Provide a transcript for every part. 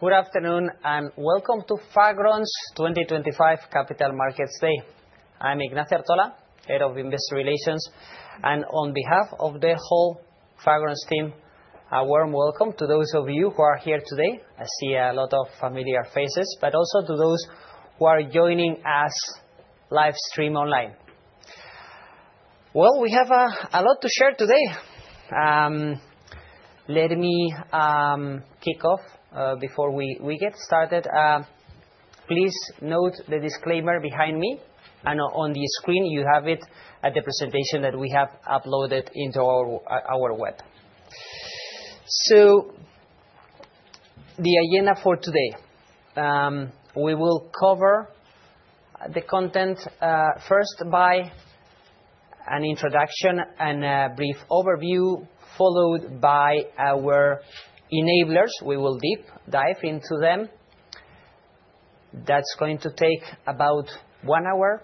Good afternoon and welcome to Fagron's 2025 Capital Markets Day. I'm Ignacio Artola, Head of Investor Relations, and on behalf of the whole Fagron team, a warm welcome to those of you who are here today. I see a lot of familiar faces, but also to those who are joining us livestream online. We have a lot to share today. Let me kick off before we get started. Please note the disclaimer behind me, and on the screen you have it at the presentation that we have uploaded into our web. The agenda for today, we will cover the content first by an introduction and a brief overview, followed by our enablers. We will deep dive into them. That's going to take about one hour.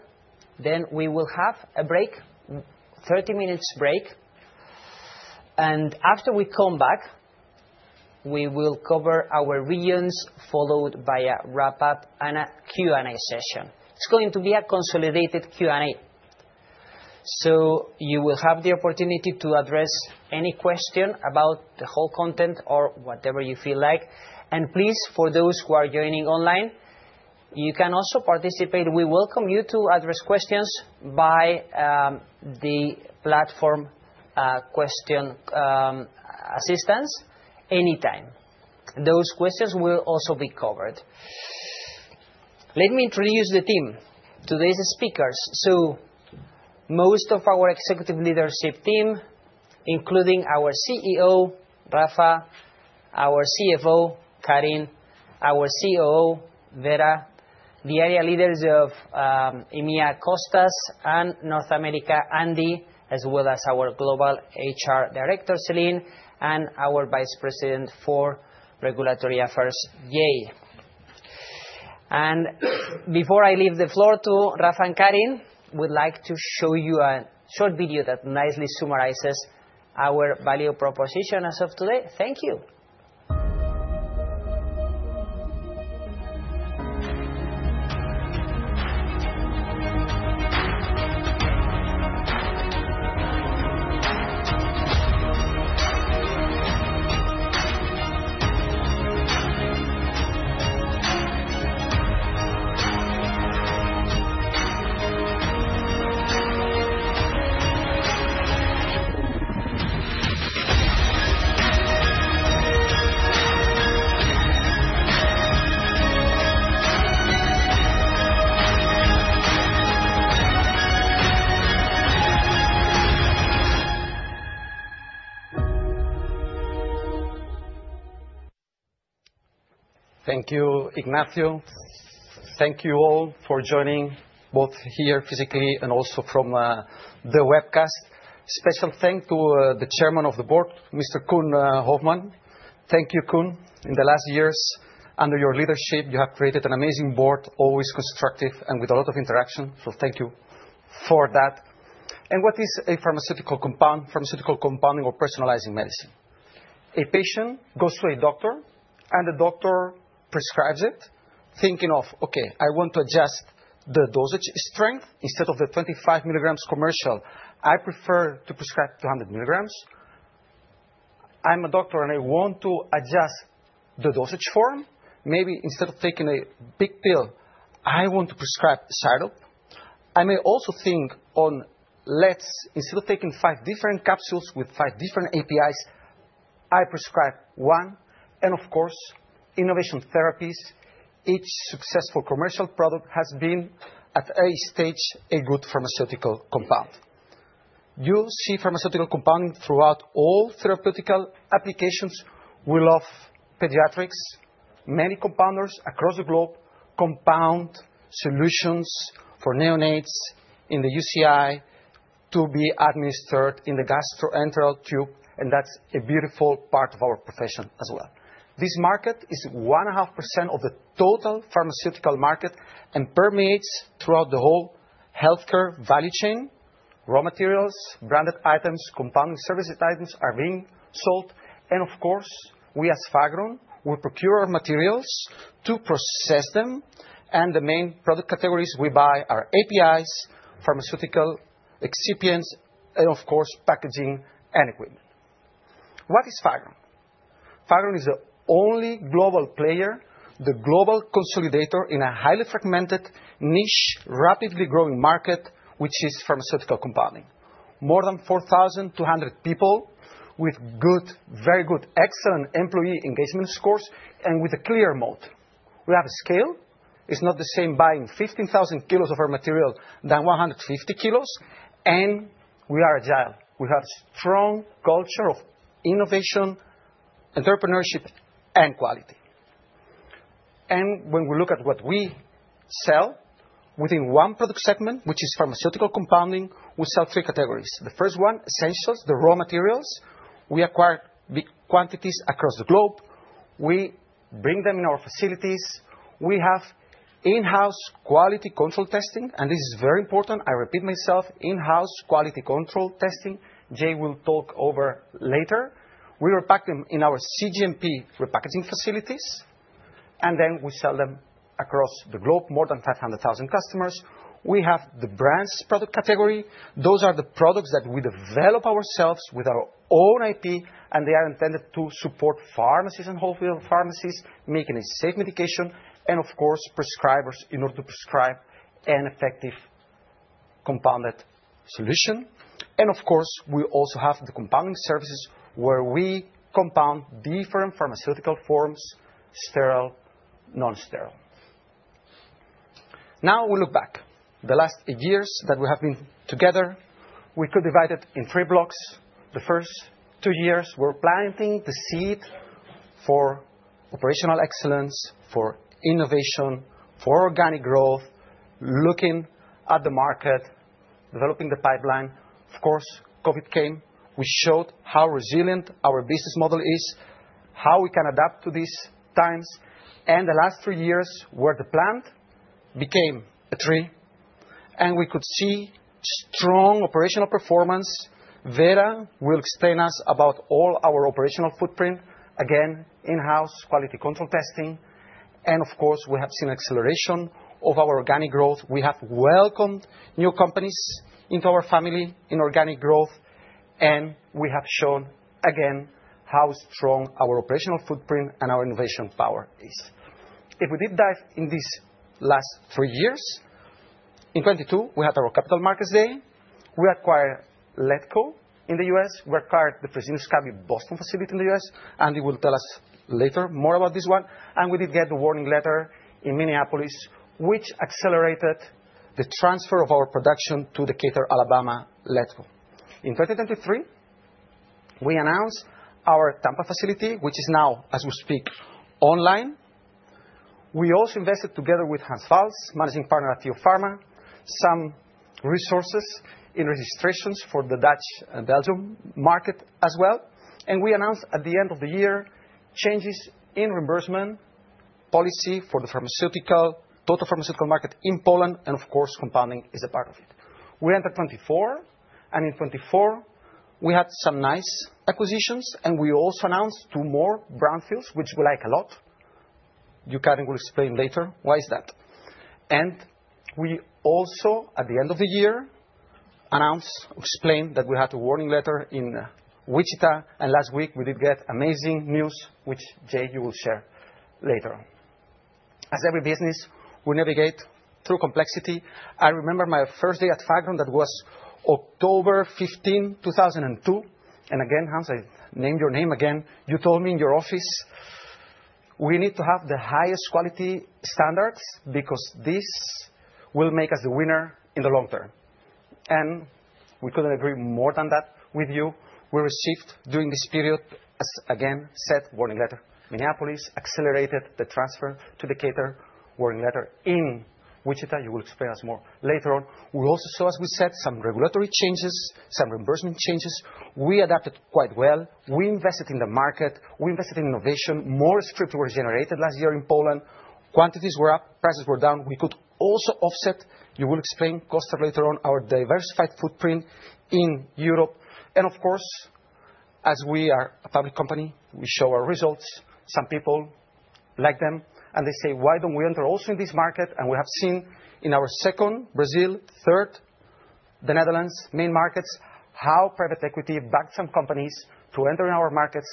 Then we will have a break, a 30-minute break. After we come back, we will cover our reasons, followed by a wrap-up and a Q&A session. It's going to be a consolidated Q&A. You will have the opportunity to address any question about the whole content or whatever you feel like. Please, for those who are joining online, you can also participate. We welcome you to address questions by the platform question assistance anytime. Those questions will also be covered. Let me introduce the team, today's speakers. Most of our executive leadership team, including our CEO, Rafa, our CFO, Karin, our COO, Vera, the area leaders of EMEA, Costas, and North America, Andy, as well as our Global HR Director, Celine, and our Vice President for Regulatory Affairs, Jay. Before I leave the floor to Rafa and Karin, we'd like to show you a short video that nicely summarizes our value proposition as of today. Thank you. Thank you, Ignacio. Thank you all for joining both here physically and also from the webcast. Special thanks to the Chairman of the Board, Mr. Koen Hoffmann. Thank you, Koen. In the last years, under your leadership, you have created an amazing board, always constructive and with a lot of interaction. Thank you for that. What is a pharmaceutical compound, pharmaceutical compounding or personalizing medicine? A patient goes to a doctor, and the doctor prescribes it, thinking of, okay, I want to adjust the dosage strength instead of the 25 milligrams commercial. I prefer to prescribe 200 milligrams. I'm a doctor, and I want to adjust the dosage form. Maybe instead of taking a big pill, I want to prescribe syrup. I may also think on, let's, instead of taking five different capsules with five different APIs, I prescribe one. Of course, innovation therapies, each successful commercial product has been at a stage a good pharmaceutical compound. You see pharmaceutical compounding throughout all therapeutical applications will have pediatrics. Many compounders across the globe compound solutions for neonates in the UCI to be administered in the gastroenteral tube. That is a beautiful part of our profession as well. This market is 1.5% of the total pharmaceutical market and permeates throughout the whole healthcare value chain. Raw materials, branded items, compounding services items are being sold. Of course, we as Fagron, we procure our materials to process them. The main product categories we buy are APIs, pharmaceutical excipients, and of course, packaging and equipment. What is Fagron? Fagron is the only global player, the global consolidator in a highly fragmented, niche, rapidly growing market, which is pharmaceutical compounding. More than 4,200 people with good, very good, excellent employee engagement scores and with a clear moat. We have a scale. It's not the same buying 15,000 kilos of our material than 150 kilos. We are agile. We have a strong culture of innovation, entrepreneurship, and quality. When we look at what we sell within one product segment, which is pharmaceutical compounding, we sell three categories. The first one, essentials, the raw materials. We acquire big quantities across the globe. We bring them in our facilities. We have in-house quality control testing, and this is very important. I repeat myself, in-house quality control testing. Jay will talk over later. We repack them in our CGMP repackaging facilities, and then we sell them across the globe, more than 500,000 customers. We have the brands product category. Those are the products that we develop ourselves with our own IP, and they are intended to support pharmacies and wholesale pharmacies, making a safe medication, and of course, prescribers in order to prescribe an effective compounded solution. We also have the compounding services where we compound different pharmaceutical forms, sterile, non-sterile. Now we look back. The last eight years that we have been together, we could divide it in three blocks. The first two years, we were planting the seed for operational excellence, for innovation, for organic growth, looking at the market, developing the pipeline. Of course, COVID came. We showed how resilient our business model is, how we can adapt to these times. The last three years were the plant became a tree, and we could see strong operational performance. Vera will explain us about all our operational footprint, again, in-house quality control testing. Of course, we have seen acceleration of our organic growth. We have welcomed new companies into our family in organic growth, and we have shown again how strong our operational footprint and our innovation power is. If we did dive in these last three years, in 2022, we had our Capital Markets Day. We acquired Letco in the US. We acquired the Fresenius Kabi Boston facility in the US, and we will tell us later more about this one. We did get the warning letter in Minneapolis, which accelerated the transfer of our production to the Decatur, Alabama Letco. In 2023, we announced our Tampa facility, which is now, as we speak, online. We also invested together with Hans Falls, Managing Partner at Tio Pharma, some resources in registrations for the Dutch and Belgium market as well. We announced at the end of the year, changes in reimbursement policy for the pharmaceutical, total pharmaceutical market in Poland, and of course, compounding is a part of it. We entered 2024, and in 2024, we had some nice acquisitions, and we also announced two more brownfields, which we like a lot. You, Karin, will explain later why that is. We also, at the end of the year, announced, explained that we had a warning letter in Wichita, and last week we did get amazing news, which Jay, you will share later. As every business, we navigate through complexity. I remember my first day at Fagron, that was October 15, 2002. Again, Hans, I name your name again, you told me in your office, we need to have the highest quality standards because this will make us the winner in the long term. We couldn't agree more than that with you. We received during this period, as again said, warning letter. Minneapolis accelerated the transfer to the Cater warning letter in Wichita. You will explain us more later on. We also saw, as we said, some regulatory changes, some reimbursement changes. We adapted quite well. We invested in the market. We invested in innovation. More scripts were generated last year in Poland. Quantities were up, prices were down. We could also offset, you will explain, Costa later on, our diversified footprint in Europe. Of course, as we are a public company, we show our results. Some people like them, and they say, why don't we enter also in this market? We have seen in our second, Brazil, third, the Netherlands, main markets, how private equity backed some companies to enter in our markets.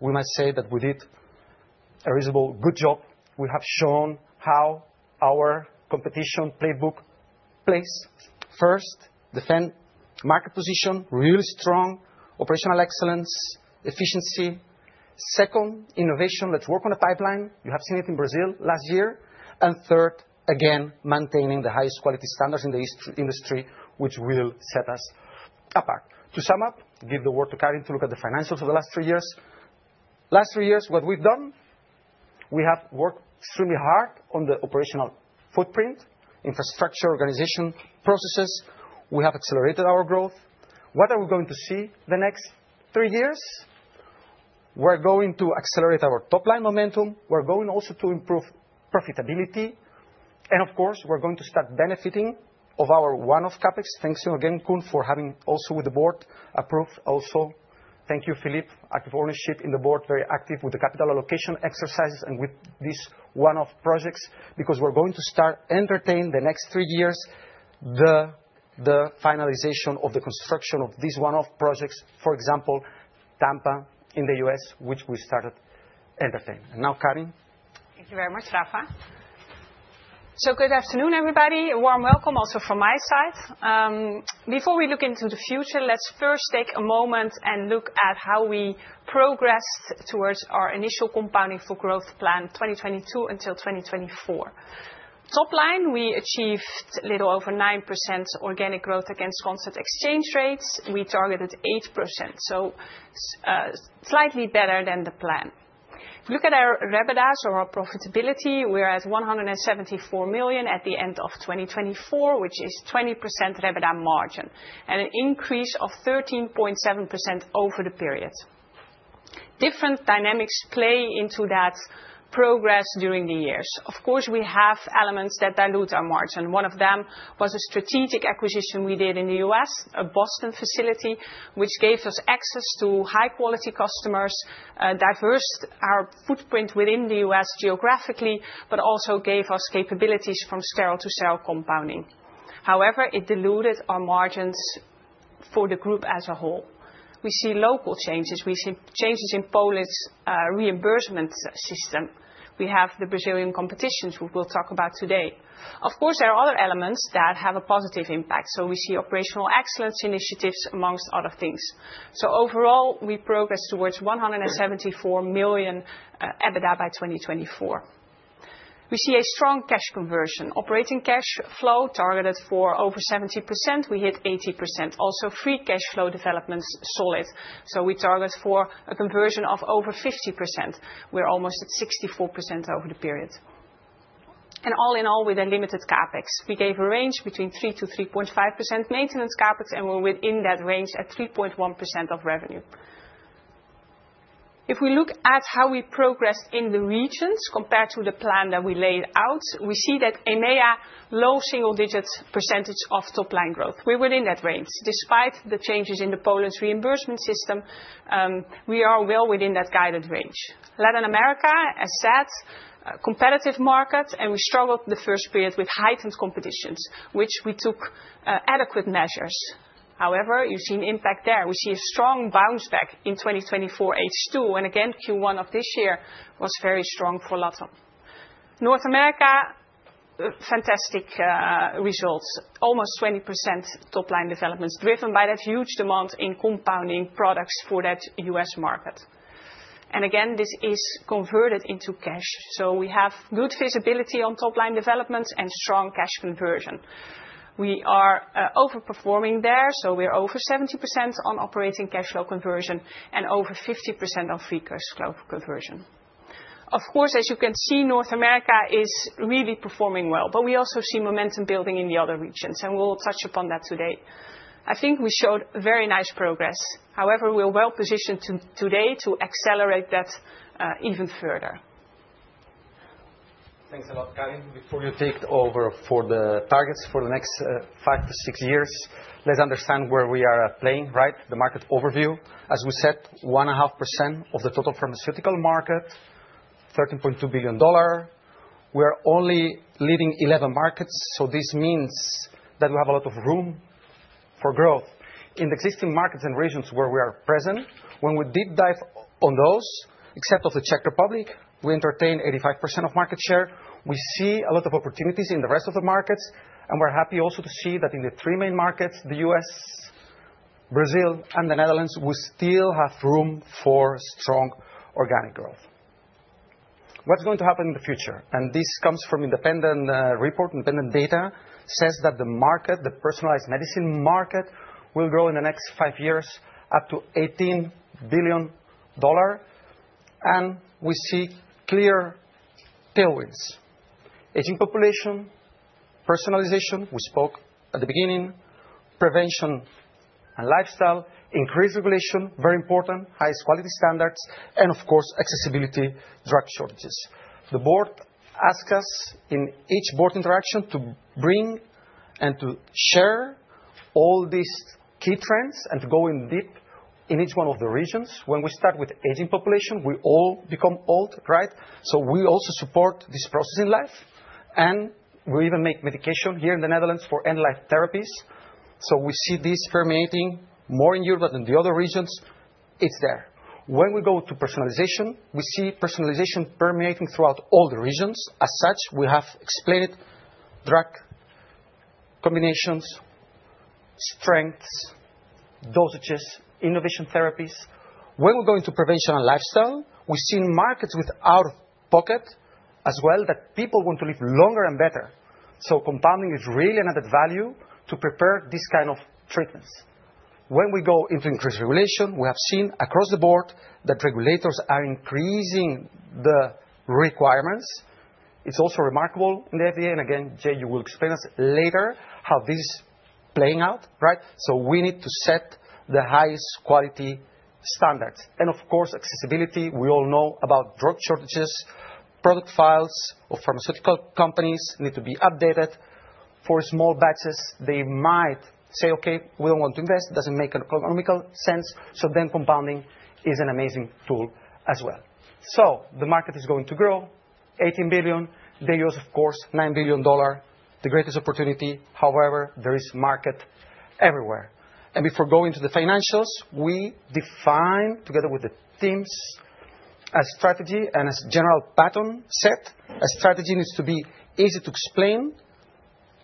We must say that we did a reasonably good job. We have shown how our competition playbook plays. First, defend market position, really strong operational excellence, efficiency. Second, innovation, let's work on a pipeline. You have seen it in Brazil last year. Third, again, maintaining the highest quality standards in the industry, which will set us apart. To sum up, give the word to Karin to look at the financials of the last three years. Last three years, what we've done, we have worked extremely hard on the operational footprint, infrastructure, organization, processes. We have accelerated our growth. What are we going to see the next three years? We're going to accelerate our top-line momentum. We're going also to improve profitability. Of course, we're going to start benefiting of our one-off CapEx. Thanks again, Koen, for having also with the board approved also. Thank you, Philipp, active ownership in the board, very active with the capital allocation exercises and with these one-off projects because we're going to start entertaining the next three years, the finalization of the construction of these one-off projects, for example, Tampa in the US, which we started entertaining. Now, Karin. Thank you very much, Rafa. Good afternoon, everybody. A warm welcome also from my side. Before we look into the future, let's first take a moment and look at how we progressed towards our initial compounding for growth plan 2022 until 2024. Top line, we achieved a little over 9% organic growth against constant exchange rates. We targeted 8%, so slightly better than the plan. If you look at our revenues or our profitability, we are at $174 million at the end of 2024, which is 20% revenue margin and an increase of 13.7% over the period. Different dynamics play into that progress during the years. Of course, we have elements that dilute our margin. One of them was a strategic acquisition we did in the US, a Boston facility, which gave us access to high-quality customers, diversified our footprint within the US geographically, but also gave us capabilities from sterile to sterile compounding. However, it diluted our margins for the group as a whole. We see local changes. We see changes in Poland's reimbursement system. We have the Brazilian competitions, which we will talk about today. Of course, there are other elements that have a positive impact. We see operational excellence initiatives, amongst other things. Overall, we progressed towards $174 million EBITDA by 2024. We see a strong cash conversion, operating cash flow targeted for over 70%. We hit 80%. Also, free cash flow developments solid. We target for a conversion of over 50%. We are almost at 64% over the period. All in all, with a limited CapEx, we gave a range between 3%-3.5% maintenance CapEx, and we are within that range at 3.1% of revenue. If we look at how we progressed in the regions compared to the plan that we laid out, we see that EMEA, low single-digit percentage of top-line growth. We were in that range. Despite the changes in Poland's reimbursement system, we are well within that guided range. Latin America, as said, competitive market, and we struggled the first period with heightened competitions, which we took adequate measures. However, you have seen impact there. We see a strong bounce back in 2024 H2, and again, Q1 of this year was very strong for Latin America. North America, fantastic results, almost 20% top-line developments driven by that huge demand in compounding products for that US market. This is converted into cash. We have good visibility on top-line developments and strong cash conversion. We are overperforming there, so we're over 70% on operating cash flow conversion and over 50% on free cash flow conversion. Of course, as you can see, North America is really performing well, but we also see momentum building in the other regions, and we'll touch upon that today. I think we showed very nice progress. However, we're well positioned today to accelerate that even further. Thanks a lot, Karin. Before you take over for the targets for the next five to six years, let's understand where we are at playing, right? The market overview, as we said, 1.5% of the total pharmaceutical market, $13.2 billion. We are only leading 11 markets, so this means that we have a lot of room for growth. In the existing markets and regions where we are present, when we deep dive on those, except for the Czech Republic, we entertain 85% of market share. We see a lot of opportunities in the rest of the markets, and we're happy also to see that in the three main markets, the US, Brazil, and the Netherlands, we still have room for strong organic growth. What's going to happen in the future? This comes from independent report, independent data, says that the market, the personalized medicine market, will grow in the next five years up to $18 billion. We see clear tailwinds. Aging population, personalization, we spoke at the beginning, prevention and lifestyle, increased regulation, very important, highest quality standards, and of course, accessibility, drug shortages. The board asks us in each board interaction to bring and to share all these key trends and to go in deep in each one of the regions. When we start with aging population, we all become old, right? We also support this process in life. We even make medication here in the Netherlands for end-life therapies. We see this permeating more in Europe than the other regions. It is there. When we go to personalization, we see personalization permeating throughout all the regions. As such, we have explained drug combinations, strengths, dosages, innovation therapies. When we go into prevention and lifestyle, we've seen markets with out-of-pocket as well that people want to live longer and better. Compounding is really an added value to prepare these kinds of treatments. When we go into increased regulation, we have seen across the board that regulators are increasing the requirements. It's also remarkable in the FDA. Again, Jay, you will explain us later how this is playing out, right? We need to set the highest quality standards. Of course, accessibility, we all know about drug shortages. Product files of pharmaceutical companies need to be updated for small batches. They might say, okay, we don't want to invest. It doesn't make economical sense. Compounding is an amazing tool as well. The market is going to grow, $18 billion. The US, of course, $9 billion, the greatest opportunity. However, there is market everywhere. Before going to the financials, we define together with the teams a strategy and a general pattern set. A strategy needs to be easy to explain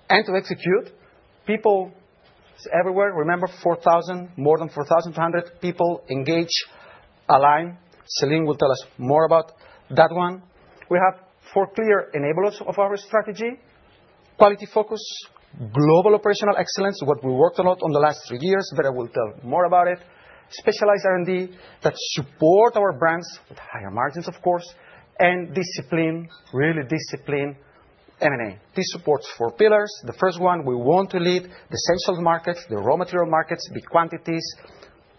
and to execute. People everywhere, remember, 4,000, more than 4,200 people engage, align. Celine will tell us more about that one. We have four clear enablers of our strategy: quality focus, global operational excellence, what we worked a lot on the last three years. Vera will tell more about it. Specialized R&D that supports our brands with higher margins, of course. Discipline, really discipline, M&A. This supports four pillars. The first one, we want to lead the essential markets, the raw material markets, big quantities,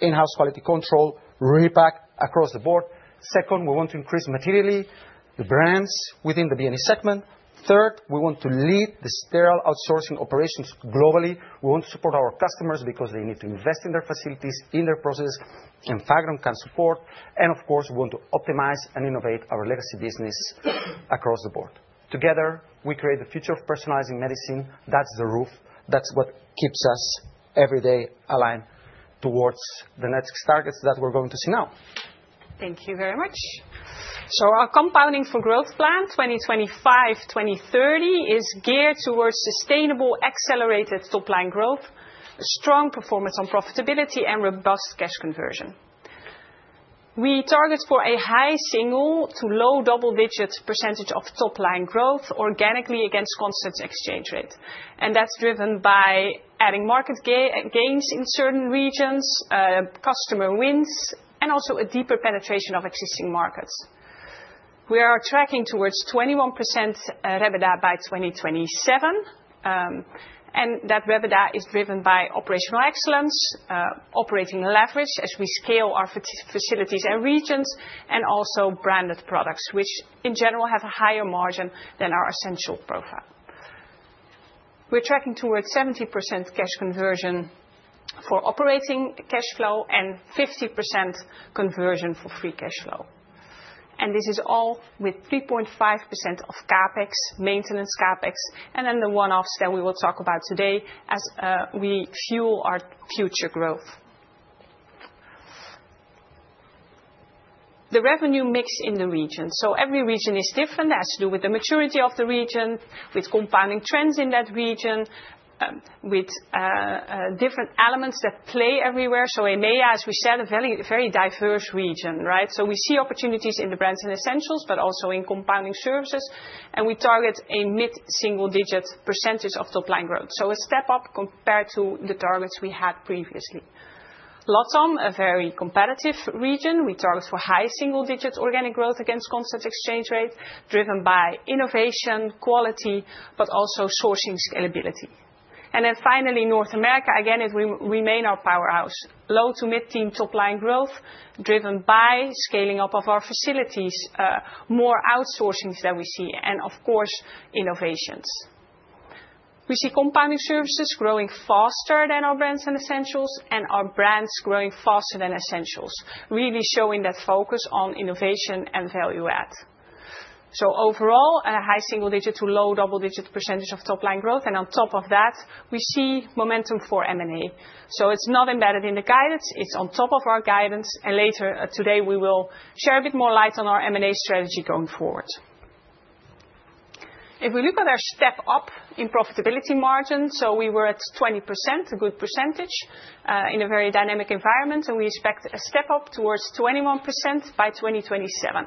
in-house quality control, repack across the board. Second, we want to increase materially the brands within the BNE segment. Third, we want to lead the sterile outsourcing operations globally. We want to support our customers because they need to invest in their facilities, in their processes, and Fagron can support. Of course, we want to optimize and innovate our legacy business across the board. Together, we create the future of personalizing medicine. That is the roof. That is what keeps us every day aligned towards the next targets that we are going to see now. Thank you very much. Our compounding for growth plan 2025-2030 is geared towards sustainable accelerated top-line growth, strong performance on profitability, and robust cash conversion. We target for a high single- to low double-digit % of top-line growth organically against constant exchange rate. That is driven by adding market gains in certain regions, customer wins, and also a deeper penetration of existing markets. We are tracking towards 21% EBITDA by 2027. That EBITDA is driven by operational excellence, operating leverage as we scale our facilities and regions, and also branded products, which in general have a higher margin than our essential profile. We are tracking towards 70% cash conversion for operating cash flow and 50% conversion for free cash flow. This is all with 3.5% of CapEx, maintenance CapEx, and then the one-offs that we will talk about today as we fuel our future growth. The revenue mix in the region. Every region is different. It has to do with the maturity of the region, with compounding trends in that region, with different elements that play everywhere. EMEA, as we said, a very diverse region, right? We see opportunities in the brands and essentials, but also in compounding services. We target a mid-single-digit % of top-line growth. A step up compared to the targets we had previously. Latin America, a very competitive region. We target for high single-digit organic growth against constant exchange rate, driven by innovation, quality, but also sourcing scalability. Finally, North America, again, it will remain our powerhouse. Low to mid-teen top-line growth, driven by scaling up of our facilities, more outsourcings that we see, and of course, innovations. We see compounding services growing faster than our brands and essentials, and our brands growing faster than essentials, really showing that focus on innovation and value-add. Overall, a high single-digit to low double-digit % of top-line growth. On top of that, we see momentum for M&A. It is not embedded in the guidance. It is on top of our guidance. Later today, we will share a bit more light on our M&A strategy going forward. If we look at our step up in profitability margin, we were at 20%, a good % in a very dynamic environment, and we expect a step up towards 21% by 2027.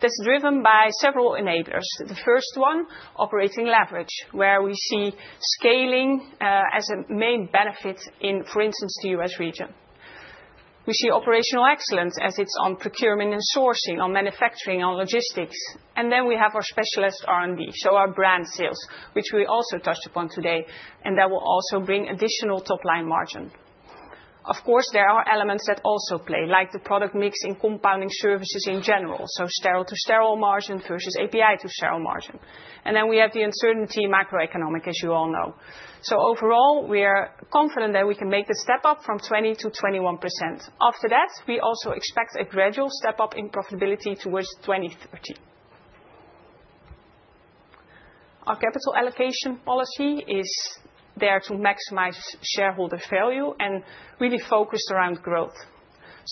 That is driven by several enablers. The first one, operating leverage, where we see scaling as a main benefit in, for instance, the US region. We see operational excellence as it is on procurement and sourcing, on manufacturing, on logistics. We have our specialized R&D, so our brand sales, which we also touched upon today, and that will also bring additional top-line margin. Of course, there are elements that also play, like the product mix in compounding services in general, so sterile to sterile margin versus API to sterile margin. We have the uncertainty macroeconomic, as you all know. Overall, we are confident that we can make the step up from 20% to 21%. After that, we also expect a gradual step up in profitability towards 2030. Our capital allocation policy is there to maximize shareholder value and really focus around growth.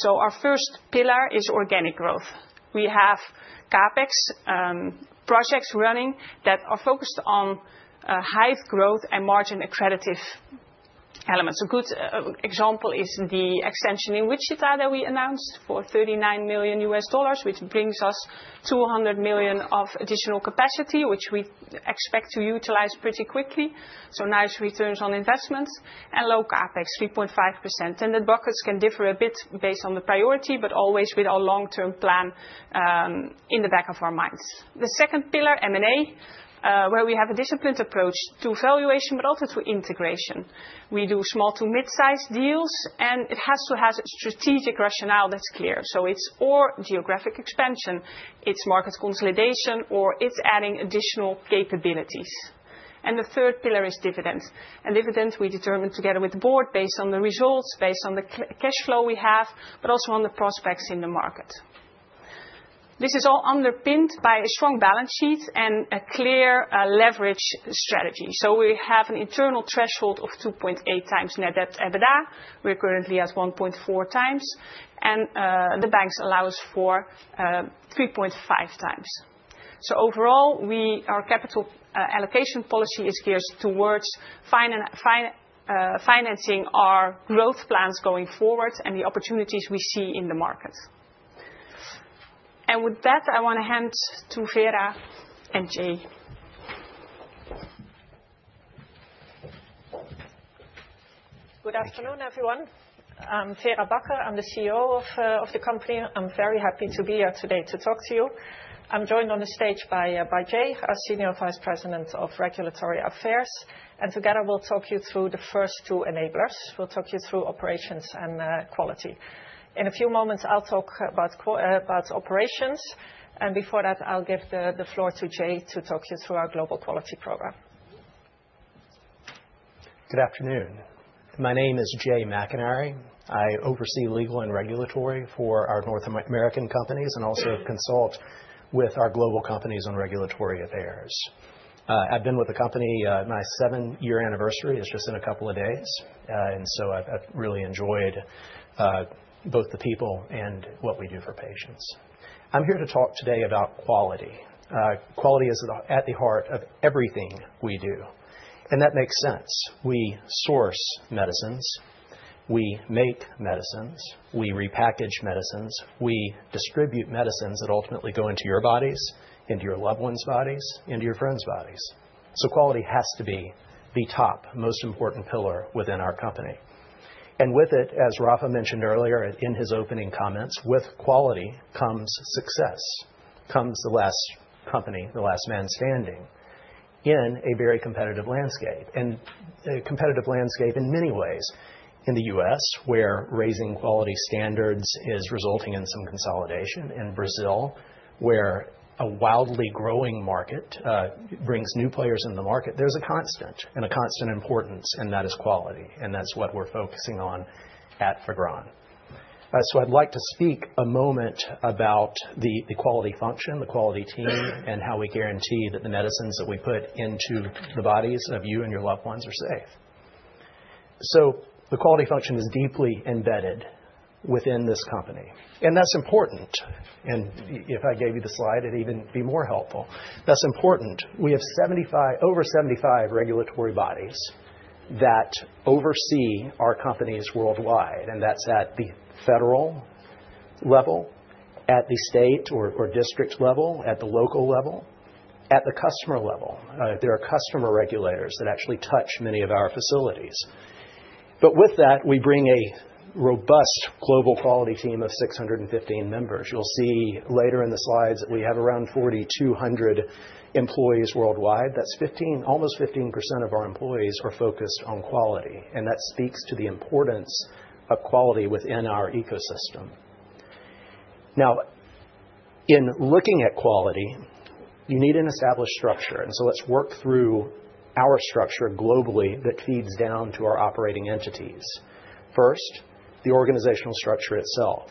Our first pillar is organic growth. We have CapEx projects running that are focused on high growth and margin accredited elements. A good example is the extension in Wichita that we announced for $39 million US dollars, which brings us $200 million of additional capacity, which we expect to utilize pretty quickly, so nice returns on investments. Low CapEx, 3.5%. The buckets can differ a bit based on the priority, but always with our long-term plan in the back of our minds. The second pillar, M&A, where we have a disciplined approach to valuation, but also to integration. We do small to mid-size deals, and it has to have a strategic rationale that's clear. It is geographic expansion, market consolidation, or adding additional capabilities. The third pillar is dividend. Dividend, we determined together with the board based on the results, based on the cash flow we have, but also on the prospects in the market. This is all underpinned by a strong balance sheet and a clear leverage strategy. We have an internal threshold of 2.8 times net debt EBITDA. We are currently at 1.4 times, and the banks allow us for 3.5 times. Overall, our capital allocation policy is geared towards financing our growth plans going forward and the opportunities we see in the market. With that, I want to hand to Vera and Jay. Good afternoon, everyone. I'm Vera Bakker. I'm the CEO of the company. I'm very happy to be here today to talk to you. I'm joined on the stage by Jay, our Senior Vice President of Regulatory Affairs. Together, we'll talk you through the first two enablers. We'll talk you through operations and quality. In a few moments, I'll talk about operations. Before that, I'll give the floor to Jay to talk you through our global quality program. Good afternoon. My name is Jay McGuire. I oversee legal and regulatory for our North American companies and also consult with our global companies on regulatory affairs. I've been with the company. My seven-year anniversary is just in a couple of days. I’ve really enjoyed both the people and what we do for patients. I'm here to talk today about quality. Quality is at the heart of everything we do. That makes sense. We source medicines. We make medicines. We repackage medicines. We distribute medicines that ultimately go into your bodies, into your loved ones' bodies, into your friends' bodies. Quality has to be the top, most important pillar within our company. As Rafa mentioned earlier in his opening comments, with quality comes success, comes the last company, the last man standing in a very competitive landscape. A competitive landscape in many ways in the US, where raising quality standards is resulting in some consolidation, and Brazil, where a wildly growing market brings new players in the market. There is a constant and a constant importance, and that is quality. That is what we're focusing on at Fagron. I would like to speak a moment about the quality function, the quality team, and how we guarantee that the medicines that we put into the bodies of you and your loved ones are safe. The quality function is deeply embedded within this company. That is important. If I gave you the slide, it would even be more helpful. That is important. We have over 75 regulatory bodies that oversee our companies worldwide. That is at the federal level, at the state or district level, at the local level, at the customer level. There are customer regulators that actually touch many of our facilities. With that, we bring a robust global quality team of 615 members. You'll see later in the slides that we have around 4,200 employees worldwide. That's almost 15% of our employees are focused on quality. That speaks to the importance of quality within our ecosystem. In looking at quality, you need an established structure. Let's work through our structure globally that feeds down to our operating entities. First, the organizational structure itself.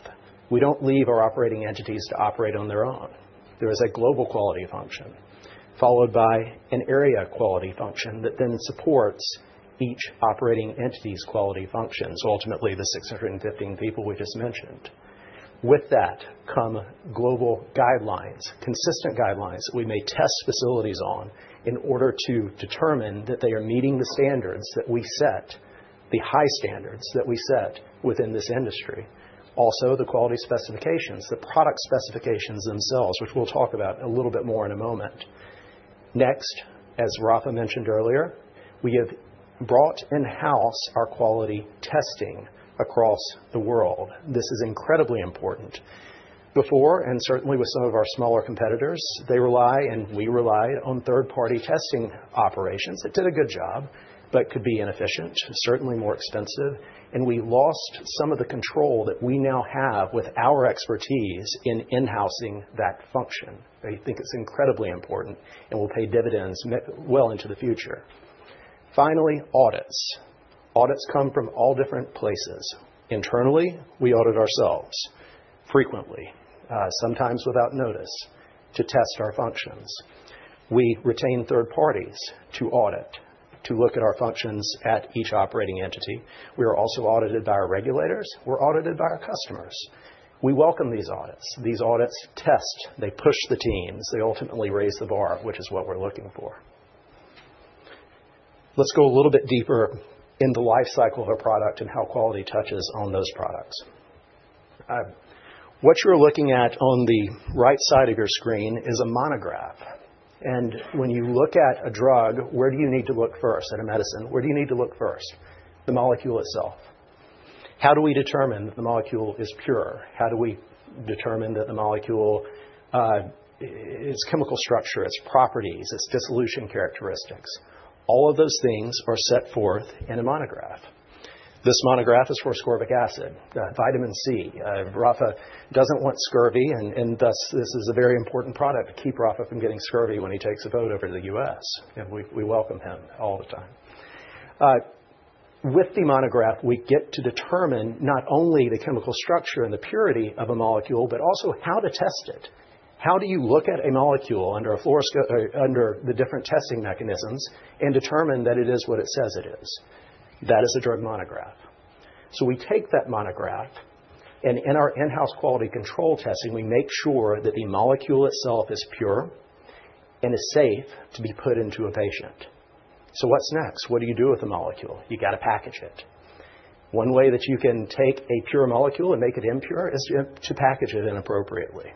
We don't leave our operating entities to operate on their own. There is a global quality function followed by an area quality function that then supports each operating entity's quality function, so ultimately the 615 people we just mentioned. With that come global guidelines, consistent guidelines that we may test facilities on in order to determine that they are meeting the standards that we set, the high standards that we set within this industry. Also, the quality specifications, the product specifications themselves, which we'll talk about a little bit more in a moment. Next, as Rafa mentioned earlier, we have brought in-house our quality testing across the world. This is incredibly important. Before, and certainly with some of our smaller competitors, they rely and we relied on third-party testing operations. It did a good job, but could be inefficient, certainly more expensive. We lost some of the control that we now have with our expertise in in-housing that function. I think it's incredibly important, and we'll pay dividends well into the future. Finally, audits. Audits come from all different places. Internally, we audit ourselves frequently, sometimes without notice, to test our functions. We retain third parties to audit, to look at our functions at each operating entity. We are also audited by our regulators. We're audited by our customers. We welcome these audits. These audits test. They push the teams. They ultimately raise the bar, which is what we're looking for. Let's go a little bit deeper into the lifecycle of a product and how quality touches on those products. What you're looking at on the right side of your screen is a monograph. When you look at a drug, where do you need to look first at a medicine? Where do you need to look first? The molecule itself. How do we determine that the molecule is pure? How do we determine that the molecule is chemical structure, its properties, its dissolution characteristics? All of those things are set forth in a monograph. This monograph is for ascorbic acid, vitamin C. Rafa does not want scurvy, and thus this is a very important product to keep Rafa from getting scurvy when he takes a boat over to the US. We welcome him all the time. With the monograph, we get to determine not only the chemical structure and the purity of a molecule, but also how to test it. How do you look at a molecule under the different testing mechanisms and determine that it is what it says it is? That is a drug monograph. We take that monograph, and in our in-house quality control testing, we make sure that the molecule itself is pure and is safe to be put into a patient. What is next? What do you do with the molecule? You got to package it. One way that you can take a pure molecule and make it impure is to package it inappropriately.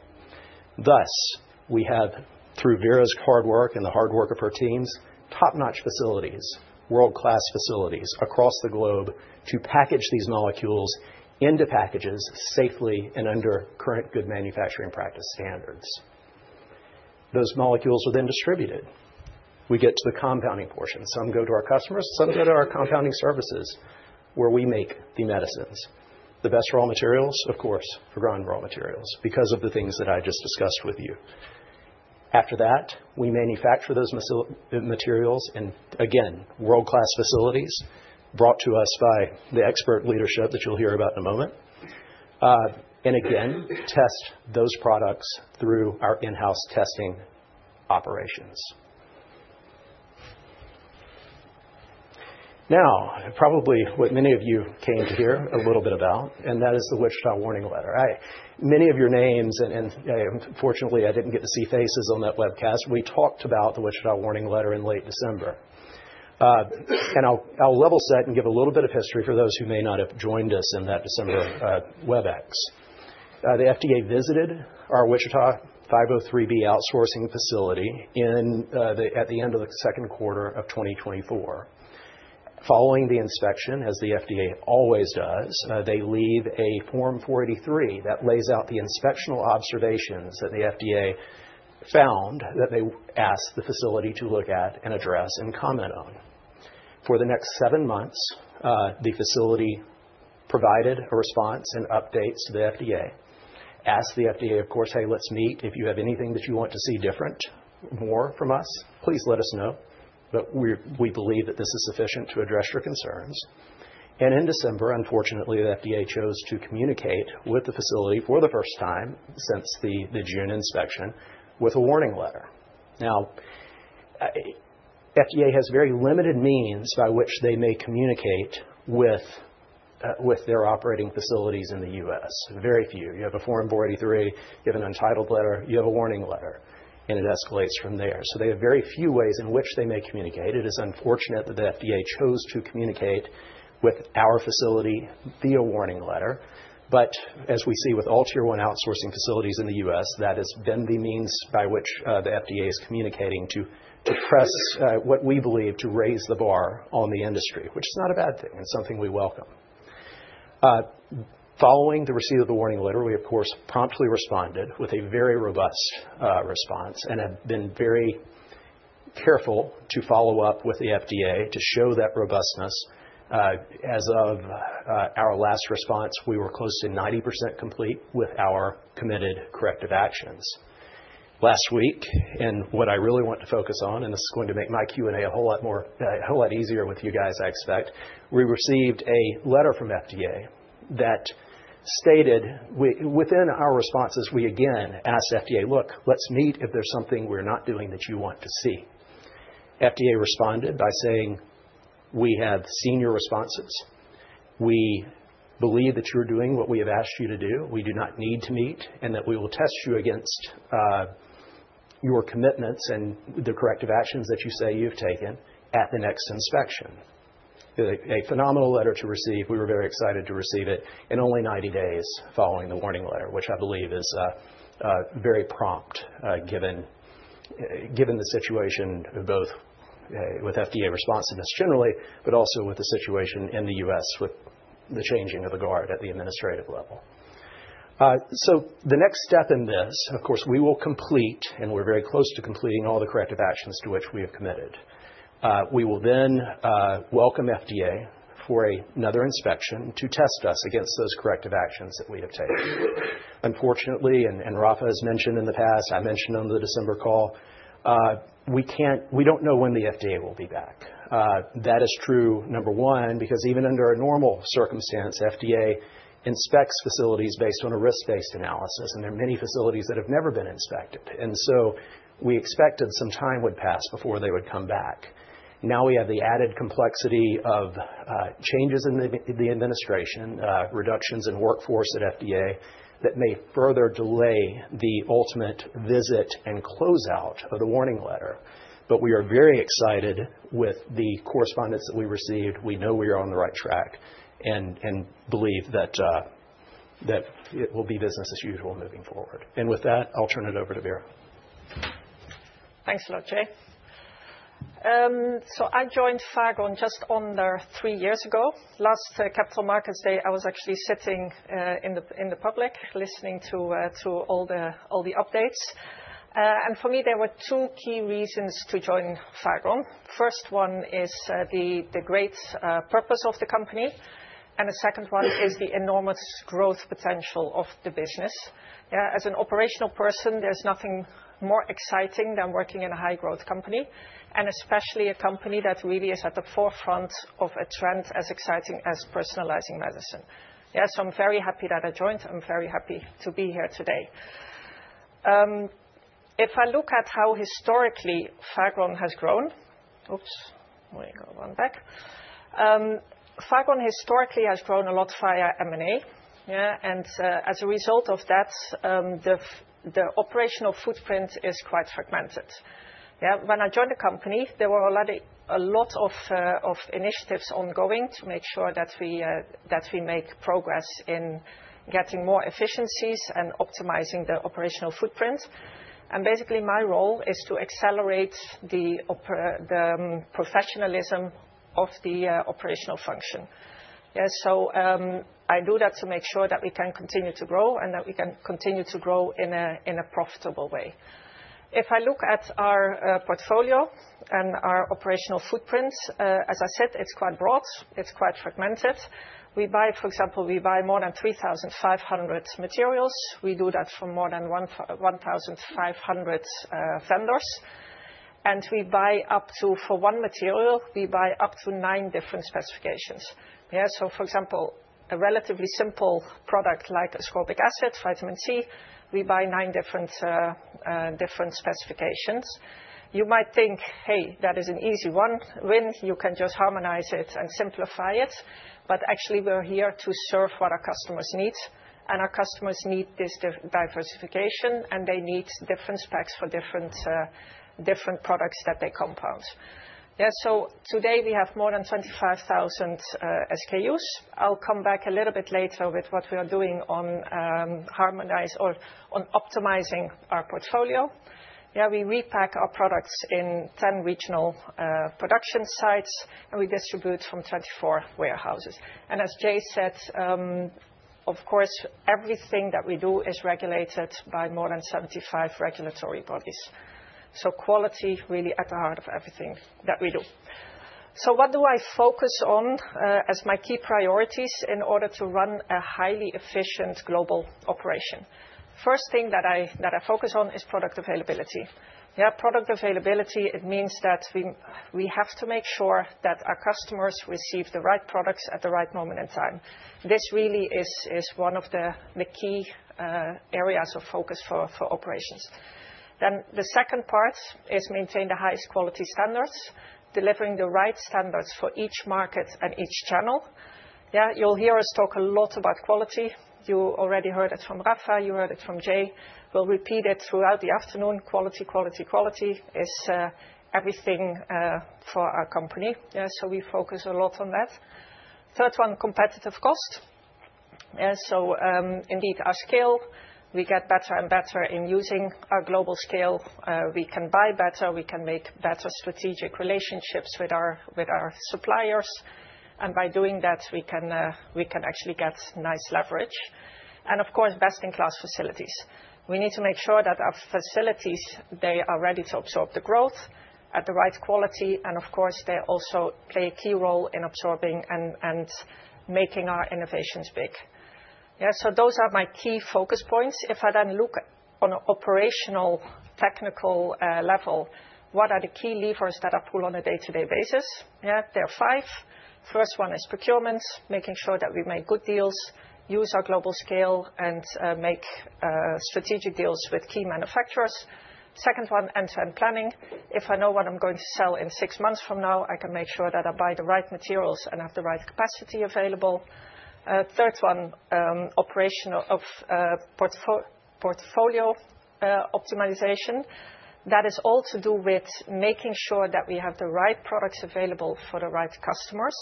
Thus, we have, through Vera's hard work and the hard work of her teams, top-notch facilities, world-class facilities across the globe to package these molecules into packages safely and under current good manufacturing practice standards. Those molecules are then distributed. We get to the compounding portion. Some go to our customers. Some go to our compounding services where we make the medicines. The best raw materials, of course, Fagron raw materials because of the things that I just discussed with you. After that, we manufacture those materials in, again, world-class facilities brought to us by the expert leadership that you'll hear about in a moment, and again, test those products through our in-house testing operations. Now, probably what many of you came to hear a little bit about, and that is the Wichita Warning Letter. Many of your names, and fortunately, I didn't get to see faces on that webcast. We talked about the Wichita Warning Letter in late December. I'll level set and give a little bit of history for those who may not have joined us in that December WebEx. The FDA visited our Wichita 503B outsourcing facility at the end of the second quarter of 2024. Following the inspection, as the FDA always does, they leave a Form 483 that lays out the inspectional observations that the FDA found that they asked the facility to look at and address and comment on. For the next seven months, the facility provided a response and updates to the FDA, asked the FDA, of course, "Hey, let's meet. If you have anything that you want to see different, more from us, please let us know. We believe that this is sufficient to address your concerns. In December, unfortunately, the FDA chose to communicate with the facility for the first time since the June inspection with a warning letter. Now, the FDA has very limited means by which they may communicate with their operating facilities in the U.S. Very few. You have a Form 483. You have an entitled letter. You have a warning letter, and it escalates from there. They have very few ways in which they may communicate. It is unfortunate that the FDA chose to communicate with our facility via a warning letter. As we see with all tier one outsourcing facilities in the US, that has been the means by which the FDA is communicating to press what we believe to raise the bar on the industry, which is not a bad thing and something we welcome. Following the receipt of the warning letter, we, of course, promptly responded with a very robust response and have been very careful to follow up with the FDA to show that robustness. As of our last response, we were close to 90% complete with our committed corrective actions. Last week, and what I really want to focus on, and this is going to make my Q&A a whole lot easier with you guys, I expect, we received a letter from FDA that stated within our responses, we again asked FDA, "Look, let's meet if there's something we're not doing that you want to see." FDA responded by saying, "We have seen your responses. We believe that you're doing what we have asked you to do. We do not need to meet and that we will test you against your commitments and the corrective actions that you say you've taken at the next inspection." A phenomenal letter to receive. We were very excited to receive it in only 90 days following the warning letter, which I believe is very prompt given the situation both with FDA responsiveness generally, but also with the situation in the US with the changing of the guard at the administrative level. The next step in this, of course, we will complete, and we're very close to completing all the corrective actions to which we have committed. We will then welcome FDA for another inspection to test us against those corrective actions that we have taken. Unfortunately, and Rafa has mentioned in the past, I mentioned on the December call, we don't know when the FDA will be back. That is true, number one, because even under a normal circumstance, FDA inspects facilities based on a risk-based analysis. There are many facilities that have never been inspected. We expected some time would pass before they would come back. Now we have the added complexity of changes in the administration, reductions in workforce at FDA that may further delay the ultimate visit and closeout of the warning letter. We are very excited with the correspondence that we received. We know we are on the right track and believe that it will be business as usual moving forward. With that, I'll turn it over to Vera. Thanks a lot, Jay. I joined Fagron just under three years ago. Last Capital Markets Day, I was actually sitting in the public listening to all the updates. For me, there were two key reasons to join Fagron. The first one is the great purpose of the company. The second one is the enormous growth potential of the business. As an operational person, there is nothing more exciting than working in a high-growth company, especially a company that really is at the forefront of a trend as exciting as personalizing medicine. I am very happy that I joined. I am very happy to be here today. If I look at how historically Fagron has grown—oops, let me go one back. Fagron historically has grown a lot via M&A. As a result of that, the operational footprint is quite fragmented. When I joined the company, there were already a lot of initiatives ongoing to make sure that we make progress in getting more efficiencies and optimizing the operational footprint. Basically, my role is to accelerate the professionalism of the operational function. I do that to make sure that we can continue to grow and that we can continue to grow in a profitable way. If I look at our portfolio and our operational footprint, as I said, it is quite broad. It is quite fragmented. For example, we buy more than 3,500 materials. We do that from more than 1,500 vendors. We buy up to, for one material, up to nine different specifications. For example, a relatively simple product like ascorbic acid, vitamin C, we buy nine different specifications. You might think, "Hey, that is an easy one. You can just harmonize it and simplify it. Actually, we're here to serve what our customers need. Our customers need this diversification, and they need different specs for different products that they compound. Today, we have more than 25,000 SKUs. I'll come back a little bit later with what we are doing on optimizing our portfolio. We repack our products in 10 regional production sites, and we distribute from 24 warehouses. As Jay said, of course, everything that we do is regulated by more than 75 regulatory bodies. Quality is really at the heart of everything that we do. What do I focus on as my key priorities in order to run a highly efficient global operation? First thing that I focus on is product availability. Product availability, it means that we have to make sure that our customers receive the right products at the right moment in time. This really is one of the key areas of focus for operations. The second part is maintain the highest quality standards, delivering the right standards for each market and each channel. You'll hear us talk a lot about quality. You already heard it from Rafa. You heard it from Jay. We'll repeat it throughout the afternoon. Quality, quality, quality is everything for our company. We focus a lot on that. Third one, competitive cost. Indeed, our scale, we get better and better in using our global scale. We can buy better. We can make better strategic relationships with our suppliers. By doing that, we can actually get nice leverage. Of course, best-in-class facilities. We need to make sure that our facilities, they are ready to absorb the growth at the right quality. Of course, they also play a key role in absorbing and making our innovations big. Those are my key focus points. If I then look on an operational technical level, what are the key levers that I pull on a day-to-day basis? There are five. First one is procurement, making sure that we make good deals, use our global scale, and make strategic deals with key manufacturers. Second one, end-to-end planning. If I know what I'm going to sell in six months from now, I can make sure that I buy the right materials and have the right capacity available. Third one, operational portfolio optimization. That is all to do with making sure that we have the right products available for the right customers.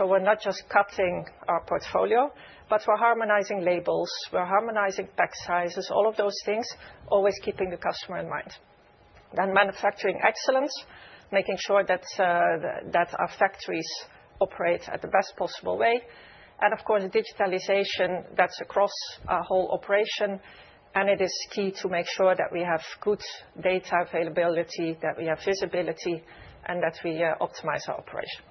We're not just cutting our portfolio, but we're harmonizing labels. We're harmonizing pack sizes, all of those things, always keeping the customer in mind. Manufacturing excellence, making sure that our factories operate in the best possible way. Of course, digitalization, that's across our whole operation. It is key to make sure that we have good data availability, that we have visibility, and that we optimize our operation.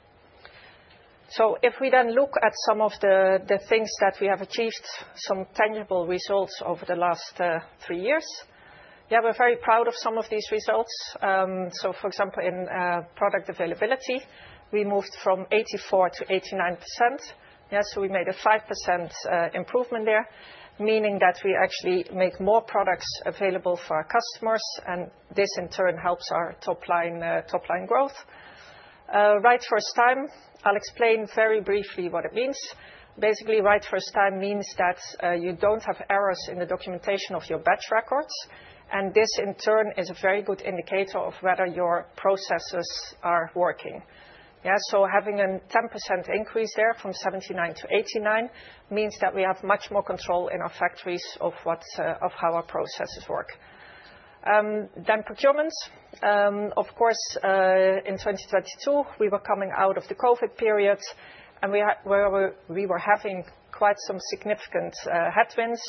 If we then look at some of the things that we have achieved, some tangible results over the last three years, we're very proud of some of these results. For example, in product availability, we moved from 84% to 89%. We made a 5% improvement there, meaning that we actually make more products available for our customers. This, in turn, helps our top-line growth. Right first time, I'll explain very briefly what it means. Basically, right first time means that you don't have errors in the documentation of your batch records. This, in turn, is a very good indicator of whether your processes are working. Having a 10% increase there from 79% to 89% means that we have much more control in our factories of how our processes work. Procurement. Of course, in 2022, we were coming out of the COVID period, and we were having quite some significant headwinds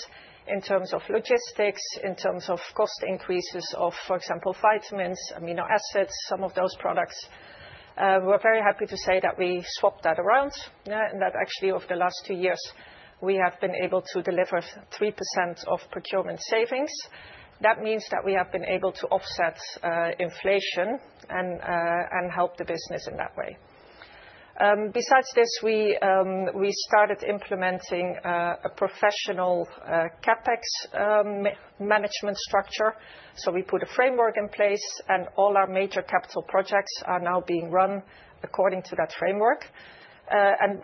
in terms of logistics, in terms of cost increases of, for example, vitamins, amino acids, some of those products. We're very happy to say that we swapped that around. Actually, over the last two years, we have been able to deliver 3% of procurement savings. That means that we have been able to offset inflation and help the business in that way. Besides this, we started implementing a professional CapEx management structure. We put a framework in place, and all our major capital projects are now being run according to that framework.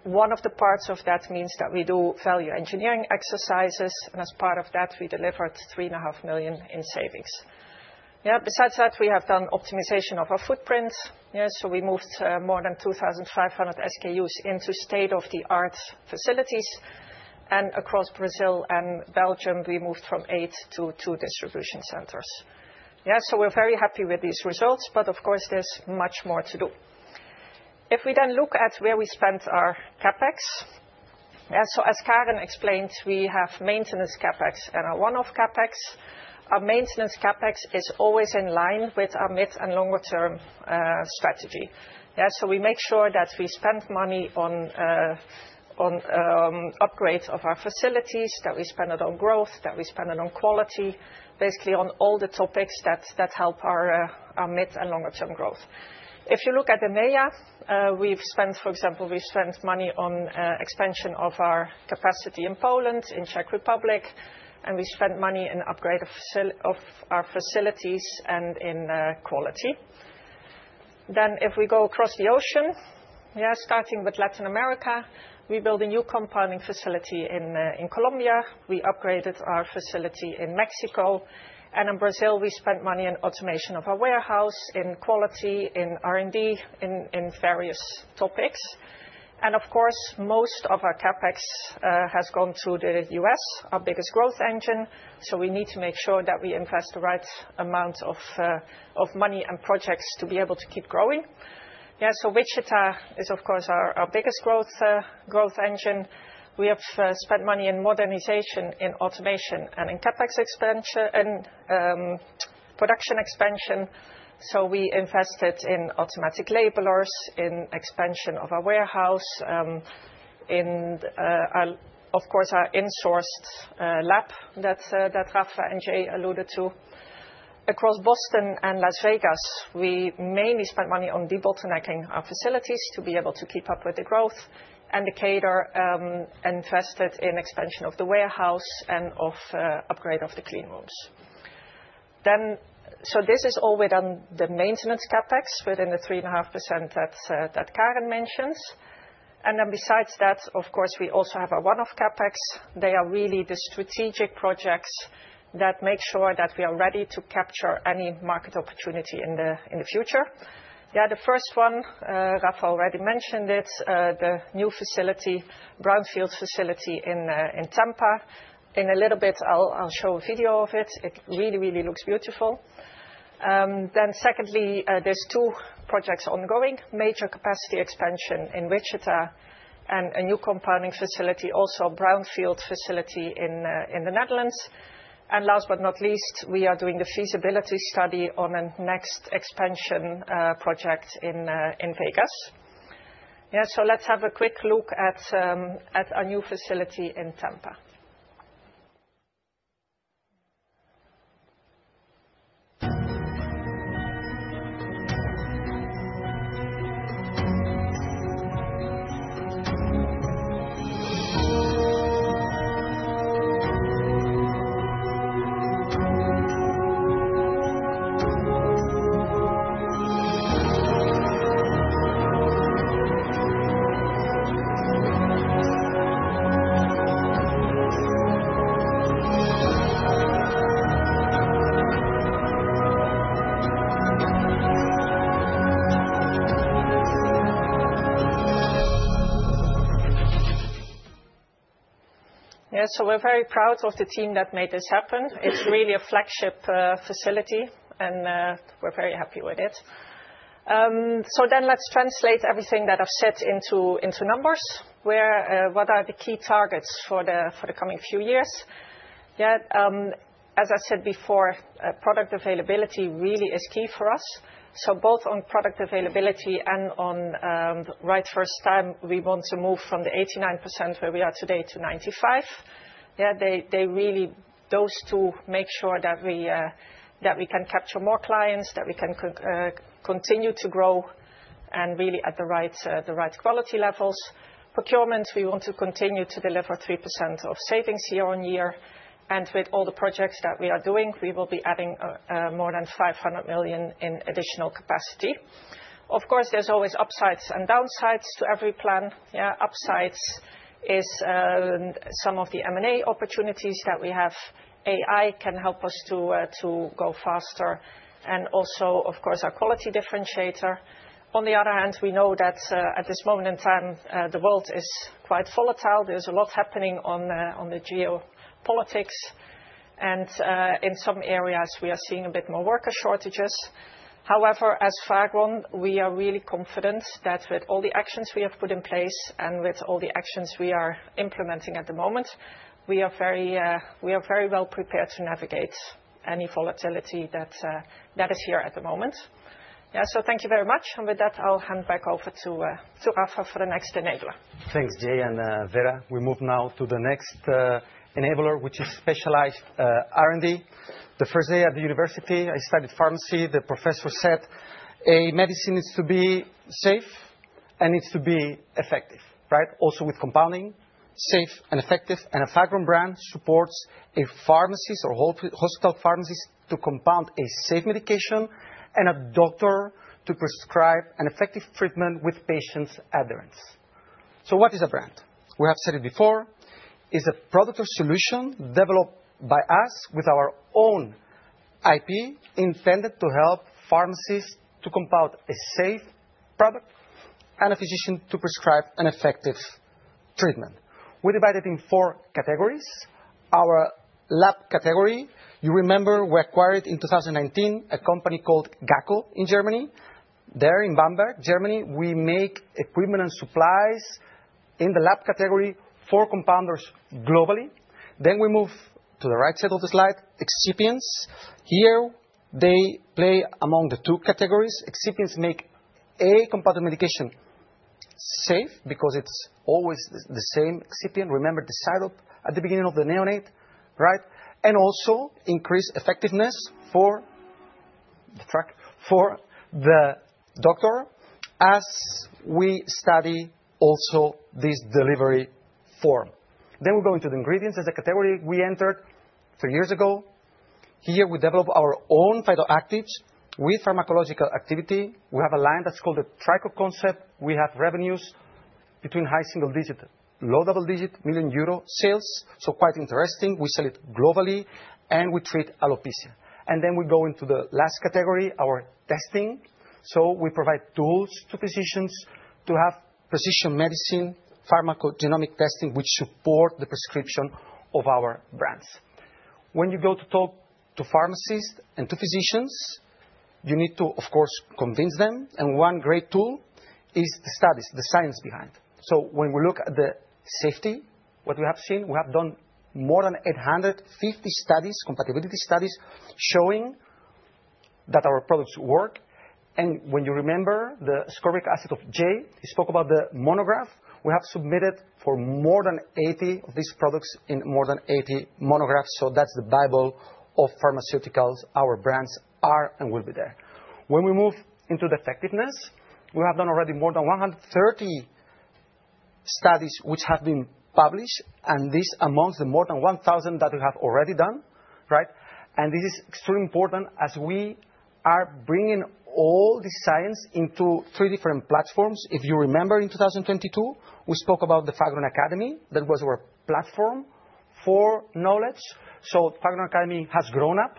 One of the parts of that means that we do value engineering exercises. As part of that, we delivered $3.5 million in savings. Besides that, we have done optimization of our footprint. We moved more than 2,500 SKUs into state-of-the-art facilities. Across Brazil and Belgium, we moved from eight to two distribution centers. We are very happy with these results. Of course, there is much more to do. If we then look at where we spent our CapEx, as Karen explained, we have maintenance CapEx and a one-off CapEx. Our maintenance CapEx is always in line with our mid and longer-term strategy. We make sure that we spend money on upgrades of our facilities, that we spend it on growth, that we spend it on quality, basically on all the topics that help our mid and longer-term growth. If you look at EMEA, for example, we've spent money on expansion of our capacity in Poland, in Czech Republic. We spent money in upgrade of our facilities and in quality. If we go across the ocean, starting with Latin America, we built a new compounding facility in Colombia. We upgraded our facility in Mexico. In Brazil, we spent money on automation of our warehouse, in quality, in R&D, in various topics. Of course, most of our CapEx has gone to the US, our biggest growth engine. We need to make sure that we invest the right amount of money and projects to be able to keep growing. Wichita is, of course, our biggest growth engine. We have spent money in modernization, in automation, and in production expansion. We invested in automatic labelers, in expansion of our warehouse, in, of course, our insourced lab that Rafa and Jay alluded to. Across Boston and Las Vegas, we mainly spent money on de-bottlenecking our facilities to be able to keep up with the growth. Decatur invested in expansion of the warehouse and of upgrade of the clean rooms. This is all within the maintenance CapEx within the 3.5% that Karen mentioned. Besides that, of course, we also have our one-off CapEx. They are really the strategic projects that make sure that we are ready to capture any market opportunity in the future. The first one, Rafa already mentioned it, the new facility, Brownfield facility in Tampa. In a little bit, I'll show a video of it. It really, really looks beautiful. Secondly, there are two projects ongoing, major capacity expansion in Wichita and a new compounding facility, also a brownfield facility in the Netherlands. Last but not least, we are doing the feasibility study on a next expansion project in Vegas. Let's have a quick look at our new facility in Tampa. We're very proud of the team that made this happen. It's really a flagship facility, and we're very happy with it. Let's translate everything that I've said into numbers. What are the key targets for the coming few years? As I said before, product availability really is key for us. Both on product availability and on right first time, we want to move from the 89% where we are today to 95%. Those two make sure that we can capture more clients, that we can continue to grow and really at the right quality levels. Procurement, we want to continue to deliver 3% of savings year on year. With all the projects that we are doing, we will be adding more than $500 million in additional capacity. Of course, there are always upsides and downsides to every plan. Upsides is some of the M&A opportunities that we have. AI can help us to go faster. Also, of course, our quality differentiator. On the other hand, we know that at this moment in time, the world is quite volatile. There is a lot happening on the geopolitics. In some areas, we are seeing a bit more worker shortages. However, as Fagron, we are really confident that with all the actions we have put in place and with all the actions we are implementing at the moment, we are very well prepared to navigate any volatility that is here at the moment. Thank you very much. With that, I'll hand back over to Rafa for the next enabler. Thanks, Jay and Vera. We move now to the next enabler, which is specialized R&D. The first day at the university, I studied pharmacy. The professor said, "A medicine needs to be safe and needs to be effective." Also with compounding, safe and effective. A Fagron brand supports pharmacies or hospital pharmacies to compound a safe medication and a doctor to prescribe an effective treatment with patients' adherence. What is a brand? We have said it before. It's a product or solution developed by us with our own IP intended to help pharmacies to compound a safe product and a physician to prescribe an effective treatment. We divide it in four categories. Our lab category, you remember, we acquired in 2019 a company called Gacco in Germany. There in Bamberg, Germany, we make equipment and supplies in the lab category for compounders globally. We move to the right side of the slide, excipients. Here, they play among the two categories. Excipients make a compounded medication safe because it's always the same excipient. Remember the side up at the beginning of the neonate. They also increase effectiveness for the doctor as we study also this delivery form. We go into the ingredients. There's a category we entered three years ago. Here, we develop our own phytoactives with pharmacological activity. We have a line that's called the TrichoConcept. We have revenues between high single digit, low double digit, million euro sales. So quite interesting. We sell it globally, and we treat alopecia. We go into the last category, our testing. We provide tools to physicians to have precision medicine, pharmacogenomic testing, which support the prescription of our brands. When you go to talk to pharmacists and to physicians, you need to, of course, convince them. One great tool is the studies, the science behind. When we look at the safety, what we have seen, we have done more than 850 studies, compatibility studies, showing that our products work. When you remember the ascorbic acid of Jay, he spoke about the monograph. We have submitted for more than 80 of these products in more than 80 monographs. That's the Bible of pharmaceuticals. Our brands are and will be there. When we move into the effectiveness, we have done already more than 130 studies which have been published. This is amongst the more than 1,000 that we have already done. This is extremely important as we are bringing all the science into three different platforms. If you remember, in 2022, we spoke about the Fagron Academy. That was our platform for knowledge. Fagron Academy has grown up.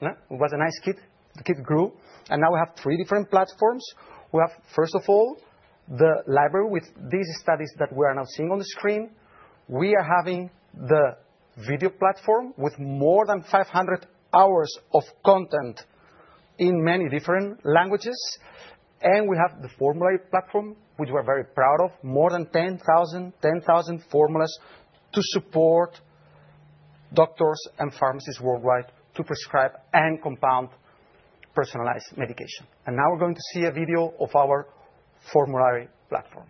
It was a nice kid. The kid grew. Now we have three different platforms. We have, first of all, the library with these studies that we are now seeing on the screen. We are having the video platform with more than 500 hours of content in many different languages. We have the formulary platform, which we are very proud of, more than 10,000 formulas to support doctors and pharmacies worldwide to prescribe and compound personalized medication. Now we are going to see a video of our formulary platform.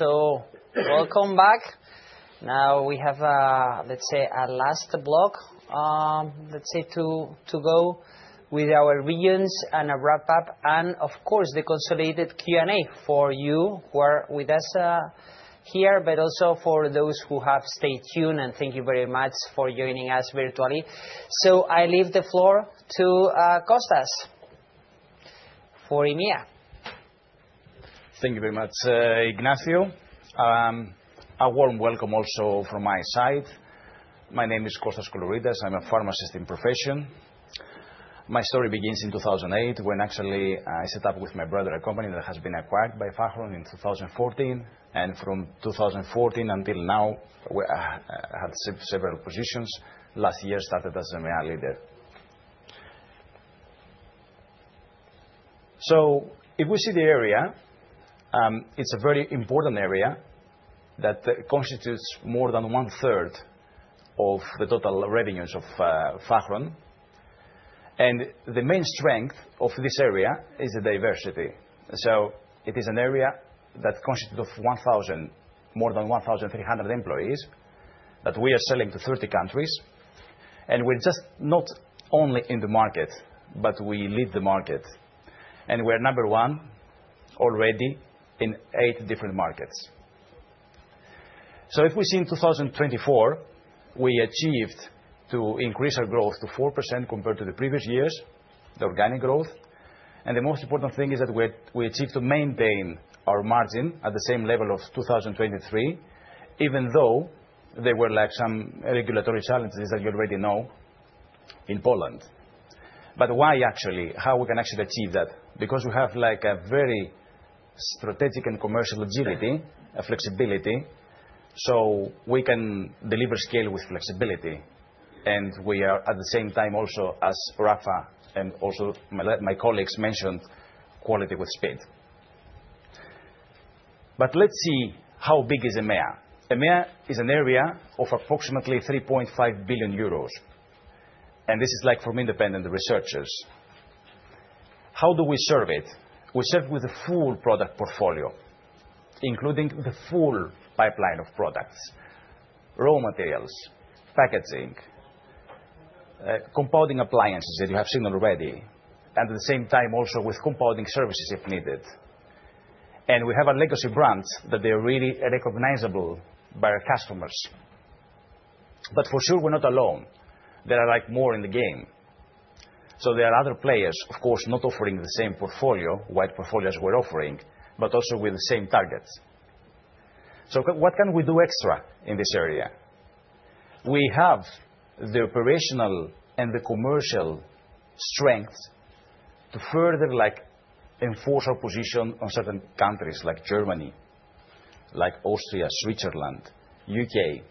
Welcome back. Now we have, let's say, our last block, let's say, to go with our reunions and a wrap-up, and of course, the consolidated Q&A for you who are with us here, but also for those who have stayed tuned. Thank you very much for joining us virtually. I leave the floor to Costas for EMEA. Thank you very much, Ignacio. A warm welcome also from my side. My name is Costas Colloridas. I am a pharmacist in profession. My story begins in 2008 when actually I set up with my brother a company that has been acquired by Fagron in 2014. From 2014 until now, I had several positions. Last year, I started as an EMEA leader. If we see the area, it is a very important area that constitutes more than one-third of the total revenues of Fagron. The main strength of this area is the diversity. It is an area that constitutes more than 1,300 employees that we are selling to 30 countries. We are not only in the market, but we lead the market. We are number one already in eight different markets. If we see in 2024, we achieved to increase our growth to 4% compared to the previous years, the organic growth. The most important thing is that we achieved to maintain our margin at the same level of 2023, even though there were some regulatory challenges that you already know in Poland. Why actually? How can we actually achieve that? Because we have a very strategic and commercial agility, a flexibility. We can deliver scale with flexibility. We are, at the same time, also as Rafa and also my colleagues mentioned, quality with speed. Let us see how big is EMEA. EMEA is an area of approximately 3.5 billion euros. This is like for independent researchers. How do we serve it? We serve with a full product portfolio, including the full pipeline of products, raw materials, packaging, compounding appliances that you have seen already, and at the same time also with compounding services if needed. We have a legacy brand that is really recognizable by our customers. For sure, we are not alone. There are more in the game. There are other players, of course, not offering the same portfolio, wide portfolio as we're offering, but also with the same targets. What can we do extra in this area? We have the operational and the commercial strength to further enforce our position on certain countries like Germany, like Austria, Switzerland, U.K.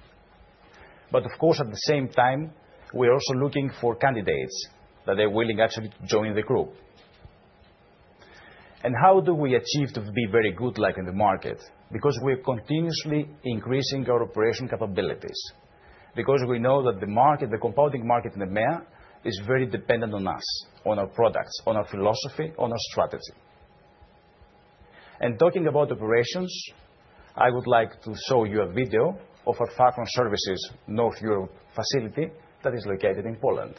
At the same time, we're also looking for candidates that are willing actually to join the group. How do we achieve to be very good in the market? Because we're continuously increasing our operational capabilities. We know that the market, the compounding market in EMEA, is very dependent on us, on our products, on our philosophy, on our strategy. Talking about operations, I would like to show you a video of our Fagron Services North Europe facility that is located in Poland.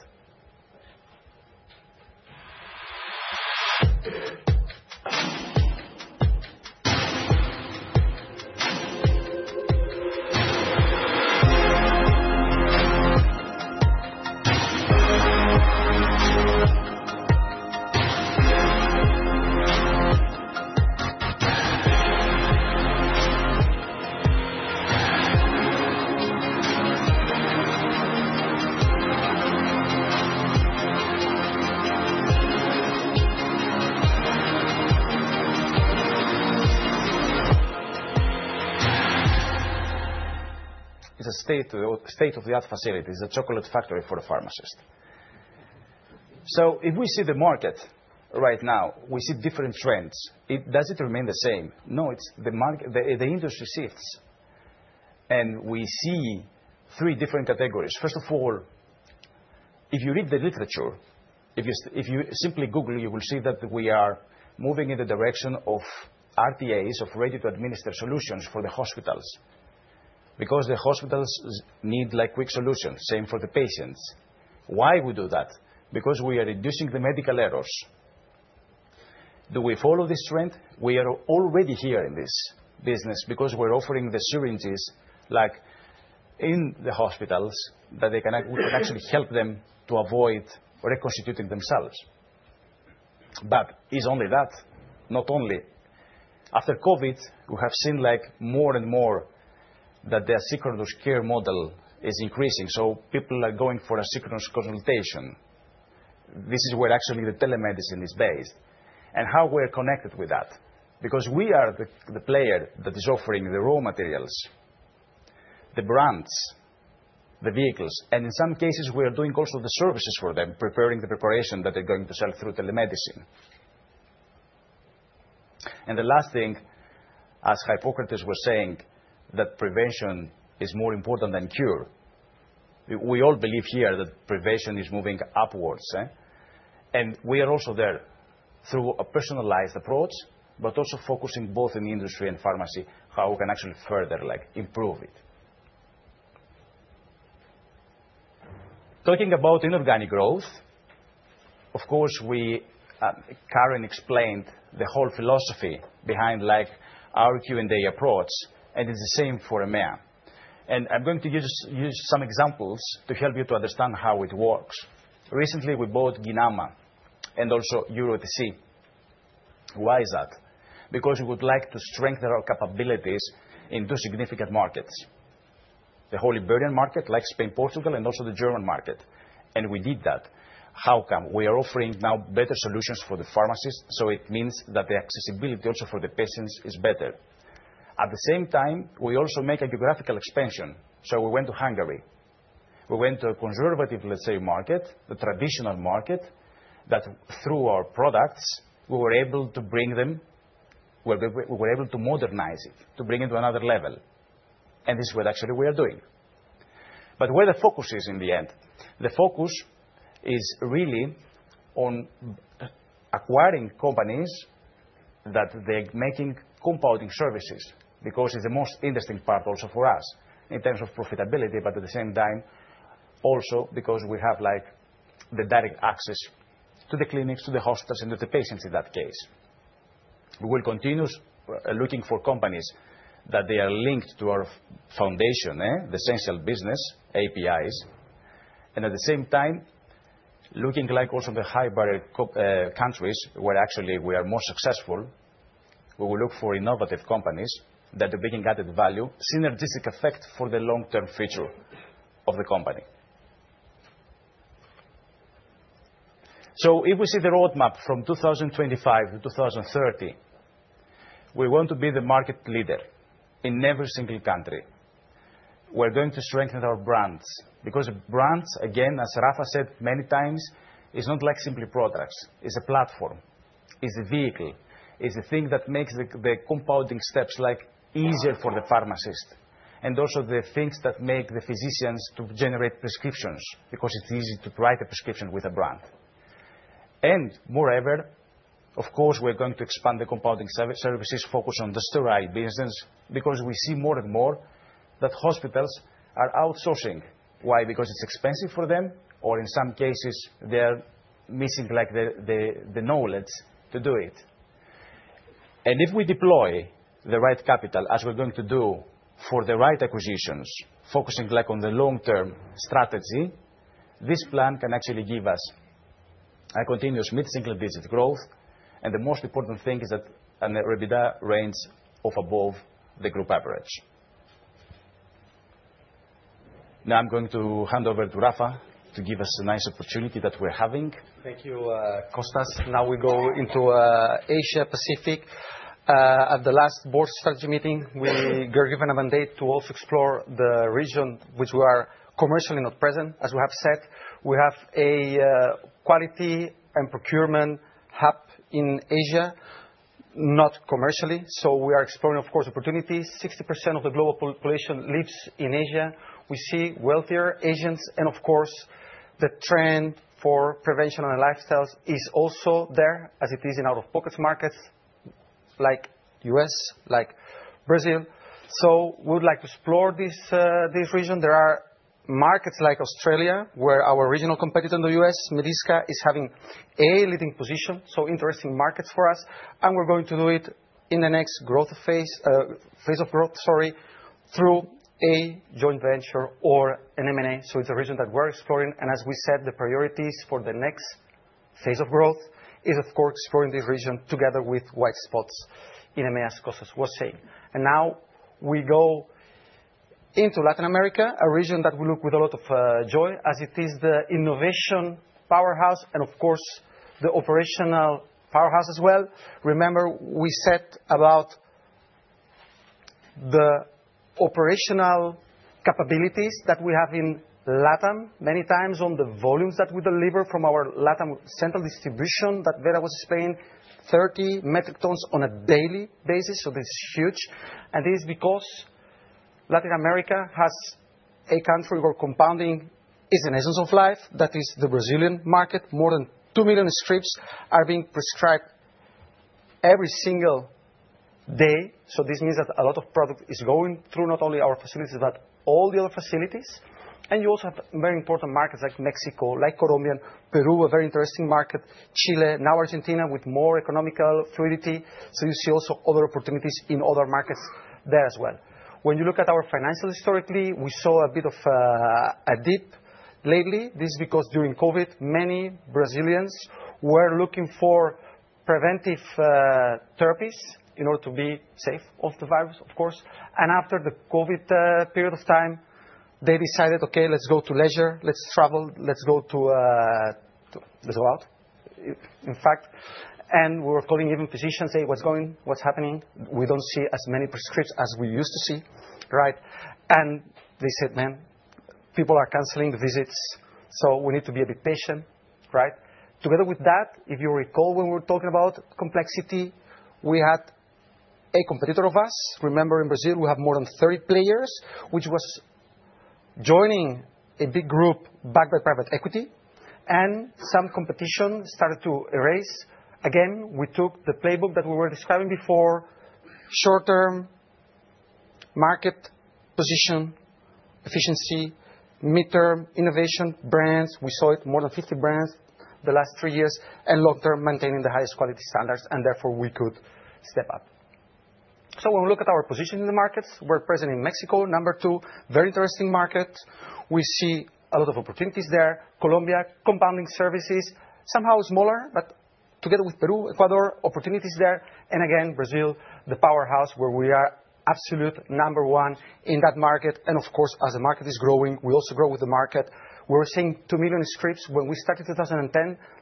It's a state-of-the-art facility. It's a chocolate factory for a pharmacist. If we see the market right now, we see different trends. Does it remain the same? No, the industry shifts. We see three different categories. First of all, if you read the literature, if you simply Google, you will see that we are moving in the direction of RTAs, of ready-to-administer solutions for the hospitals. The hospitals need quick solutions, same for the patients. Why do we do that? We are reducing the medical errors. Do we follow this trend? We are already here in this business because we're offering the syringes in the hospitals that we can actually help them to avoid reconstituting themselves. It's only that, not only. After COVID, we have seen more and more that the asynchronous care model is increasing. People are going for asynchronous consultation. This is where actually the telemedicine is based. And how we're connected with that? Because we are the player that is offering the raw materials, the brands, the vehicles. In some cases, we are doing also the services for them, preparing the preparation that they're going to sell through telemedicine. The last thing, as Hippocrates was saying, that prevention is more important than cure. We all believe here that prevention is moving upwards. We are also there through a personalized approach, but also focusing both in industry and pharmacy, how we can actually further improve it. Talking about inorganic growth, of course, Karen explained the whole philosophy behind our Q&A approach. It is the same for EMEA. I'm going to use some examples to help you to understand how it works. Recently, we bought Ginama and also EuroTC. Why is that? Because we would like to strengthen our capabilities in two significant markets: the Iberian market, like Spain, Portugal, and also the German market. We did that. How come? We are offering now better solutions for the pharmacists. It means that the accessibility also for the patients is better. At the same time, we also make a geographical expansion. We went to Hungary. We went to a conservative, let's say, market, the traditional market, that through our products, we were able to bring them, we were able to modernize it, to bring it to another level. This is what actually we are doing. Where the focus is in the end, the focus is really on acquiring companies that are making compounding services because it's the most interesting part also for us in terms of profitability, but at the same time also because we have the direct access to the clinics, to the hospitals, and to the patients in that case. We will continue looking for companies that are linked to our foundation, the essential business, APIs. At the same time, looking like also the high-buyer countries where actually we are more successful, we will look for innovative companies that are bringing added value, synergistic effect for the long-term future of the company. If we see the roadmap from 2025 to 2030, we want to be the market leader in every single country. We're going to strengthen our brands because brands, again, as Rafa said many times, it's not like simply products. It's a platform. It's a vehicle. It's a thing that makes the compounding steps easier for the pharmacist and also the things that make the physicians to generate prescriptions because it's easy to write a prescription with a brand. Moreover, of course, we're going to expand the compounding services focus on the steroid business because we see more and more that hospitals are outsourcing. Why? Because it's expensive for them or in some cases, they are missing the knowledge to do it. If we deploy the right capital, as we're going to do for the right acquisitions, focusing on the long-term strategy, this plan can actually give us a continuous mid-single-digit growth. The most important thing is that an EBITDA range of above the group average. Now I'm going to hand over to Rafa to give us a nice opportunity that we're having. Thank you, Costas. Now we go into Asia-Pacific. At the last board strategy meeting, we were given a mandate to also explore the region, which we are commercially not present. As we have said, we have a quality and procurement hub in Asia, not commercially. We are exploring, of course, opportunities. 60% of the global population lives in Asia. We see wealthier Asians. The trend for prevention and lifestyles is also there as it is in out-of-pocket markets like the US, like Brazil. We would like to explore this region. There are markets like Australia where our regional competitor in the US, Medisca, is having a leading position. Interesting markets for us. We're going to do it in the next phase of growth, sorry, through a joint venture or an M&A. It is a region that we're exploring. As we said, the priorities for the next phase of growth are, of course, exploring this region together with white spots in EMEA, as Costas was saying. Now we go into Latin America, a region that we look at with a lot of joy as it is the innovation powerhouse and, of course, the operational powerhouse as well. Remember, we said about the operational capabilities that we have in Latin many times on the volumes that we deliver from our Latin central distribution that Vera was explaining, 30 metric tons on a daily basis. This is huge. This is because Latin America has a country where compounding is an essence of life. That is the Brazilian market. More than 2 million scripts are being prescribed every single day. This means that a lot of product is going through not only our facilities, but all the other facilities. You also have very important markets like Mexico, like Colombia, Peru, a very interesting market, Chile, now Argentina with more economical fluidity. You see also other opportunities in other markets there as well. When you look at our financial historically, we saw a bit of a dip lately. This is because during COVID, many Brazilians were looking for preventive therapies in order to be safe of the virus, of course. After the COVID period of time, they decided, "Okay, let's go to leisure. Let's travel. Let's go out," in fact. We were calling even physicians, "Hey, what's going? What's happening? We don't see as many prescripts as we used to see." Right? They said, "Man, people are canceling the visits. So we need to be a bit patient." Right? Together with that, if you recall when we were talking about complexity, we had a competitor of us. Remember, in Brazil, we have more than 30 players, which was joining a big group backed by private equity. Some competition started to arise. We took the playbook that we were describing before: short-term market position, efficiency, mid-term innovation, brands. We saw it, more than 50 brands the last three years, and long-term maintaining the highest quality standards. Therefore, we could step up. When we look at our position in the markets, we're present in Mexico, number two, very interesting market. We see a lot of opportunities there. Colombia, compounding services, somehow smaller, but together with Peru, Ecuador, opportunities there. Again, Brazil, the powerhouse where we are absolute number one in that market. Of course, as the market is growing, we also grow with the market. We were seeing 2 million scripts when we started 2010.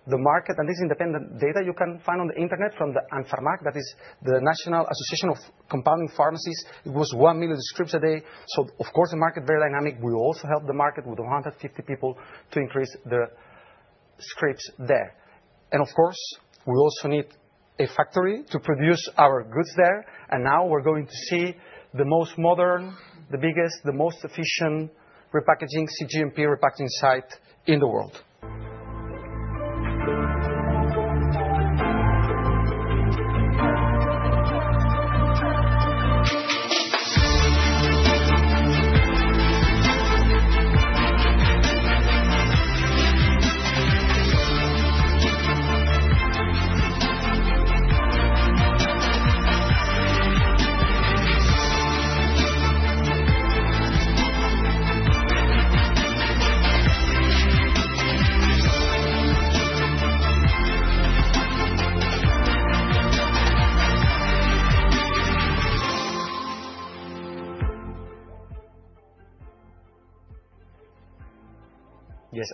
The market, and this is independent data you can find on the internet from AN PharmaTech, that is the National Association of Compounding Pharmacies, it was 1 million scripts a day. Of course, the market is very dynamic. We also helped the market with 150 people to increase the scripts there. Of course, we also need a factory to produce our goods there. Now we're going to see the most modern, the biggest, the most efficient repackaging, CGMP repackaging site in the world.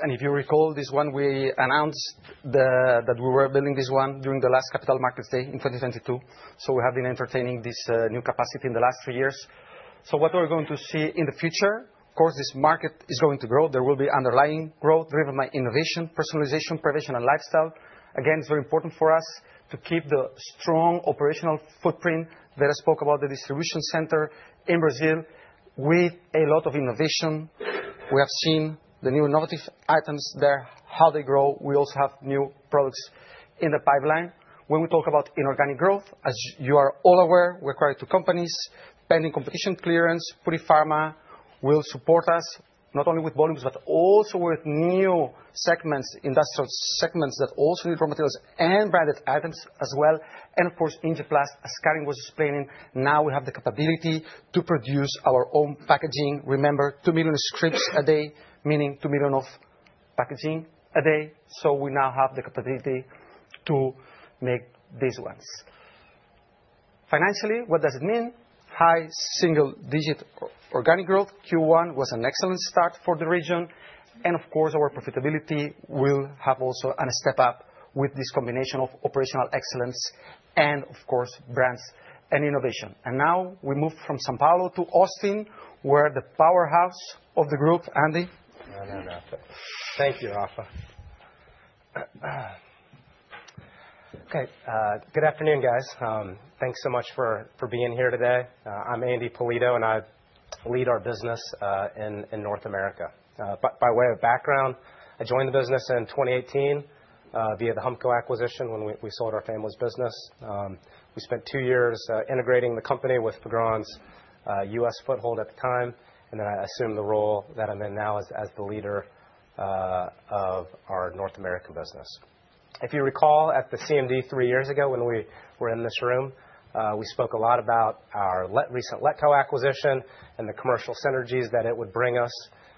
Yes. If you recall this one, we announced that we were building this one during the last capital markets day in 2022. We have been entertaining this new capacity in the last three years. What we're going to see in the future, of course, is this market is going to grow. There will be underlying growth driven by innovation, personalization, prevention, and lifestyle. Again, it's very important for us to keep the strong operational footprint. Vera spoke about the distribution center in Brazil with a lot of innovation. We have seen the new innovative items there, how they grow. We also have new products in the pipeline. When we talk about inorganic growth, as you are all aware, we acquired two companies pending competition clearance. Purifarma will support us not only with volumes, but also with new segments, industrial segments that also need raw materials and branded items as well. Of course, Ingeplast, as Karen was explaining, now we have the capability to produce our own packaging. Remember, 2 million scripts a day, meaning 2 million of packaging a day. We now have the capability to make these ones. Financially, what does it mean? High single-digit organic growth. Q1 was an excellent start for the region. Of course, our profitability will have also a step up with this combination of operational excellence and, of course, brands and innovation. Now we moved from São Paulo to Austin, where the powerhouse of the group, Andy. Thank you, Rafa. Okay. Good afternoon, guys. Thanks so much for being here today. I'm Andy Polito, and I lead our business in North America. By way of background, I joined the business in 2018 via the HumpCo acquisition when we sold our family's business. We spent two years integrating the company with Fagron's US foothold at the time. I assume the role that I'm in now as the leader of our North American business. If you recall, at the CMD three years ago when we were in this room, we spoke a lot about our recent Letco acquisition and the commercial synergies that it would bring us.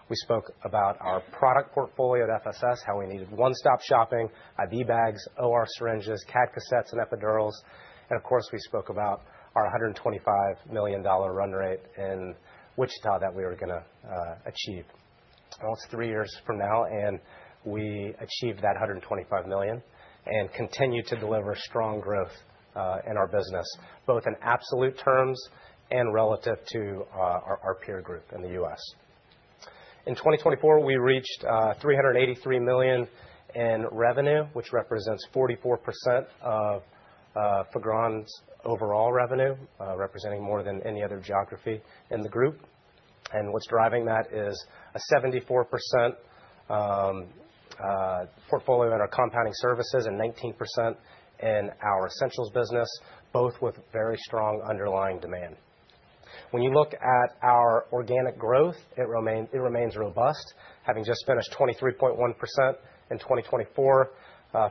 We spoke about our product portfolio at FSS, how we needed one-stop shopping, IV bags, OR syringes, CAD cassettes, and epidurals. Of course, we spoke about our $125 million run rate in Wichita that we were going to achieve. Almost three years from now, and we achieved that $125 million and continue to deliver strong growth in our business, both in absolute terms and relative to our peer group in the U.S. In 2024, we reached $383 million in revenue, which represents 44% of Fagron's overall revenue, representing more than any other geography in the group. What's driving that is a 74% portfolio in our compounding services and 19% in our essentials business, both with very strong underlying demand. When you look at our organic growth, it remains robust, having just finished 23.1% in 2024,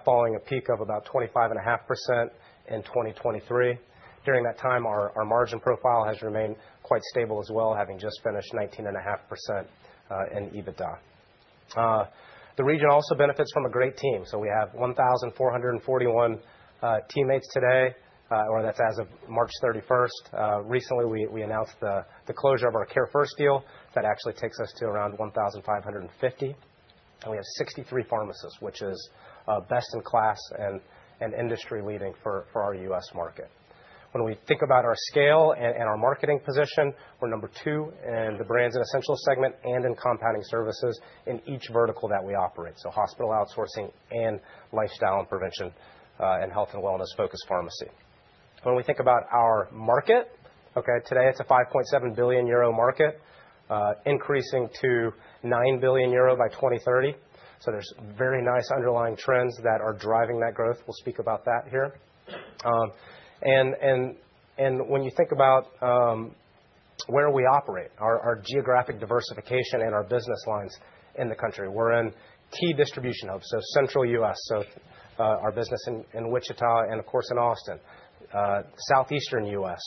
following a peak of about 25.5% in 2023. During that time, our margin profile has remained quite stable as well, having just finished 19.5% in EBITDA. The region also benefits from a great team. We have 1,441 teammates today, or that's as of March 31. Recently, we announced the closure of our Care First deal. That actually takes us to around 1,550. We have 63 pharmacists, which is best in class and industry-leading for our US market. When we think about our scale and our marketing position, we're number two in the brands and essentials segment and in compounding services in each vertical that we operate, hospital outsourcing and lifestyle and prevention and health and wellness-focused pharmacy. When we think about our market, today it's a 5.7 billion euro market, increasing to 9 billion euro by 2030. There are very nice underlying trends that are driving that growth. We'll speak about that here. When you think about where we operate, our geographic diversification and our business lines in the country, we're in key distribution hubs, central US, our business in Wichita and, of course, in Austin, southeastern US,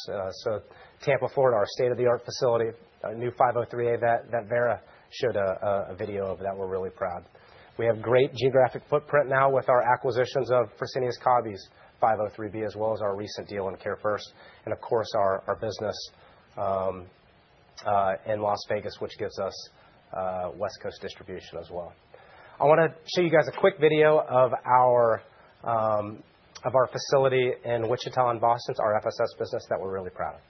Tampa, Florida, our state-of-the-art facility, a new 503A that Vera showed a video of that we're really proud. We have great geographic footprint now with our acquisitions of Fresenius Kabi's 503B, as well as our recent deal in Care First. Of course, our business in Las Vegas gives us West Coast distribution as well. I want to show you guys a quick video of our facility in Wichita and Boston. Our FSS business that we're really proud of.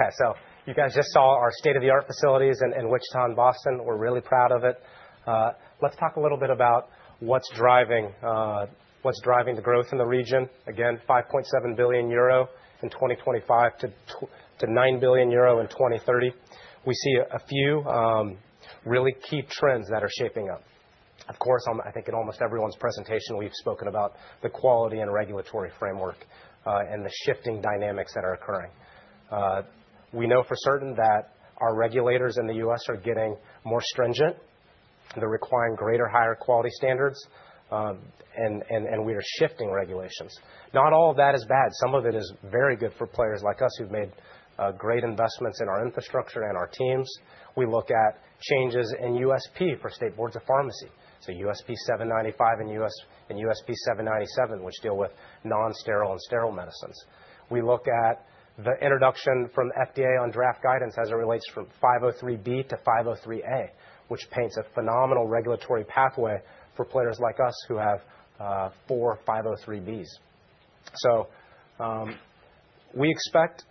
I could watch that all day. Okay. You guys just saw our state-of-the-art facilities in Wichita and Boston. We're really proud of it. Let's talk a little bit about what's driving the growth in the region. Again, 5.7 billion euro in 2025 to 9 billion euro in 2030. We see a few really key trends that are shaping up. Of course, I think in almost everyone's presentation, we've spoken about the quality and regulatory framework and the shifting dynamics that are occurring. We know for certain that our regulators in the US are getting more stringent. They're requiring greater, higher quality standards. We are shifting regulations. Not all of that is bad. Some of it is very good for players like us who've made great investments in our infrastructure and our teams. We look at changes in USP for state boards of pharmacy. USP 795 and USP 797, which deal with non-sterile and sterile medicines. We look at the introduction from the FDA on draft guidance as it relates from 503B to 503A, which paints a phenomenal regulatory pathway for players like us who have four 503Bs. We expect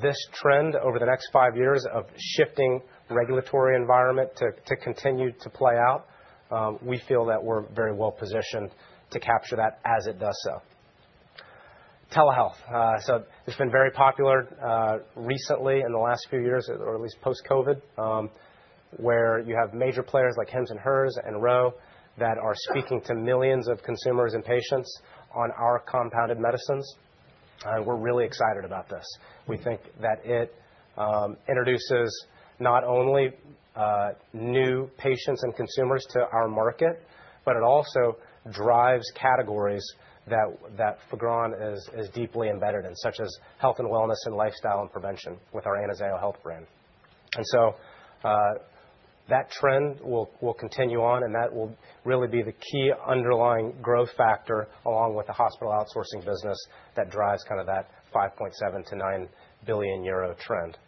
this trend over the next five years of shifting regulatory environment to continue to play out. We feel that we're very well positioned to capture that as it does so. Telehealth. It has been very popular recently in the last few years, or at least post-COVID, where you have major players like Hims & Hers Health Roe that are speaking to millions of consumers and patients on our compounded medicines. We are really excited about this. We think that it introduces not only new patients and consumers to our market, but it also drives categories that Fagron is deeply embedded in, such as health and wellness and lifestyle and prevention with our Anazayo Health brand. That trend will continue on, and that will really be the key underlying growth factor along with the hospital outsourcing business that drives kind of that 5.7 billion-9 billion euro trend.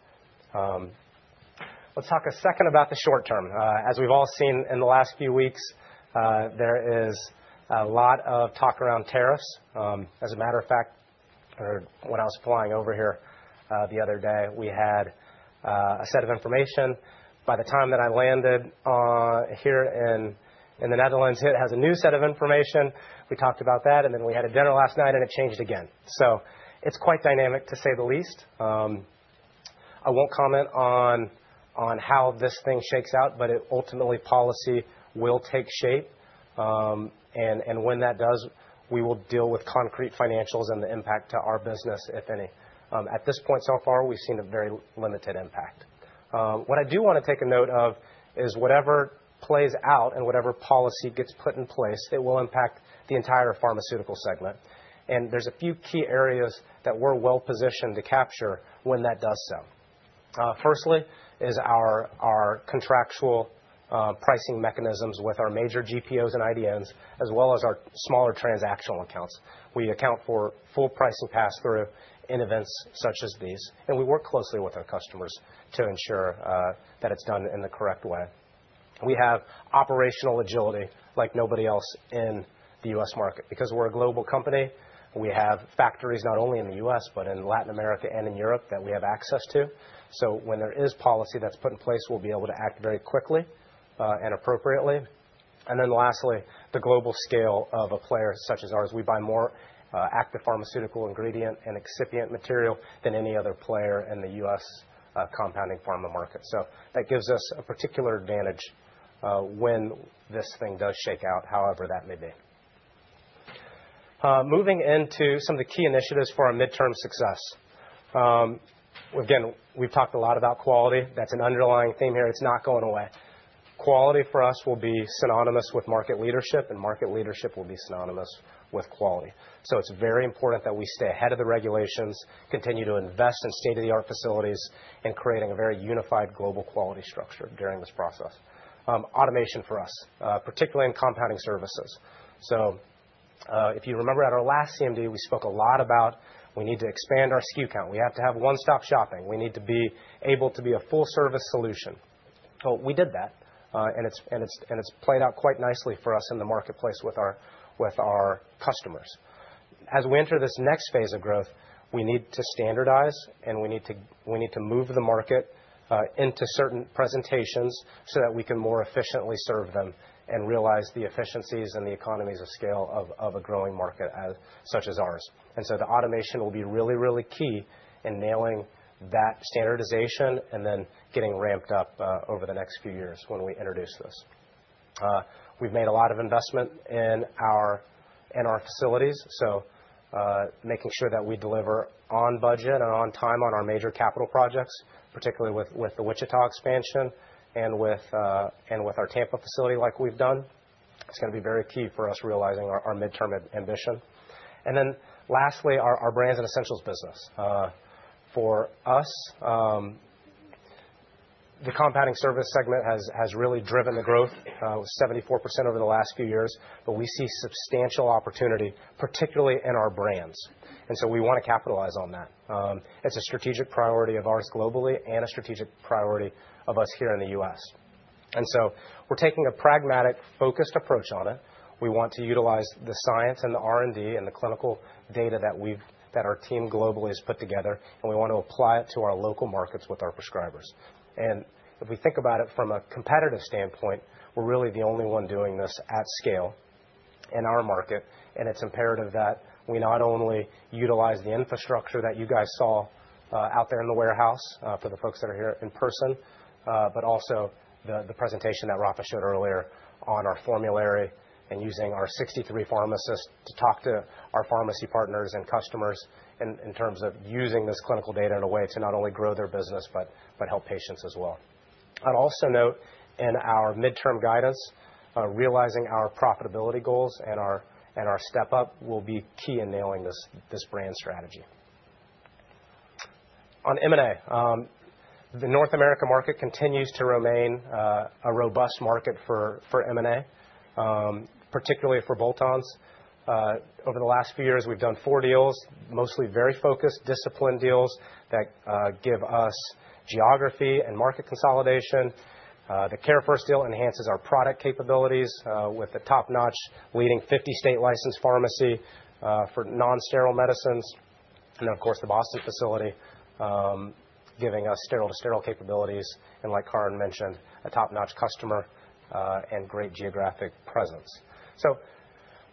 Let's talk a second about the short term. As we have all seen in the last few weeks, there is a lot of talk around tariffs. As a matter of fact, when I was flying over here the other day, we had a set of information. By the time that I landed here in the Netherlands, it has a new set of information. We talked about that. We had a dinner last night, and it changed again. It is quite dynamic, to say the least. I will not comment on how this thing shakes out, but ultimately, policy will take shape. When that does, we will deal with concrete financials and the impact to our business, if any. At this point so far, we have seen a very limited impact. What I do want to take a note of is whatever plays out and whatever policy gets put in place, it will impact the entire pharmaceutical segment. There are a few key areas that we are well positioned to capture when that does so. Firstly is our contractual pricing mechanisms with our major GPOs and IDNs, as well as our smaller transactional accounts. We account for full pricing pass-through in events such as these. We work closely with our customers to ensure that it's done in the correct way. We have operational agility like nobody else in the US market. Because we're a global company, we have factories not only in the US, but in Latin America and in Europe that we have access to. When there is policy that's put in place, we'll be able to act very quickly and appropriately. Lastly, the global scale of a player such as ours. We buy more active pharmaceutical ingredient and excipient material than any other player in the US compounding pharma market. That gives us a particular advantage when this thing does shake out, however that may be. Moving into some of the key initiatives for our midterm success. Again, we've talked a lot about quality. That's an underlying theme here. It's not going away. Quality for us will be synonymous with market leadership, and market leadership will be synonymous with quality. It is very important that we stay ahead of the regulations, continue to invest in state-of-the-art facilities, and create a very unified global quality structure during this process. Automation for us, particularly in compounding services. If you remember at our last CMD, we spoke a lot about we need to expand our SKU count. We have to have one-stop shopping. We need to be able to be a full-service solution. We did that. It's played out quite nicely for us in the marketplace with our customers. As we enter this next phase of growth, we need to standardize, and we need to move the market into certain presentations so that we can more efficiently serve them and realize the efficiencies and the economies of scale of a growing market such as ours. The automation will be really, really key in nailing that standardization and then getting ramped up over the next few years when we introduce this. We have made a lot of investment in our facilities, so making sure that we deliver on budget and on time on our major capital projects, particularly with the Wichita expansion and with our Tampa facility like we have done. It is going to be very key for us realizing our midterm ambition. Lastly, our brands and essentials business. For us, the compounding service segment has really driven the growth, 74% over the last few years, but we see substantial opportunity, particularly in our brands. We want to capitalize on that. It's a strategic priority of ours globally and a strategic priority of us here in the U.S. We are taking a pragmatic, focused approach on it. We want to utilize the science and the R&D and the clinical data that our team globally has put together, and we want to apply it to our local markets with our prescribers. If we think about it from a competitive standpoint, we're really the only one doing this at scale in our market. It is imperative that we not only utilize the infrastructure that you guys saw out there in the warehouse for the folks that are here in person, but also the presentation that Rafa showed earlier on our formulary and using our 63 pharmacists to talk to our pharmacy partners and customers in terms of using this clinical data in a way to not only grow their business, but help patients as well. I would also note in our midterm guidance, realizing our profitability goals and our step-up will be key in nailing this brand strategy. On M&A, the North America market continues to remain a robust market for M&A, particularly for bolt-ons. Over the last few years, we have done four deals, mostly very focused, disciplined deals that give us geography and market consolidation. The Care First deal enhances our product capabilities with the top-notch, leading 50-state licensed pharmacy for non-sterile medicines. Of course, the Boston facility giving us sterile-to-sterile capabilities and, like Karen mentioned, a top-notch customer and great geographic presence.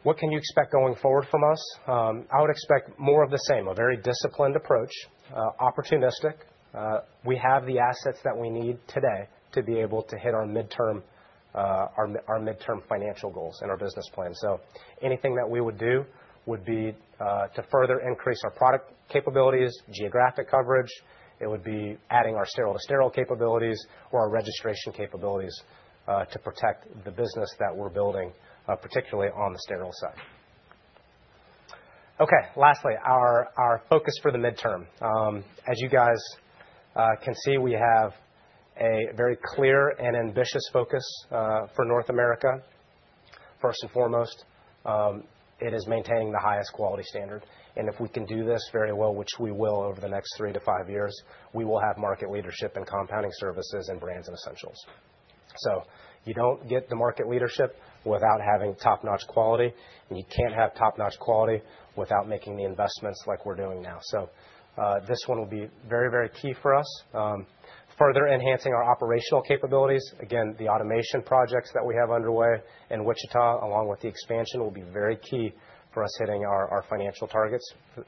What can you expect going forward from us? I would expect more of the same, a very disciplined approach, opportunistic. We have the assets that we need today to be able to hit our midterm financial goals and our business plan. Anything that we would do would be to further increase our product capabilities, geographic coverage. It would be adding our sterile-to-sterile capabilities or our registration capabilities to protect the business that we're building, particularly on the sterile side. Okay. Lastly, our focus for the midterm. As you guys can see, we have a very clear and ambitious focus for North America. First and foremost, it is maintaining the highest quality standard. If we can do this very well, which we will over the next three to five years, we will have market leadership in compounding services and brands and essentials. You do not get the market leadership without having top-notch quality. You cannot have top-notch quality without making the investments like we are doing now. This one will be very, very key for us, further enhancing our operational capabilities. Again, the automation projects that we have underway in Wichita, along with the expansion, will be very key for us hitting our financial targets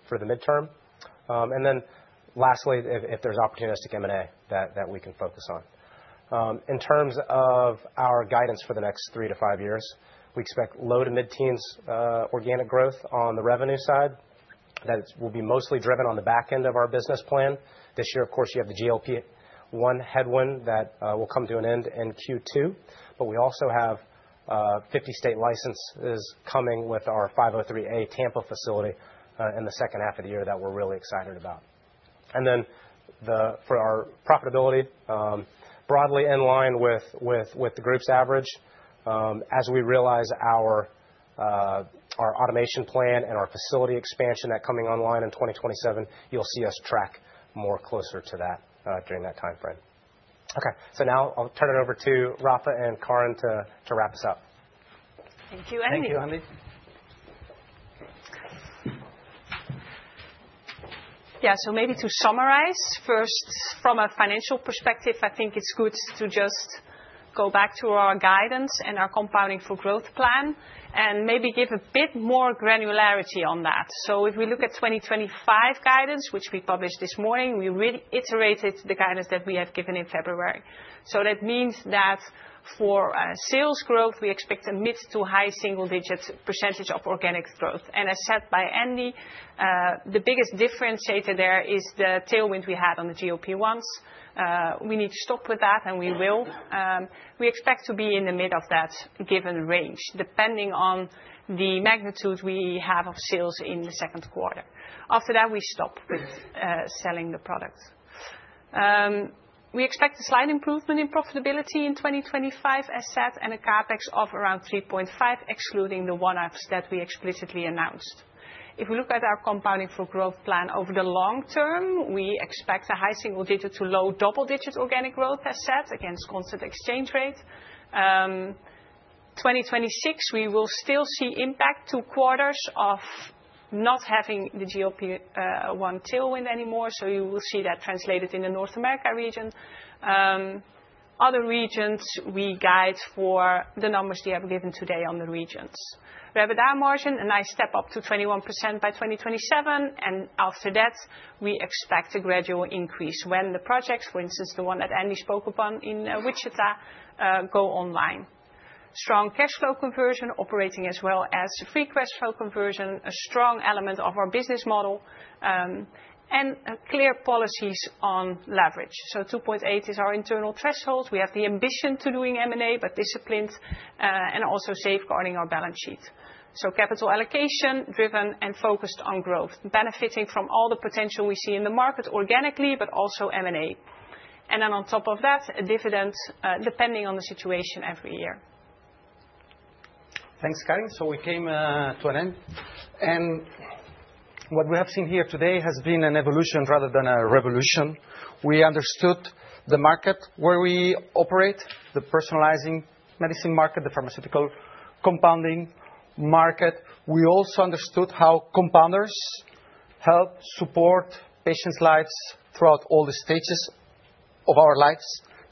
for the midterm. Lastly, if there is opportunistic M&A that we can focus on. In terms of our guidance for the next three to five years, we expect low to mid-teens organic growth on the revenue side that will be mostly driven on the back end of our business plan. This year, of course, you have the GLP-1 headwind that will come to an end in Q2. We also have 50-state licenses coming with our 503A Tampa facility in the second half of the year that we're really excited about. For our profitability, broadly in line with the group's average, as we realize our automation plan and our facility expansion that's coming online in 2027, you'll see us track more closer to that during that time frame. Okay. Now I'll turn it over to Rafa and Karen to wrap us up. Thank you, Andy. Yeah. Maybe to summarize, first, from a financial perspective, I think it's good to just go back to our guidance and our compounding for growth plan and maybe give a bit more granularity on that. If we look at 2025 guidance, which we published this morning, we reiterated the guidance that we have given in February. That means that for sales growth, we expect a mid to high single-digit % of organic growth. As said by Andy, the biggest differentiator there is the tailwind we had on the GLP-1s. We need to stop with that, and we will. We expect to be in the mid of that given range, depending on the magnitude we have of sales in the second quarter. After that, we stop with selling the product. We expect a slight improvement in profitability in 2025, as said, and a CapEx of around $3.5 million, excluding the one-offs that we explicitly announced. If we look at our compounding for growth plan over the long term, we expect a high single-digit to low double-digit organic growth, as said, against constant exchange rate. In 2026, we will still see impact to quarters of not having the GLP-1 tailwind anymore. You will see that translated in the North America region. Other regions, we guide for the numbers they have given today on the regions. Revenue margin, a nice step up to 21% by 2027. After that, we expect a gradual increase when the projects, for instance, the one that Andy spoke upon in Wichita, go online. Strong cash flow conversion, operating as well as free cash flow conversion, a strong element of our business model, and clear policies on leverage. 2.8 is our internal threshold. We have the ambition to doing M&A, but disciplined and also safeguarding our balance sheet. Capital allocation driven and focused on growth, benefiting from all the potential we see in the market organically, but also M&A. On top of that, a dividend depending on the situation every year. Thanks, Karen. We came to an end. What we have seen here today has been an evolution rather than a revolution. We understood the market where we operate, the personalizing medicine market, the pharmaceutical compounding market. We also understood how compounders help support patients' lives throughout all the stages of our lives,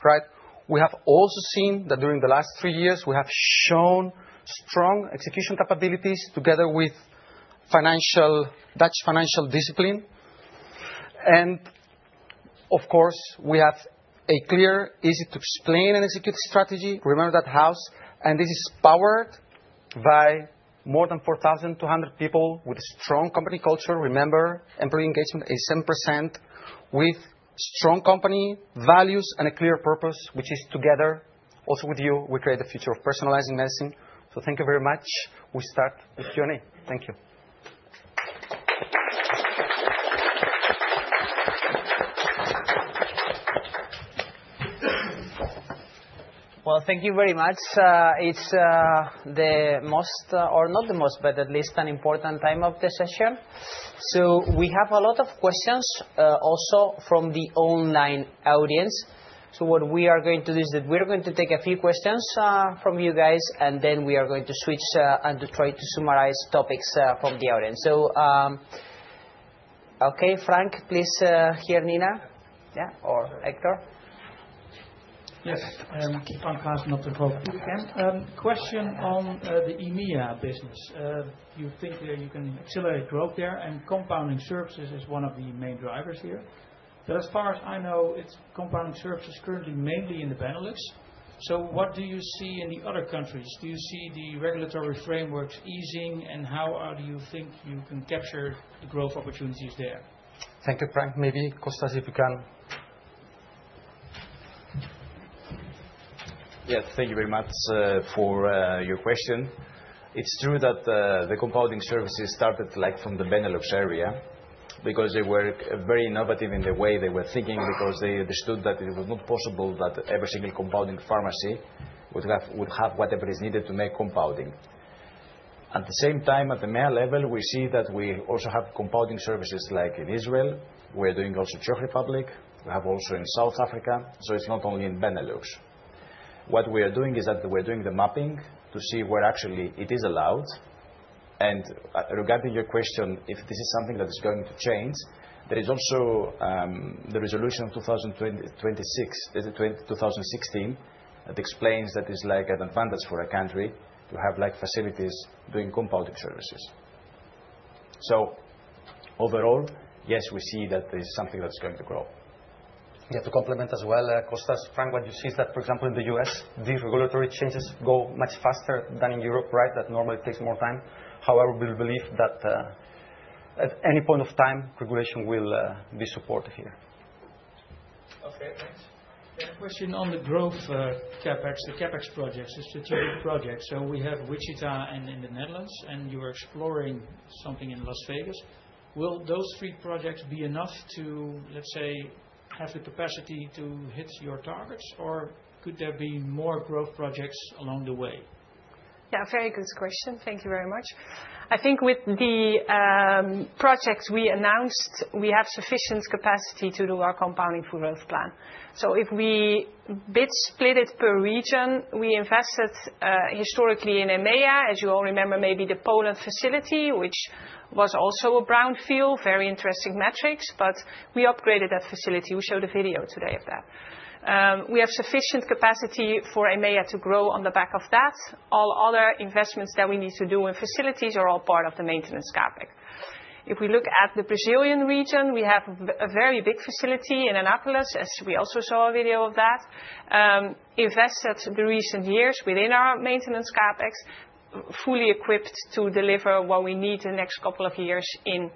right? We have also seen that during the last three years, we have shown strong execution capabilities together with Dutch financial discipline. We have a clear, easy-to-explain and execute strategy. Remember that house. This is powered by more than 4,200 people with a strong company culture. Remember, employee engagement is 7% with strong company values and a clear purpose, which is together, also with you, we create the future of personalizing medicine. Thank you very much. We start the Q&A. Thank you. Thank you very much. It is the most, or not the most, but at least an important time of the session. We have a lot of questions also from the online audience. What we are going to do is that we are going to take a few questions from you guys, and then we are going to switch and try to summarize topics from the audience. Okay, Frank, please here, Nina, yeah, or Hector. Yes. I am Frank, not the. Thank you Ken. Question on the EMEA business. You think that you can accelerate growth there, and compounding services is one of the main drivers here. As far as I know, it's compounding services currently mainly in the Benelux. What do you see in the other countries? Do you see the regulatory frameworks easing, and how do you think you can capture the growth opportunities there? Thank you, Frank. Maybe Costas, if you can. Yes. Thank you very much for your question. It's true that the compounding services started from the Benelux area because they were very innovative in the way they were thinking, because they understood that it was not possible that every single compounding pharmacy would have whatever is needed to make compounding. At the same time, at the EMEA level, we see that we also have compounding services like in Israel. We're doing also Czech Republic. We have also in South Africa. It is not only in Benelux. What we are doing is that we're doing the mapping to see where actually it is allowed. Regarding your question, if this is something that is going to change, there is also the resolution of 2016 that explains that it's like an advantage for a country to have facilities doing compounding services. Overall, yes, we see that there is something that is going to grow. Yeah, to complement as well, Costas, Frank, what you see is that, for example, in the US, these regulatory changes go much faster than in Europe, right? That normally takes more time. However, we believe that at any point of time, regulation will be supported here. Okay, thanks. A question on the growth CapEx, the CapEx projects. It's a two-week project. We have Wichita and in the Netherlands, and you're exploring something in Las Vegas. Will those three projects be enough to, let's say, have the capacity to hit your targets, or could there be more growth projects along the way? Yeah, very good question. Thank you very much. I think with the projects we announced, we have sufficient capacity to do our compounding for growth plan. If we split it per region, we invested historically in EMEA, as you all remember, maybe the Poland facility, which was also a brownfield, very interesting metrics, but we upgraded that facility. We showed a video today of that. We have sufficient capacity for EMEA to grow on the back of that. All other investments that we need to do in facilities are all part of the maintenance CapEx. If we look at the Brazilian region, we have a very big facility in Anápolis, as we also saw a video of that, invested in the recent years within our maintenance CapEx, fully equipped to deliver what we need the next couple of years in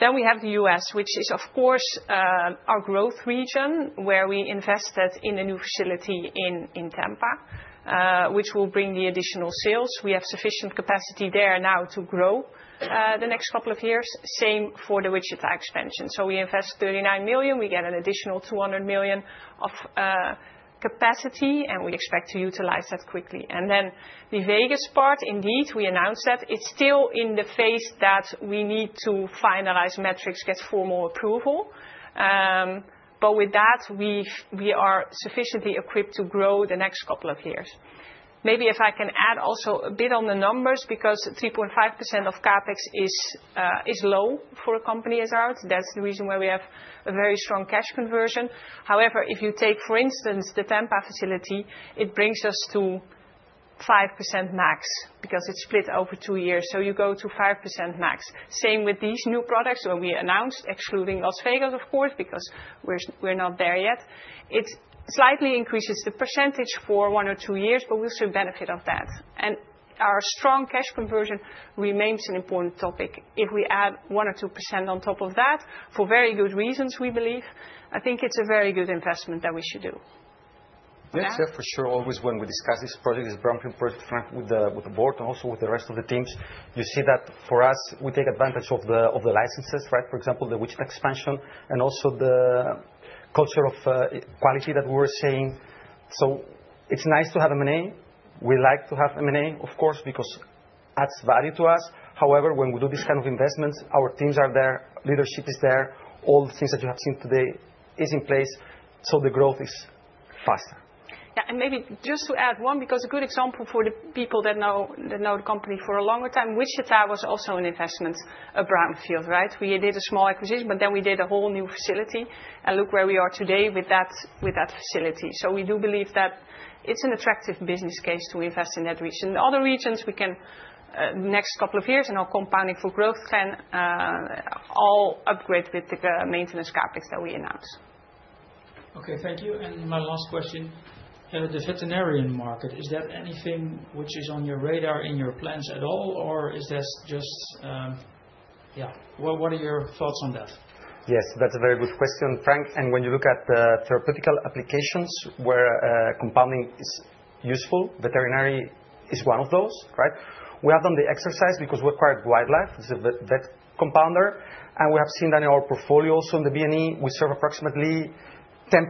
Anápolis. We have the U.S., which is, of course, our growth region, where we invested in a new facility in Tampa, which will bring the additional sales. We have sufficient capacity there now to grow the next couple of years, same for the Wichita expansion. We invest $39 million. We get an additional $200 million of capacity, and we expect to utilize that quickly. The Vegas part, indeed, we announced that it is still in the phase that we need to finalize metrics, get formal approval. With that, we are sufficiently equipped to grow the next couple of years. Maybe if I can add also a bit on the numbers, because 3.5% of CapEx is low for a company as ours. That is the reason why we have a very strong cash conversion. However, if you take, for instance, the Tampa facility, it brings us to 5% max because it's split over two years. You go to 5% max. Same with these new products where we announced, excluding Las Vegas, of course, because we're not there yet. It slightly increases the percentage for one or two years, but we also benefit of that. Our strong cash conversion remains an important topic. If we add 1% or 2% on top of that, for very good reasons, we believe, I think it's a very good investment that we should do. Yeah. For sure. Always when we discuss this project, this brownfield project, Frank, with the board and also with the rest of the teams, you see that for us, we take advantage of the licenses, right? For example, the Wichita expansion and also the culture of quality that we were saying. It is nice to have M&A. We like to have M&A, of course, because it adds value to us. However, when we do these kinds of investments, our teams are there, leadership is there. All the things that you have seen today are in place. The growth is faster. Yeah. Maybe just to add one, because a good example for the people that know the company for a longer time, Wichita was also an investment, a brownfield, right? We did a small acquisition, but then we did a whole new facility. Look where we are today with that facility. We do believe that it is an attractive business case to invest in that region. Other regions, we can in the next couple of years in our compounding for growth plan, all upgrade with the maintenance CapEx that we announced. Okay, thank you. My last question, the veterinarian market, is that anything which is on your radar in your plans at all, or is that just, yeah, what are your thoughts on that? Yes, that's a very good question, Frank. When you look at the therapeutical applications where compounding is useful, veterinary is one of those, right? We have done the exercise because we acquired Wildlife, the vet compounder. We have seen that in our portfolio also in the BNE. We serve approximately 10%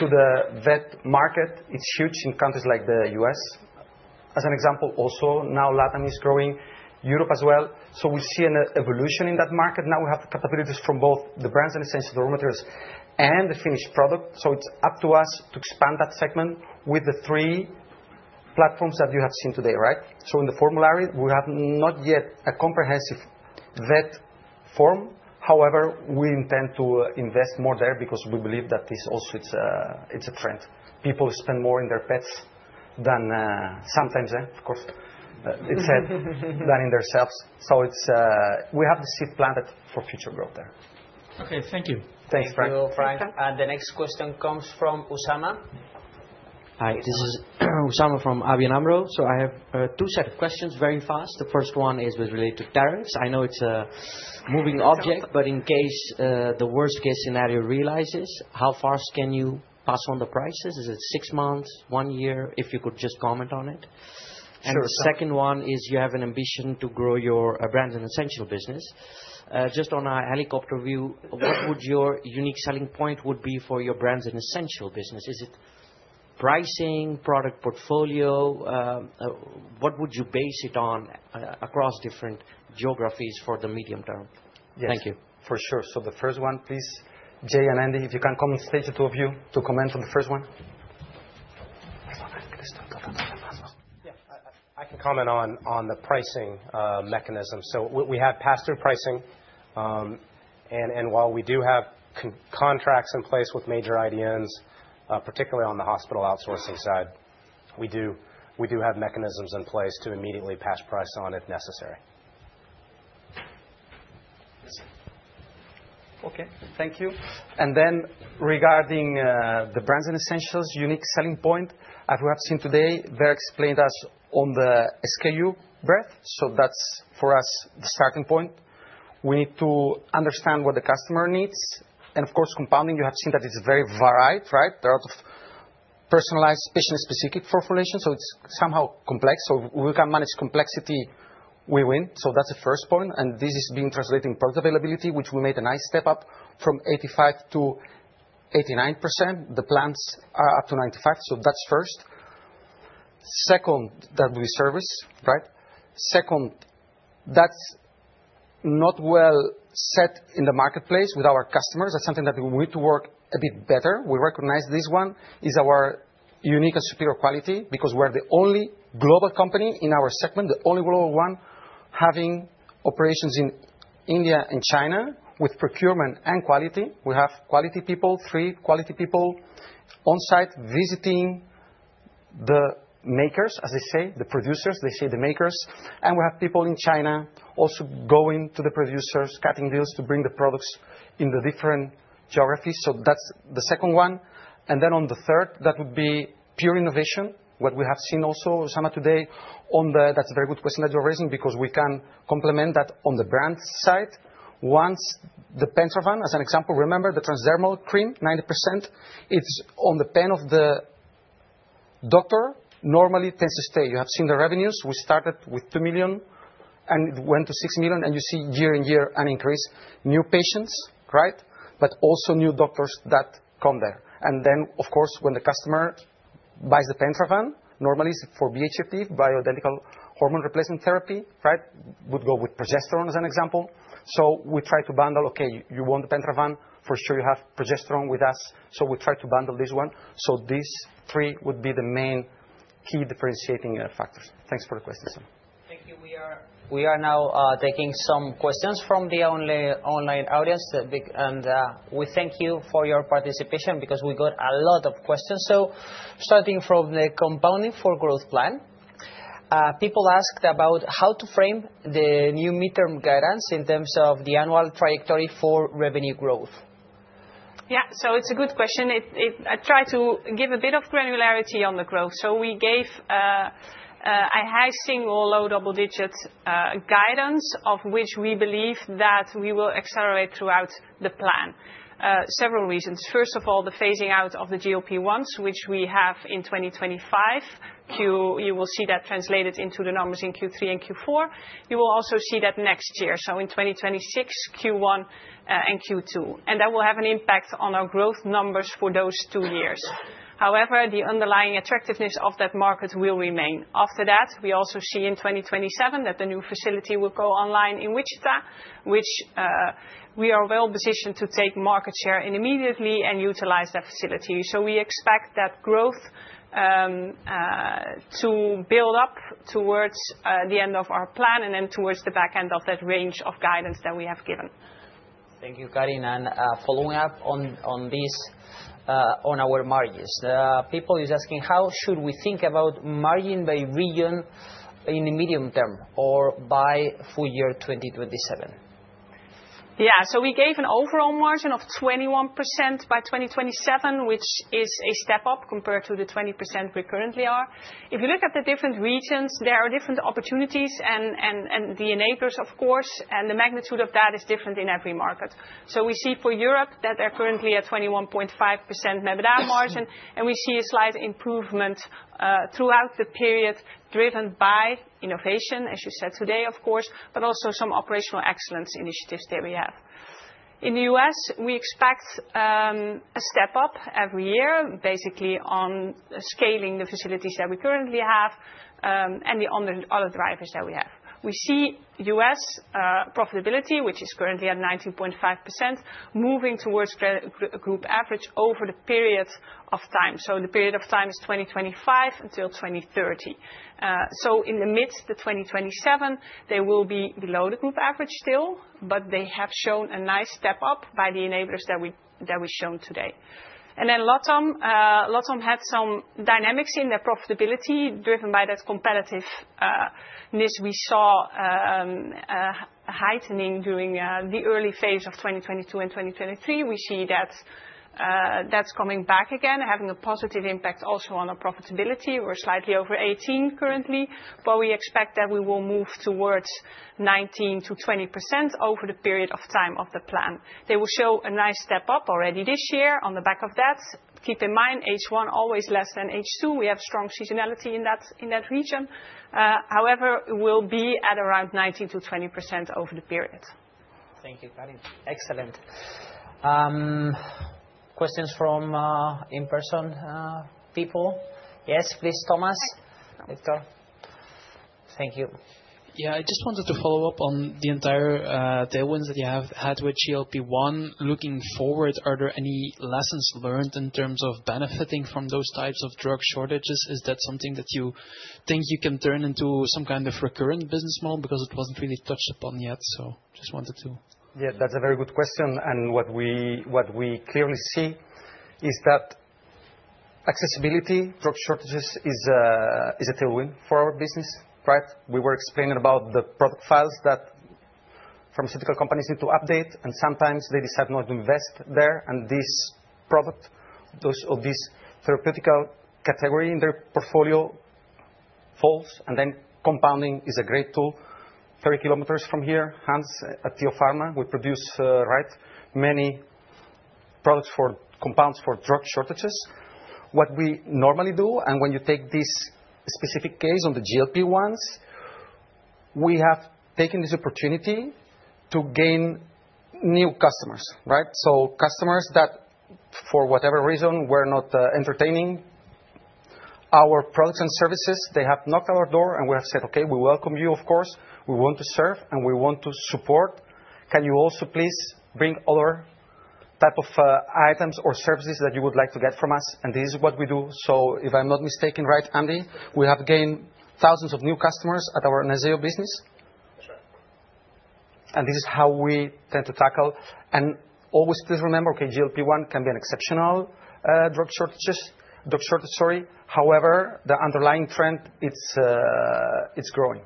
to the vet market. It's huge in countries like the US, as an example. Now Latin is growing, Europe as well. We see an evolution in that market. We have capabilities from both the brands and essential dermatologists and the finished product. It is up to us to expand that segment with the three platforms that you have seen today, right? In the formulary, we have not yet a comprehensive vet form. However, we intend to invest more there because we believe that this also is a trend. People spend more on their pets than sometimes, of course, it is said, than on themselves. So we have the seed planted for future growth there. Okay, thank you. Thanks, Frank. Thank you, Frank. The next question comes from Usama. Hi, this is Usama from ABN AMRO. I have two sets of questions very fast. The first one is related to tariffs. I know it is a moving object, but in case the worst-case scenario realizes, how fast can you pass on the prices? Is it six months, one year? If you could just comment on it. The second one is you have an ambition to grow your brands and essential business. Just on a helicopter view, what would your unique selling point be for your brands and essential business? Is it pricing, product portfolio? What would you base it on across different geographies for the medium term? Thank you. For sure. The first one, please, Jay and Andy, if you can come on stage, the two of you to comment on the first one. Yeah, I can comment on the pricing mechanism. We have pass-through pricing. While we do have contracts in place with major IDNs, particularly on the hospital outsourcing side, we do have mechanisms in place to immediately pass price on if necessary. Okay, thank you. Regarding the brands and essentials, unique selling point, as we have seen today, they are explained as on the SKU breadth. That is for us the starting point. We need to understand what the customer needs. Of course, compounding, you have seen that it is very varied, right? There are a lot of personalized, patient-specific formulations. It is somehow complex. If we can manage complexity, we win. That is the first point. This is being translated in product availability, which we made a nice step up from 85% to 89%. The plants are up to 95%. That is first. Second, that would be service, right? Second, that is not well set in the marketplace with our customers. That is something that we need to work a bit better. We recognize this one is our unique and superior quality because we're the only global company in our segment, the only global one having operations in India and China with procurement and quality. We have quality people, three quality people on site visiting the makers, as they say, the producers, they say the makers. We have people in China also going to the producers, cutting deals to bring the products in the different geographies. That is the second one. On the third, that would be pure innovation, what we have seen also, Usama, today. That's a very good question that you're raising because we can complement that on the brand side. Once the Pentavan, as an example, remember the transdermal cream, 90%, it's on the pen of the doctor, normally tends to stay. You have seen the revenues. We started with 2 million, and it went to 6 million. You see year in year an increase, new patients, right? Also new doctors that come there. Of course, when the customer buys the Pentravan, normally it's for BHRT, bioidentical hormone replacement therapy, right? Would go with progesterone as an example. We try to bundle, okay, you want the Pentravan, for sure you have progesterone with us. We try to bundle this one. These three would be the main key differentiating factors. Thanks for the questions, Usama. Thank you. We are now taking some questions from the online audience. We thank you for your participation because we got a lot of questions. Starting from the compounding for growth plan, people asked about how to frame the new midterm guidance in terms of the annual trajectory for revenue growth. Yeah, so it's a good question. I try to give a bit of granularity on the growth. We gave a high single low double digit guidance of which we believe that we will accelerate throughout the plan. Several reasons. First of all, the phasing out of the GLP-1s, which we have in 2025. You will see that translated into the numbers in Q3 and Q4. You will also see that next year. In 2026, Q1 and Q2. That will have an impact on our growth numbers for those two years. However, the underlying attractiveness of that market will remain. After that, we also see in 2027 that the new facility will go online in Wichita, which we are well positioned to take market share immediately and utilize that facility. We expect that growth to build up towards the end of our plan and then towards the back end of that range of guidance that we have given. Thank you, Karin. Following up on this, on our margins, people are asking how should we think about margin by region in the medium term or by full year 2027? Yeah, so we gave an overall margin of 21% by 2027, which is a step up compared to the 20% we currently are. If you look at the different regions, there are different opportunities and the enablers, of course, and the magnitude of that is different in every market. We see for Europe that they're currently at 21.5% margin, and we see a slight improvement throughout the period driven by innovation, as you said today, of course, but also some operational excellence initiatives that we have. In the U.S., we expect a step up every year, basically on scaling the facilities that we currently have and the other drivers that we have. We see U.S. profitability, which is currently at 19.5%, moving towards a group average over the period of time. The period of time is 2025 until 2030. In the midst of 2027, they will be below the group average still, but they have shown a nice step up by the enablers that we showed today. LOTOM had some dynamics in their profitability driven by that competitiveness we saw heightening during the early phase of 2022 and 2023. We see that that is coming back again, having a positive impact also on our profitability. We are slightly over 18% currently, but we expect that we will move towards 19%-20% over the period of time of the plan. They will show a nice step up already this year on the back of that. Keep in mind, H1 always less than H2. We have strong seasonality in that region. However, it will be at around 19%-20% over the period. Thank you, Karin. Excellent. Questions from in-person people? Yes, please, Thomas Vranken. Thank you. Yeah, I just wanted to follow up on the entire tailwinds that you have had with GLP-1. Looking forward, are there any lessons learned in terms of benefiting from those types of drug shortages? Is that something that you think you can turn into some kind of recurrent business model because it was not really touched upon yet? Just wanted to. Yeah, that's a very good question. What we clearly see is that accessibility, drug shortages is a tailwind for our business, right? We were explaining about the product files that pharmaceutical companies need to update, and sometimes they decide not to invest there. This product, or this therapeutical category in their portfolio falls. Compounding is a great tool. Thirty kilometers from here, Hans, at Tiofarma, we produce many products for compounds for drug shortages. What we normally do, and when you take this specific case on the GLP-1s, we have taken this opportunity to gain new customers, right? Customers that for whatever reason were not entertaining our products and services, they have knocked on our door and we have said, okay, we welcome you, of course. We want to serve and we want to support. Can you also please bring other types of items or services that you would like to get from us? This is what we do. If I'm not mistaken, right, Andy, we have gained thousands of new customers at our Naseo business. This is how we tend to tackle. Always please remember, GLP-1 can be an exceptional drug shortage, drug shortage, sorry. However, the underlying trend, it's growing.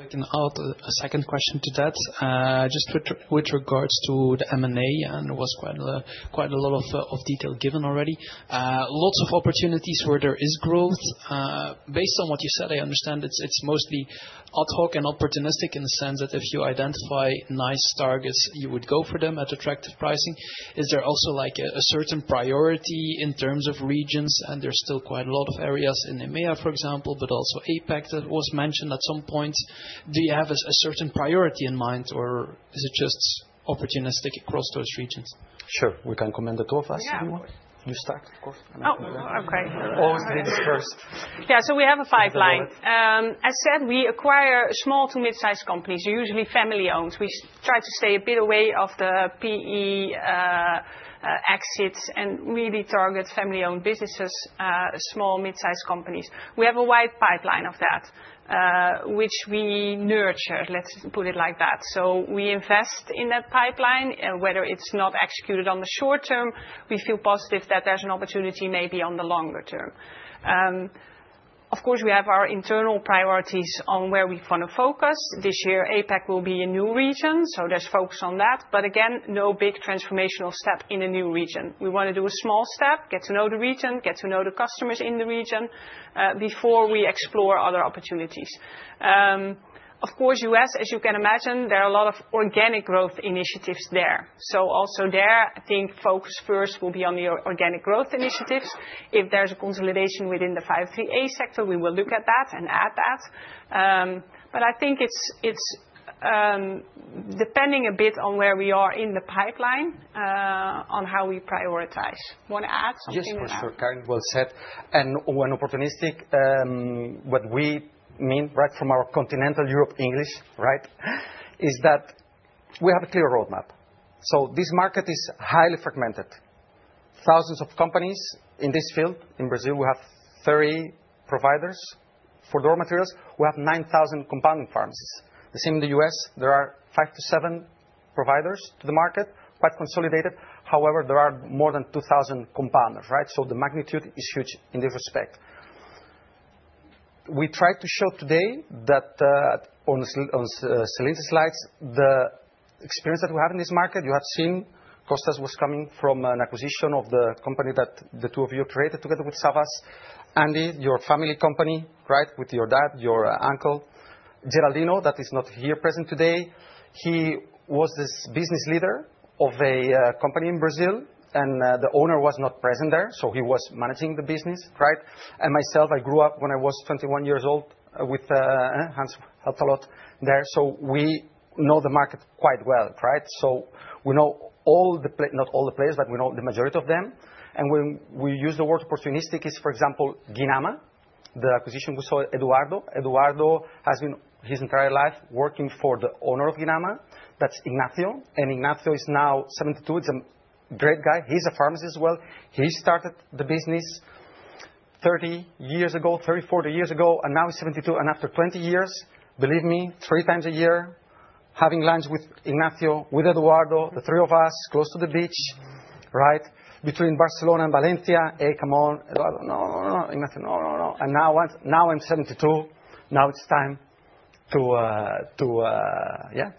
If I can add a second question to that, just with regards to the M&A, and it was quite a lot of detail given already. Lots of opportunities where there is growth. Based on what you said, I understand it's mostly ad hoc and opportunistic in the sense that if you identify nice targets, you would go for them at attractive pricing. Is there also like a certain priority in terms of regions? There is still quite a lot of areas in EMEA, for example, but also APAC that was mentioned at some point. Do you have a certain priority in mind, or is it just opportunistic across those regions? Sure. We can comment, the two of us, if you want. You start, of course. Always leaders first. Yeah, so we have a pipeline. As said, we acquire small to mid-sized companies, usually family-owned. We try to stay a bit away from the PE exits and really target family-owned businesses, small mid-sized companies. We have a wide pipeline of that, which we nurture, let's put it like that. We invest in that pipeline, whether it's not executed on the short term, we feel positive that there's an opportunity maybe on the longer term. Of course, we have our internal priorities on where we want to focus. This year, APAC will be a new region, so there's focus on that. Again, no big transformational step in a new region. We want to do a small step, get to know the region, get to know the customers in the region before we explore other opportunities. Of course, US, as you can imagine, there are a lot of organic growth initiatives there. Also there, I think focus first will be on the organic growth initiatives. If there is a consolidation within the 503A sector, we will look at that and add that. I think it is depending a bit on where we are in the pipeline, on how we prioritize. Want to add something there? Just for sure, Karin, well said. When opportunistic, what we mean, right, from our continental Europe English, right, is that we have a clear roadmap. This market is highly fragmented. Thousands of companies in this field. In Brazil, we have 30 providers for raw materials. We have 9,000 compounding pharmacies. The same in the US, there are five to seven providers to the market, quite consolidated. However, there are more than 2,000 compounders, right? The magnitude is huge in this respect. We tried to show today that on Celine slides, the experience that we have in this market, you have seen Costas was coming from an acquisition of the company that the two of you created together with Savas. Andy, your family company, right, with your dad, your uncle, Geraldino, that is not here present today. He was this business leader of a company in Brazil, and the owner was not present there, so he was managing the business, right? Myself, I grew up when I was 21 years old with Hans, helped a lot there. We know the market quite well, right? We know all the, not all the players, but we know the majority of them. When we use the word opportunistic, it's, for example, Guinama, the acquisition we saw Eduardo. Eduardo has been his entire life working for the owner of Guinama. That's Ignacio. Ignacio is now 72. He's a great guy. He's a pharmacist as well. He started the business 30 years ago, 30, 40 years ago, and now he's 72. After 20 years, believe me, three times a year, having lunch with Ignacio, with Eduardo, the three of us, close to the beach, right? Between Barcelona and Valencia, hey, come on. No, no, no, Ignacio, no, no, no. Now I'm seventy-two. Now it's time to, yeah,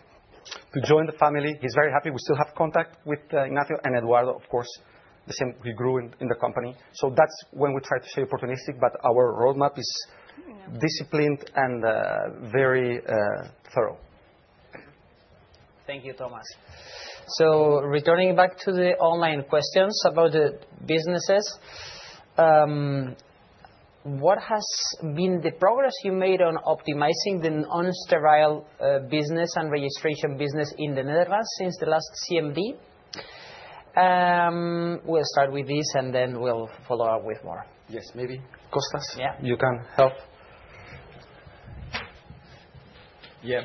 to join the family. He's very happy. We still have contact with Ignacio and Eduardo, of course. The same, we grew in the company. That is when we try to stay opportunistic, but our roadmap is disciplined and very thorough. Thank you, Thomas. Returning back to the online questions about the businesses, what has been the progress you made on optimizing the non-sterile business and registration business in the Netherlands since the last CMD? We'll start with this and then we'll follow up with more. Yes, maybe. Costas, you can help. Yeah.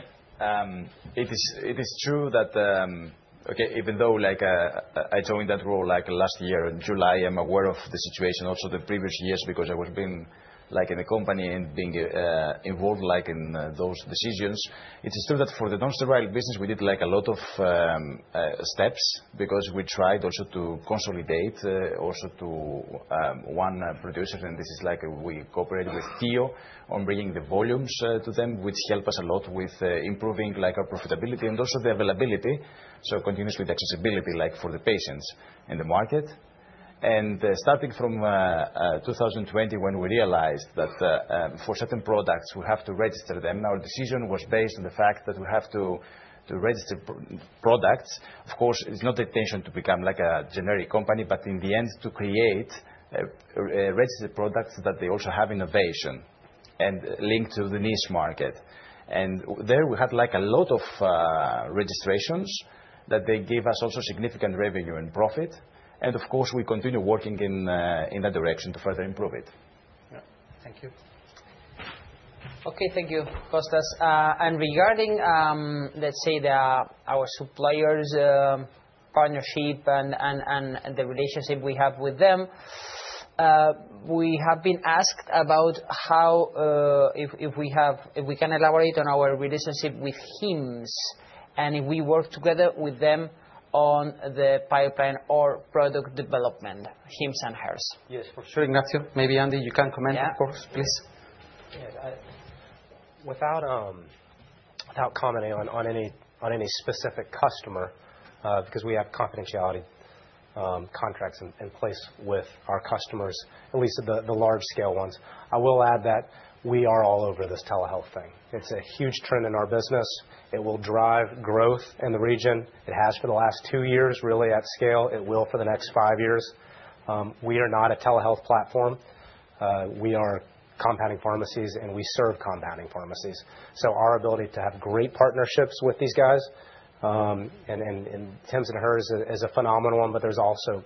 It is true that, okay, even though I joined that role last year in July, I'm aware of the situation also the previous years because I was being in the company and being involved in those decisions. It is true that for the non-sterile business, we did a lot of steps because we tried also to consolidate also to one producer. This is like we cooperated with Tio on bringing the volumes to them, which helped us a lot with improving our profitability and also the availability. Continuously the accessibility for the patients in the market. Starting from 2020, when we realized that for certain products, we have to register them, our decision was based on the fact that we have to register products. Of course, it's not the intention to become like a generic company, but in the end, to create registered products that they also have innovation and link to the niche market. There we had like a lot of registrations that they gave us also significant revenue and profit. Of course, we continue working in that direction to further improve it. Thank you. Okay, thank you, Costas. Regarding, let's say, our suppliers' partnership and the relationship we have with them, we have been asked about how if we can elaborate on our relationship with Hims and if we work together with them on the pipeline or product development, Hims & Hers. Yes, for sure. Ignacio, maybe Andy, you can comment, of course, please. Without commenting on any specific customer, because we have confidentiality contracts in place with our customers, at least the large-scale ones, I will add that we are all over this telehealth thing. It's a huge trend in our business. It will drive growth in the region. It has for the last two years, really, at scale. It will for the next five years. We are not a telehealth platform. We are compounding pharmacies and we serve compounding pharmacies. Our ability to have great partnerships with these guys and Hims & Hers is a phenomenal one, but there's also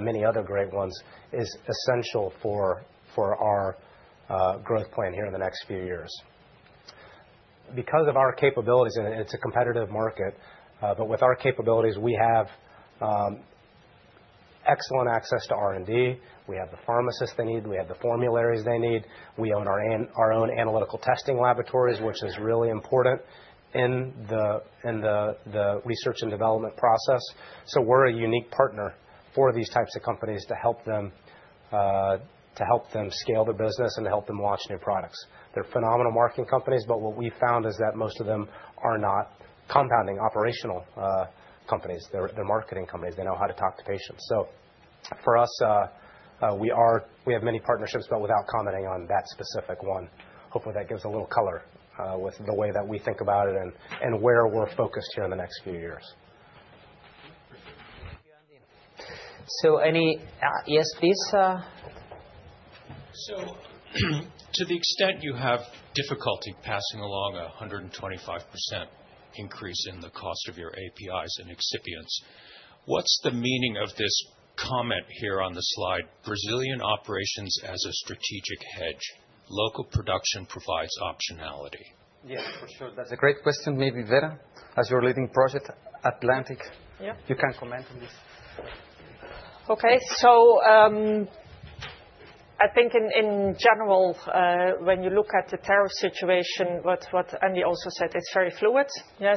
many other great ones is essential for our growth plan here in the next few years. Because of our capabilities, and it's a competitive market, but with our capabilities, we have excellent access to R&D. We have the pharmacists they need. We have the formularies they need. We own our own analytical testing laboratories, which is really important in the research and development process. We are a unique partner for these types of companies to help them scale their business and to help them launch new products. They are phenomenal marketing companies, but what we found is that most of them are not compounding operational companies. They are marketing companies. They know how to talk to patients. For us, we have many partnerships, but without commenting on that specific one. Hopefully, that gives a little color with the way that we think about it and where we are focused here in the next few years. Yes, please. To the extent you have difficulty passing along a 125% increase in the cost of your APIs and excipients, what's the meaning of this comment here on the slide, "Brazilian operations as a strategic hedge. Local production provides optionality"? Yes, for sure. That's a great question. Maybe Vera, as you're leading project Atlantic, you can comment on this. Okay, I think in general, when you look at the tariff situation, what Andy also said, it's very fluid. Yeah,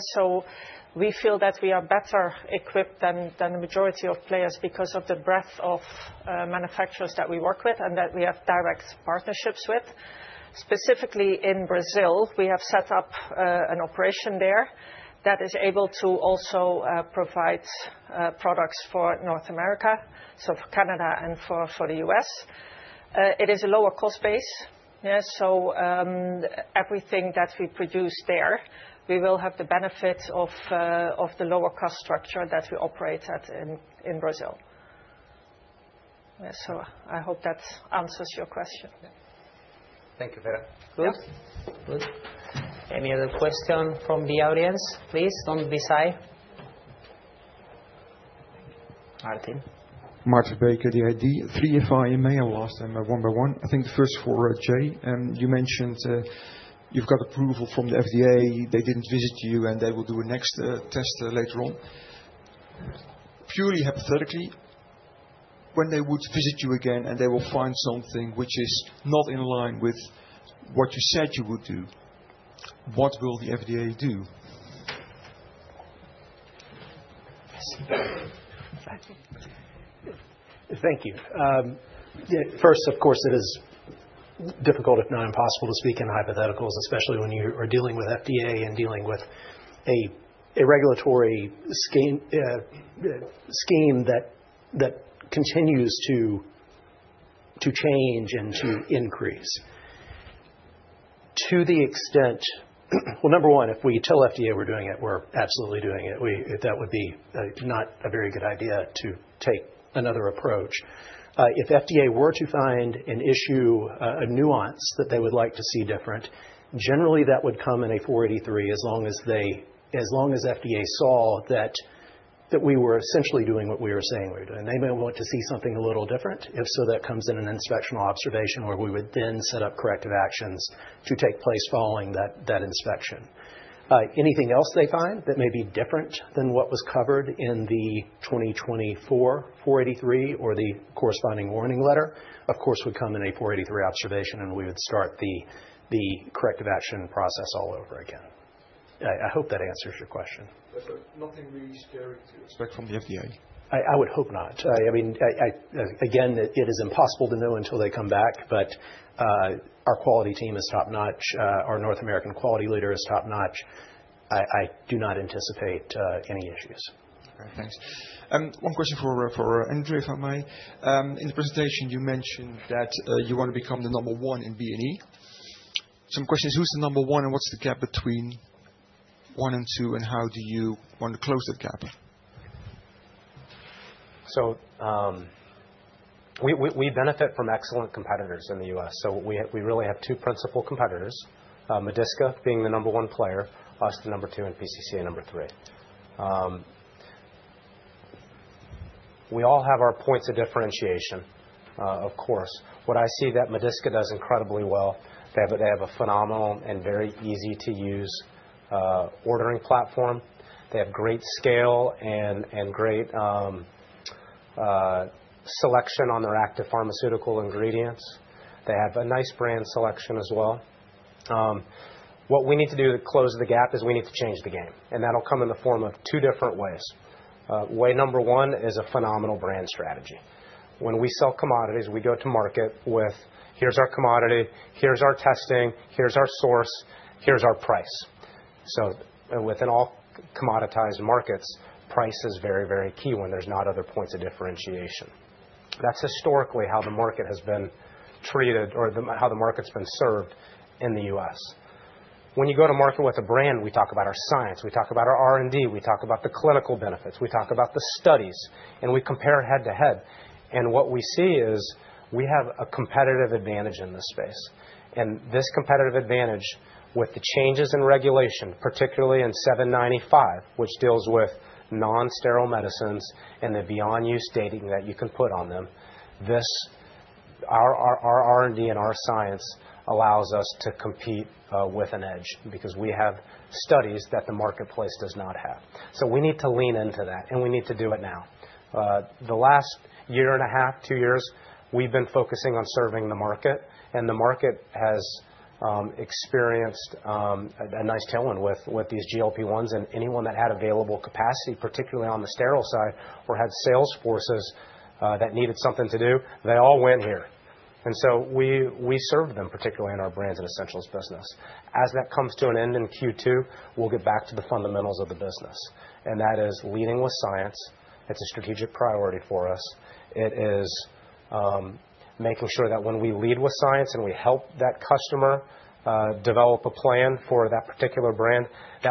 we feel that we are better equipped than the majority of players because of the breadth of manufacturers that we work with and that we have direct partnerships with. Specifically in Brazil, we have set up an operation there that is able to also provide products for North America, for Canada and for the US. It is a lower cost base. Everything that we produce there, we will have the benefit of the lower cost structure that we operate at in Brazil. I hope that answers your question. Thank you, Vera. Good. Any other question from the audience? Please do not be shy. Maarten. Maarten Bakker from Innopay. I lost them one by one. I think the first four are Jay. You mentioned you've got approval from the FDA. They didn't visit you and they will do a next test later on. Purely hypothetically, when they would visit you again and they will find something which is not in line with what you said you would do, what will the FDA do? Thank you. First, of course, it is difficult, if not impossible, to speak in hypotheticals, especially when you are dealing with FDA and dealing with a regulatory scheme that continues to change and to increase. To the extent, number one, if we tell FDA we're doing it, we're absolutely doing it. That would be not a very good idea to take another approach. If FDA were to find an issue, a nuance that they would like to see different, generally that would come in a 483 as long as FDA saw that we were essentially doing what we were saying we were doing. They may want to see something a little different. If so, that comes in an inspectional observation where we would then set up corrective actions to take place following that inspection. Anything else they find that may be different than what was covered in the 2024 483 or the corresponding warning letter, of course, would come in a 483 observation and we would start the corrective action process all over again. I hope that answers your question. Nothing really scary to expect from the FDA. I would hope not. I mean, again, it is impossible to know until they come back, but our quality team is top-notch. Our North American quality leader is top-notch. I do not anticipate any issues. Thanks. One question for Andrew, if I may. In the presentation, you mentioned that you want to become the number one in BNE. Some questions, who's the number one and what's the gap between one and two and how do you want to close that gap? We benefit from excellent competitors in the US. We really have two principal competitors, Medisca being the number one player, us the number two, and PCCA number three. We all have our points of differentiation, of course. What I see that Medisca does incredibly well, they have a phenomenal and very easy-to-use ordering platform. They have great scale and great selection on their active pharmaceutical ingredients. They have a nice brand selection as well. What we need to do to close the gap is we need to change the game. That will come in the form of two different ways. Way number one is a phenomenal brand strategy. When we sell commodities, we go to market with, "Here's our commodity. Here's our testing. Here's our source. Here's our price." Within all commoditized markets, price is very, very key when there are not other points of differentiation. That's historically how the market has been treated or how the market's been served in the U.S. When you go to market with a brand, we talk about our science. We talk about our R&D. We talk about the clinical benefits. We talk about the studies. We compare head to head. What we see is we have a competitive advantage in this space. This competitive advantage with the changes in regulation, particularly in 795, which deals with non-sterile medicines and the beyond-use dating that you can put on them, our R&D and our science allows us to compete with an edge because we have studies that the marketplace does not have. We need to lean into that and we need to do it now. The last year and a half, two years, we've been focusing on serving the market. The market has experienced a nice tailwind with these GLP-1s. Anyone that had available capacity, particularly on the sterile side or had sales forces that needed something to do, they all went here. We serve them, particularly in our brands and essentials business. As that comes to an end in Q2, we'll get back to the fundamentals of the business. That is leading with science. It's a strategic priority for us. It is making sure that when we lead with science and we help that customer develop a plan for that particular brand,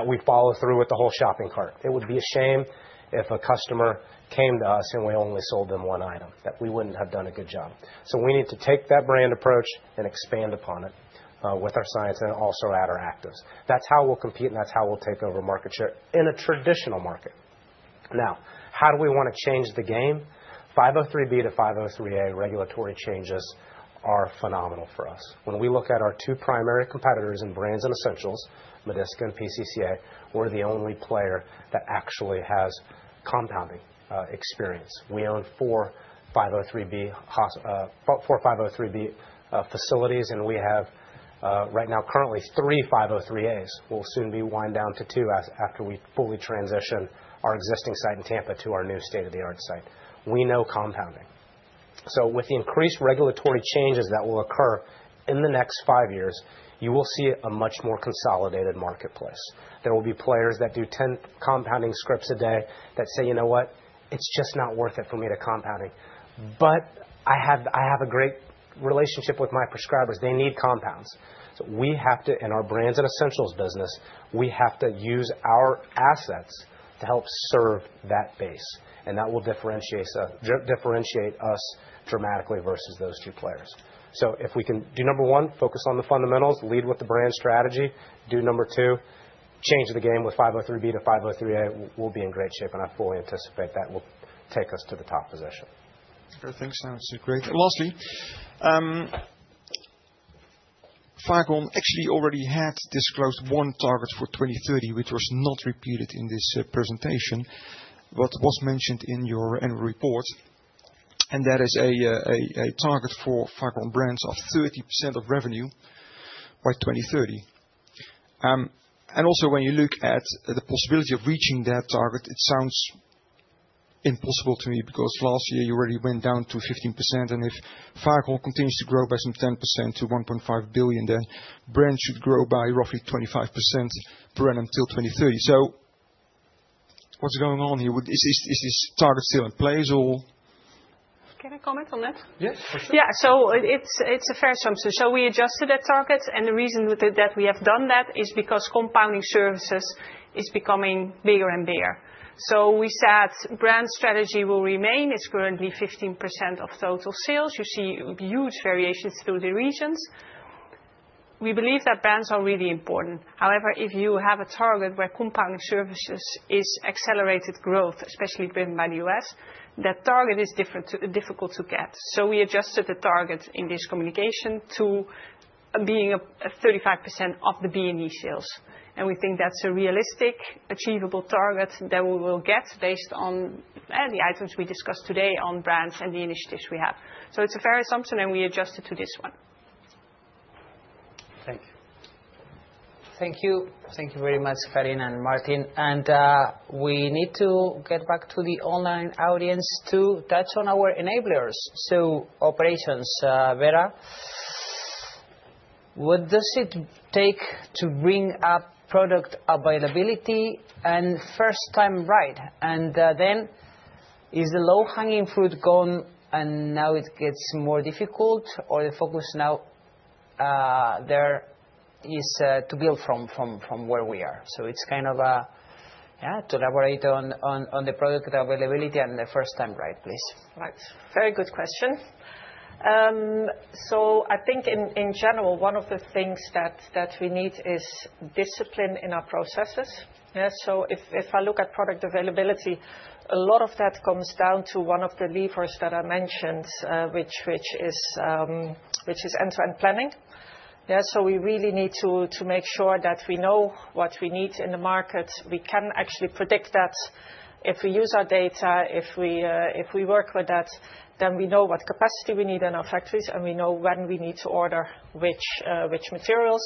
we follow through with the whole shopping cart. It would be a shame if a customer came to us and we only sold them one item that we wouldn't have done a good job. We need to take that brand approach and expand upon it with our science and also add our actives. That's how we'll compete and that's how we'll take over market share in a traditional market. Now, how do we want to change the game? 503B to 503A, regulatory changes are phenomenal for us. When we look at our two primary competitors in brands and essentials, Medisca and PCCA, we're the only player that actually has compounding experience. We own four 503B facilities and we have right now currently three 503As. We'll soon be winding down to two after we fully transition our existing site in Tampa to our new state-of-the-art site. We know compounding. With the increased regulatory changes that will occur in the next five years, you will see a much more consolidated marketplace. There will be players that do 10 compounding scripts a day that say, "You know what? It's just not worth it for me to compounding. But I have a great relationship with my prescribers. They need compounds." We have to, in our brands and essentials business, use our assets to help serve that base. That will differentiate us dramatically versus those two players. If we can do number one, focus on the fundamentals, lead with the brand strategy, do number two, change the game with 503B to 503A, we'll be in great shape and I fully anticipate that will take us to the top position. Thanks. This is great. Lastly, Fagron actually already had disclosed one target for 2030, which was not repeated in this presentation, but was mentioned in your annual report. That is a target for Fagron brands of 30% of revenue by 2030. Also, when you look at the possibility of reaching that target, it sounds impossible to me because last year you already went down to 15%. If Fagron continues to grow by some 10% to $1.5 billion, then brands should grow by roughly 25% per annum till 2030. What is going on here? Is this target still in play at all? Can I comment on that? Yes. Yeah. It is a fair assumption. We adjusted that target. The reason that we have done that is because compounding services is becoming bigger and bigger. We said brand strategy will remain. It is currently 15% of total sales. You see huge variations through the regions. We believe that brands are really important. However, if you have a target where compounding services is accelerated growth, especially driven by the US, that target is difficult to get. We adjusted the target in this communication to being 35% of the BNE sales. We think that is a realistic, achievable target that we will get based on the items we discussed today on brands and the initiatives we have. It is a fair assumption and we adjusted to this one. Thank you. Thank you very much, Karin and Maarten. We need to get back to the online audience to touch on our enablers. Operations, Vera, what does it take to bring up product availability and first-time right? Is the low-hanging fruit gone and now it gets more difficult, or is the focus now to build from where we are? It is kind of a, yeah, to elaborate on the product availability and the first-time right, please. Right. Very good question. I think in general, one of the things that we need is discipline in our processes. If I look at product availability, a lot of that comes down to one of the levers that I mentioned, which is end-to-end planning. We really need to make sure that we know what we need in the market. We can actually predict that if we use our data, if we work with that, then we know what capacity we need in our factories and we know when we need to order which materials.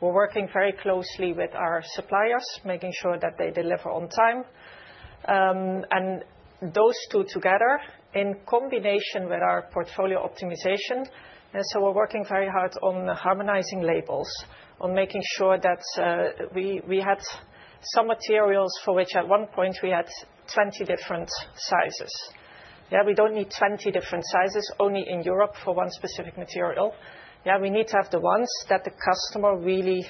We're working very closely with our suppliers, making sure that they deliver on time. Those two together, in combination with our portfolio optimization, we're working very hard on harmonizing labels, on making sure that we had some materials for which at one point we had 20 different sizes. Yeah, we don't need 20 different sizes only in Europe for one specific material. We need to have the ones that the customer really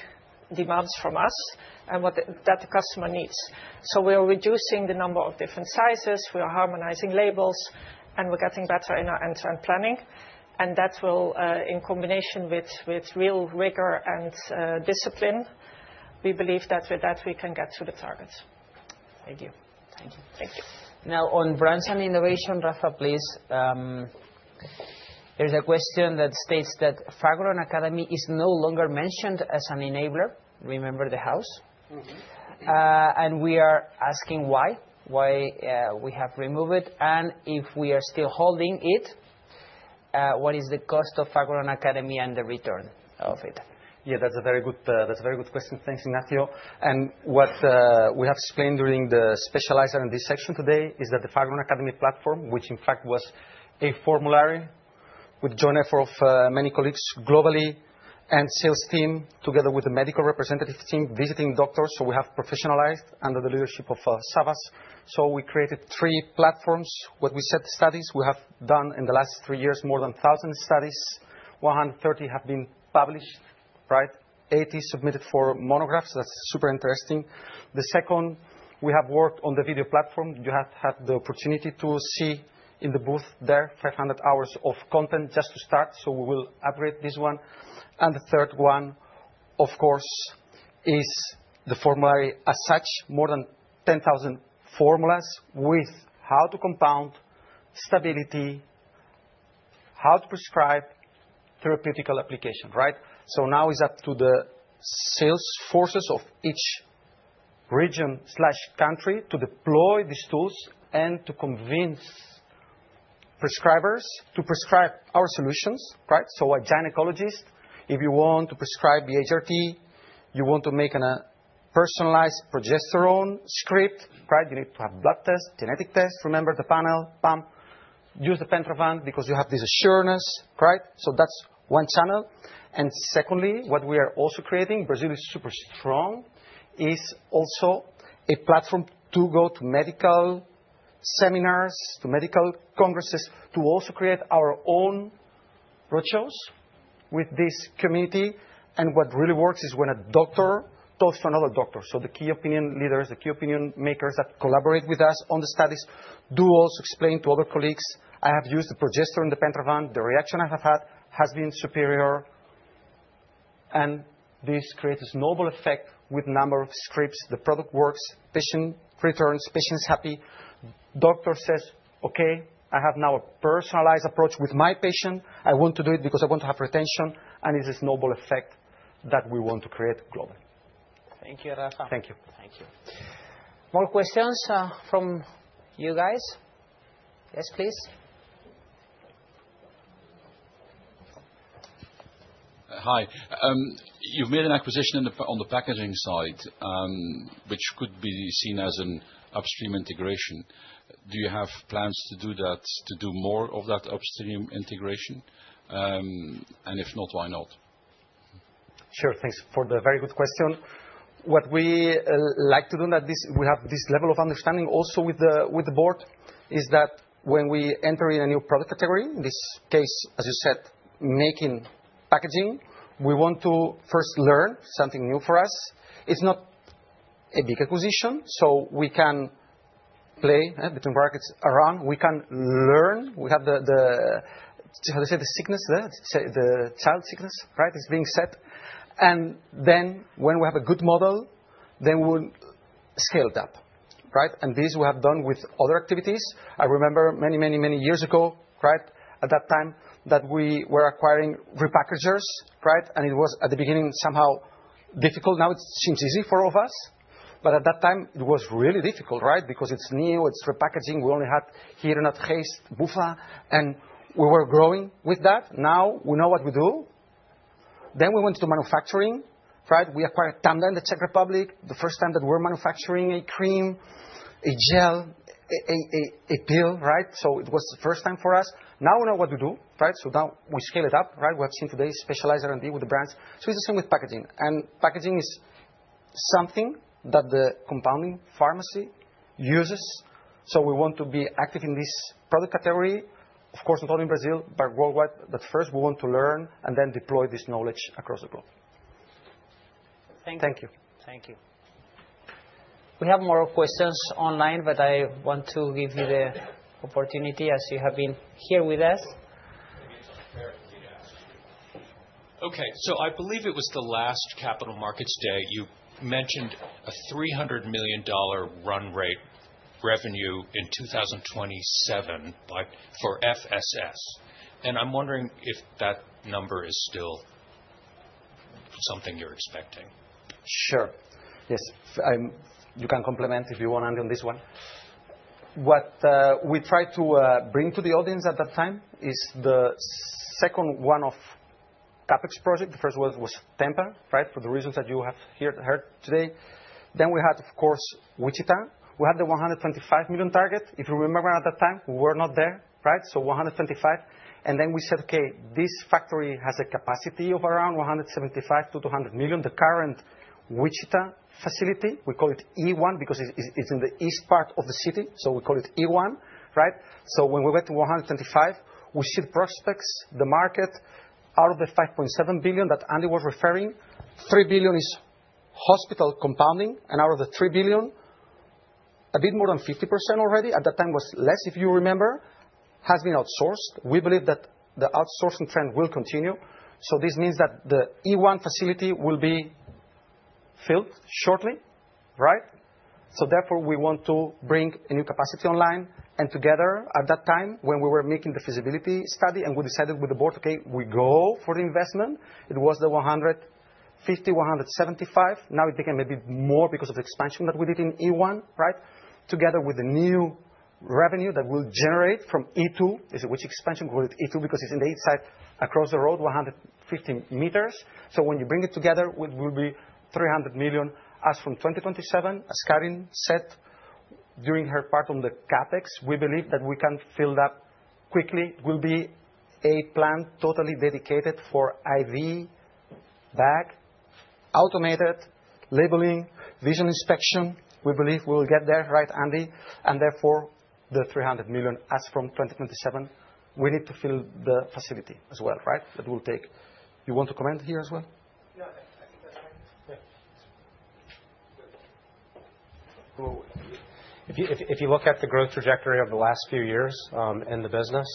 demands from us and that the customer needs. We are reducing the number of different sizes, we are harmonizing labels, and we're getting better in our end-to-end planning. That will, in combination with real rigor and discipline, we believe that with that we can get to the targets. Thank you. Thank you. Now, on brands and innovation, Rafa, please. There's a question that states that Fagron Academy is no longer mentioned as an enabler. Remember the house? We are asking why, why we have removed it and if we are still holding it, what is the cost of Fagron Academy and the return of it? Yeah, that's a very good question. Thanks, Ignacio. What we have explained during the specializer and this section today is that the Fagron Academy platform, which in fact was a formulary with joint effort of many colleagues globally and sales team together with the medical representative team visiting doctors. We have professionalized under the leadership of Savas. We created three platforms. What we said, the studies we have done in the last three years, more than 1,000 studies, 130 have been published, right? Eighty submitted for monographs. That's super interesting. The second, we have worked on the video platform. You have had the opportunity to see in the booth there 500 hours of content just to start. We will upgrade this one. The third one, of course, is the formulary as such, more than 10,000 formulas with how to compound, stability, how to prescribe, therapeutical application, right? Now it's up to the sales forces of each region/country to deploy these tools and to convince prescribers to prescribe our solutions, right? A gynecologist, if you want to prescribe the HRT, you want to make a personalized progesterone script, right? You need to have blood tests, genetic tests. Remember the panel pump, use the Pentavan because you have this assurance, right? That's one channel. Secondly, what we are also creating, Brazil is super strong, is also a platform to go to medical seminars, to medical congresses, to also create our own roadshows with this community. What really works is when a doctor talks to another doctor. The key opinion leaders, the key opinion makers that collaborate with us on the studies do also explain to other colleagues, "I have used the progesterone and the Pentavan. The reaction I have had has been superior." This creates a snowball effect with a number of scripts. The product works, patient returns, patient's happy. Doctor says, "Okay, I have now a personalized approach with my patient. I want to do it because I want to have retention." It is a snowball effect that we want to create globally. Thank you, Rafa. Thank you. Thank you. More questions from you guys? Yes, please. Hi. You have made an acquisition on the packaging side, which could be seen as an upstream integration. Do you have plans to do that, to do more of that upstream integration? If not, why not? Sure. Thanks for the very good question. What we like to do, that we have this level of understanding also with the board, is that when we enter in a new product category, in this case, as you said, making packaging, we want to first learn something new for us. It's not a big acquisition, so we can play, between brackets, around. We can learn. We have the, how do you say, the sickness, the child sickness, right? It's being set. When we have a good model, we will scale it up, right? This we have done with other activities. I remember many, many, many years ago, right? At that time that we were acquiring repackagers, right? It was at the beginning somehow difficult. Now it seems easy for all of us. At that time, it was really difficult, right? Because it's new, it's repackaging. We only had here in Anápolis. And we were growing with that. Now we know what we do. We went to manufacturing, right? We acquired Tanda in the Czech Republic, the first time that we're manufacturing a cream, a gel, a pill, right? It was the first time for us. Now we know what to do, right? Now we scale it up, right? We have seen today specialization and deal with the brands. It's the same with packaging. Packaging is something that the compounding pharmacy uses. We want to be active in this product category, of course, not only in Brazil, but worldwide. First, we want to learn and then deploy this knowledge across the globe. Thank you. Thank you. Thank you. We have more questions online, but I want to give you the opportunity as you have been here with us. Okay. I believe it was the last Capital Markets Day you mentioned a $300 million run rate revenue in 2027 for FSS. I'm wondering if that number is still something you're expecting. Sure. Yes. You can complement if you want on this one. What we tried to bring to the audience at that time is the second one of CapEx project. The first one was Tampa, right? For the reasons that you have heard today. We had, of course, Wichita. We had the $125 million target. If you remember at that time, we were not there, right? So $125 million. We said, "Okay, this factory has a capacity of around $175 million-$200 million." The current Wichita facility, we call it E1 because it is in the east part of the city. We call it E1, right? When we went to $125 million, we see the prospects, the market out of the $5.7 billion that Andy was referring to, $3 billion is hospital compounding. Out of the $3 billion, a bit more than 50% already. At that time was less, if you remember, has been outsourced. We believe that the outsourcing trend will continue. This means that the E1 facility will be filled shortly, right? Therefore, we want to bring a new capacity online. Together at that time, when we were making the feasibility study and we decided with the board, "Okay, we go for the investment," it was the $150 million-$175 million. Now it became a bit more because of the expansion that we did in E1, right? Together with the new revenue that we'll generate from E2, which expansion we call it E2 because it's in the east side across the road, 150 meters. When you bring it together, it will be $300 million as from 2027, as Karin said during her part on the CapEx. We believe that we can fill that quickly. It will be a plan totally dedicated for IV bag, automated labeling, vision inspection. We believe we will get there, right, Andy? Therefore, the $300 million as from 2027, we need to fill the facility as well, right? That will take you want to comment here as well? No, I think that's fine. Yeah. If you look at the growth trajectory of the last few years in the business,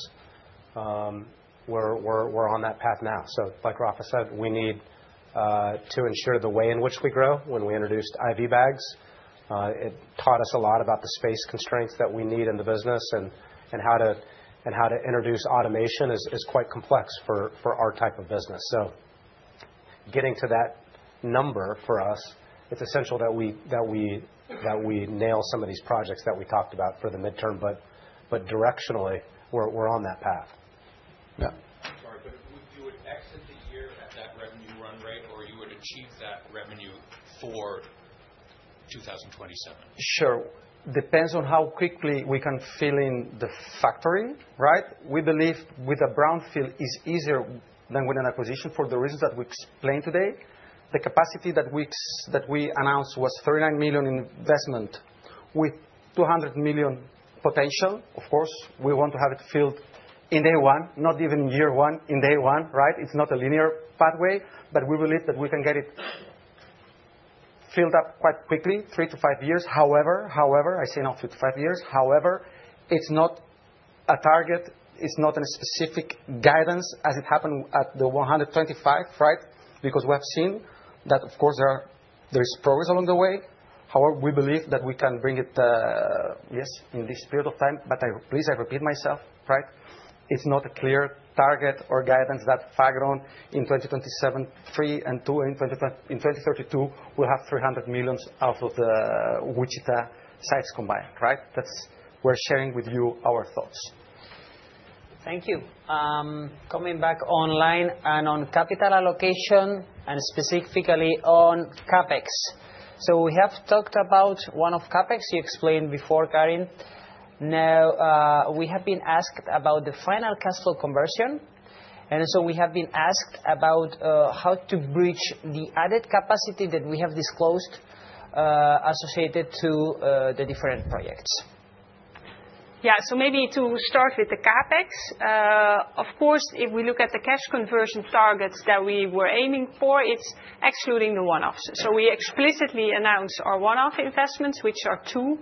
we're on that path now. Like Rafa said, we need to ensure the way in which we grow. When we introduced IV bags, it taught us a lot about the space constraints that we need in the business and how to introduce automation is quite complex for our type of business. Getting to that number for us, it's essential that we nail some of these projects that we talked about for the midterm, but directionally, we're on that path. Yeah. Sorry, but you would exit the year at that revenue run rate or you would achieve that revenue for 2027? Sure. Depends on how quickly we can fill in the factory, right? We believe with a brownfield is easier than with an acquisition for the reasons that we explained today. The capacity that we announced was $39 million investment with $200 million potential. Of course, we want to have it filled in day one, not even in year one, in day one, right? It's not a linear pathway, but we believe that we can get it filled up quite quickly, three to five years. However, I say not three to five years, however, it's not a target, it's not a specific guidance as it happened at the 125, right? Because we have seen that, of course, there is progress along the way. However, we believe that we can bring it, yes, in this period of time. But please, I repeat myself, right? It's not a clear target or guidance that Fagron in 2027, three and two in 2032, will have $300 million out of the Wichita sites combined, right? That's we're sharing with you our thoughts. Thank you. Coming back online and on capital allocation and specifically on CapEx. We have talked about one-off CapEx you explained before, Karin. Now, we have been asked about the final cash flow conversion. We have been asked about how to bridge the added capacity that we have disclosed associated to the different projects. Yeah. Maybe to start with the CapEx, of course, if we look at the cash conversion targets that we were aiming for, it is excluding the one-offs. We explicitly announced our one-off investments, which are two,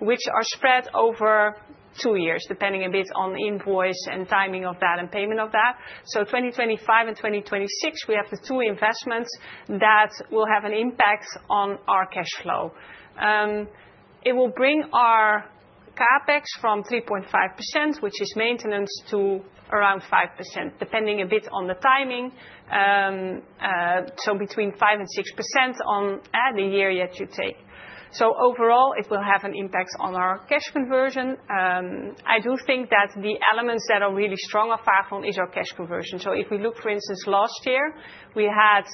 which are spread over two years, depending a bit on invoice and timing of that and payment of that. In 2025 and 2026, we have the two investments that will have an impact on our cash flow. It will bring our CapEx from 3.5%, which is maintenance, to around 5%, depending a bit on the timing. So between 5-6% on the year yet to take. Overall, it will have an impact on our cash conversion. I do think that the elements that are really strong of Fagron is our cash conversion. If we look, for instance, last year, we had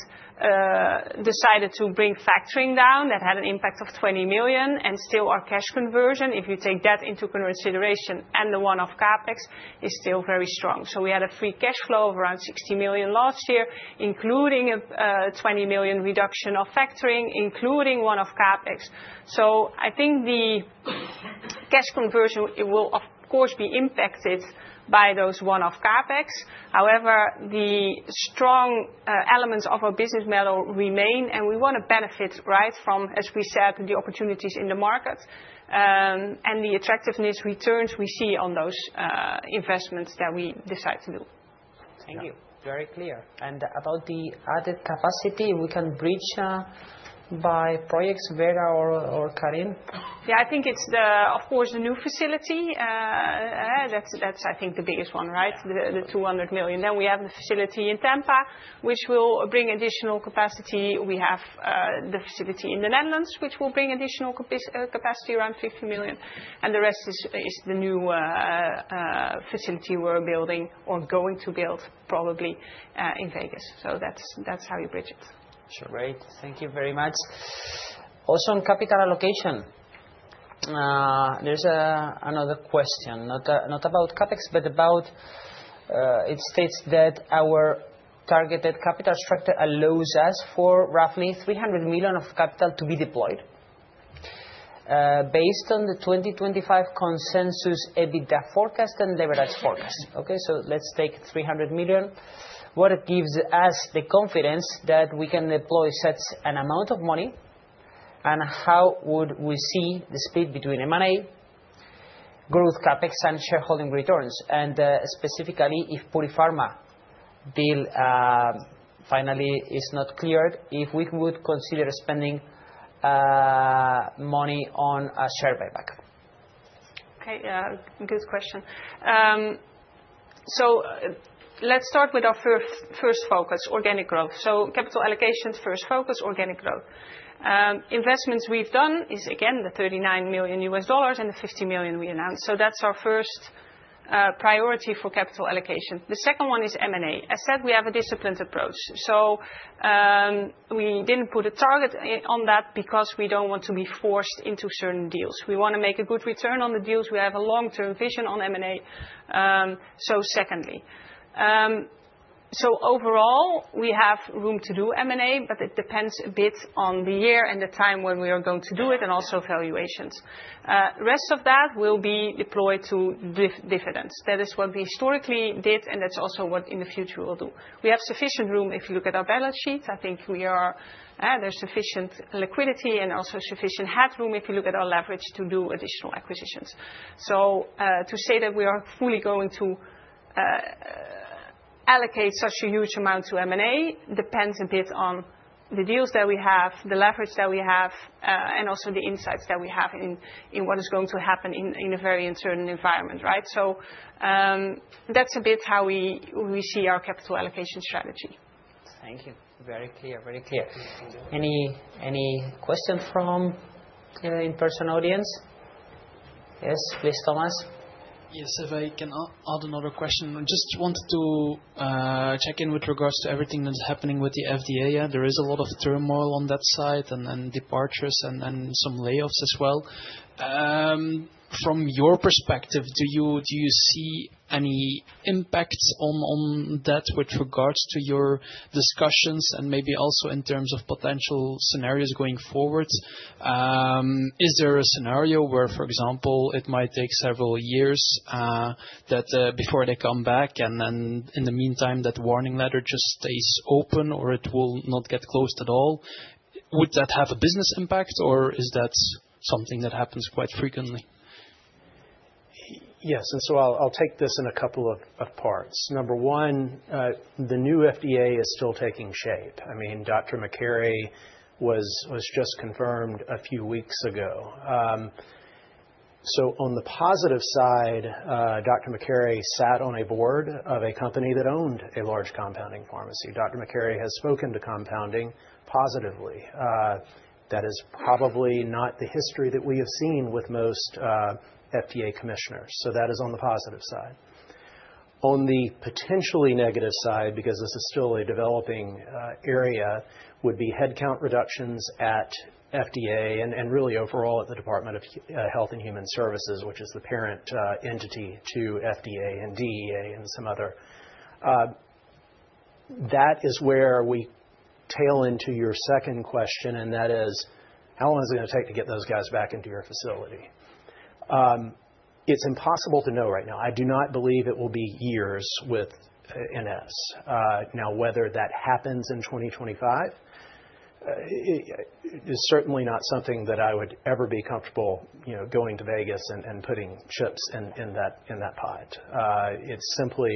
decided to bring factoring down that had an impact of $20 million. Still, our cash conversion, if you take that into consideration and the one-off CapEx, is still very strong. We had a free cash flow of around $60 million last year, including a $20 million reduction of factoring, including one-off CapEx. I think the cash conversion will, of course, be impacted by those one-off CapEx. However, the strong elements of our business model remain, and we want to benefit, right, from, as we said, the opportunities in the market and the attractive returns we see on those investments that we decide to do. Thank you. Very clear. About the added capacity, we can bridge by projects. Vera or Karin? Yeah, I think it's, of course, the new facility. That's, I think, the biggest one, right? The $200 million. We have the facility in Tampa, which will bring additional capacity. We have the facility in the Netherlands, which will bring additional capacity, around $50 million. The rest is the new facility we're building or going to build probably in Vegas. That's how you bridge it. Sure. Great. Thank you very much. Also on capital allocation, there's another question. Not about CapEx, but about it states that our targeted capital structure allows us for roughly $300 million of capital to be deployed based on the 2025 consensus EBITDA forecast and leverage forecast. Okay? Let's take $300 million. What gives us the confidence that we can deploy such an amount of money and how would we see the split between M&A, growth, CapEx, and shareholding returns. Specifically, if the Purifarma deal finally is not cleared, if we would consider spending money on a share buyback. Okay. Good question. Let's start with our first focus, organic growth. Capital allocation's first focus is organic growth. Investments we've done is, again, the $39 million and the $50 million we announced. That's our first priority for capital allocation. The second one is M&A. As said, we have a disciplined approach. We didn't put a target on that because we don't want to be forced into certain deals. We want to make a good return on the deals. We have a long-term vision on M&A. Secondly, overall, we have room to do M&A, but it depends a bit on the year and the time when we are going to do it and also valuations. Rest of that will be deployed to dividends. That is what we historically did, and that's also what in the future we'll do. We have sufficient room if you look at our balance sheets. I think we are, there is sufficient liquidity and also sufficient headroom if you look at our leverage to do additional acquisitions. To say that we are fully going to allocate such a huge amount to M&A depends a bit on the deals that we have, the leverage that we have, and also the insights that we have in what is going to happen in a very uncertain environment, right? That is a bit how we see our capital allocation strategy. Thank you. Very clear, very clear. Any question from the in-person audience? Yes, please, Thomas. Yes, if I can add another question. I just wanted to check in with regards to everything that's happening with the FDA. There is a lot of turmoil on that side and departures and some layoffs as well. From your perspective, do you see any impacts on that with regards to your discussions and maybe also in terms of potential scenarios going forward? Is there a scenario where, for example, it might take several years before they come back and in the meantime, that warning letter just stays open or it will not get closed at all? Would that have a business impact or is that something that happens quite frequently? Yes. I'll take this in a couple of parts. Number one, the new FDA is still taking shape. I mean, Dr. McCarrey was just confirmed a few weeks ago. On the positive side, Dr. McCarrey sat on a board of a company that owned a large compounding pharmacy. Dr. McCarrey has spoken to compounding positively. That is probably not the history that we have seen with most FDA commissioners. That is on the positive side. On the potentially negative side, because this is still a developing area, would be headcount reductions at FDA and really overall at the Department of Health and Human Services, which is the parent entity to FDA and DEA and some others. That is where we tail into your second question, and that is, how long is it going to take to get those guys back into your facility? It's impossible to know right now. I do not believe it will be years with NS. Now, whether that happens in 2025, it is certainly not something that I would ever be comfortable going to Vegas and putting chips in that pot. It's simply,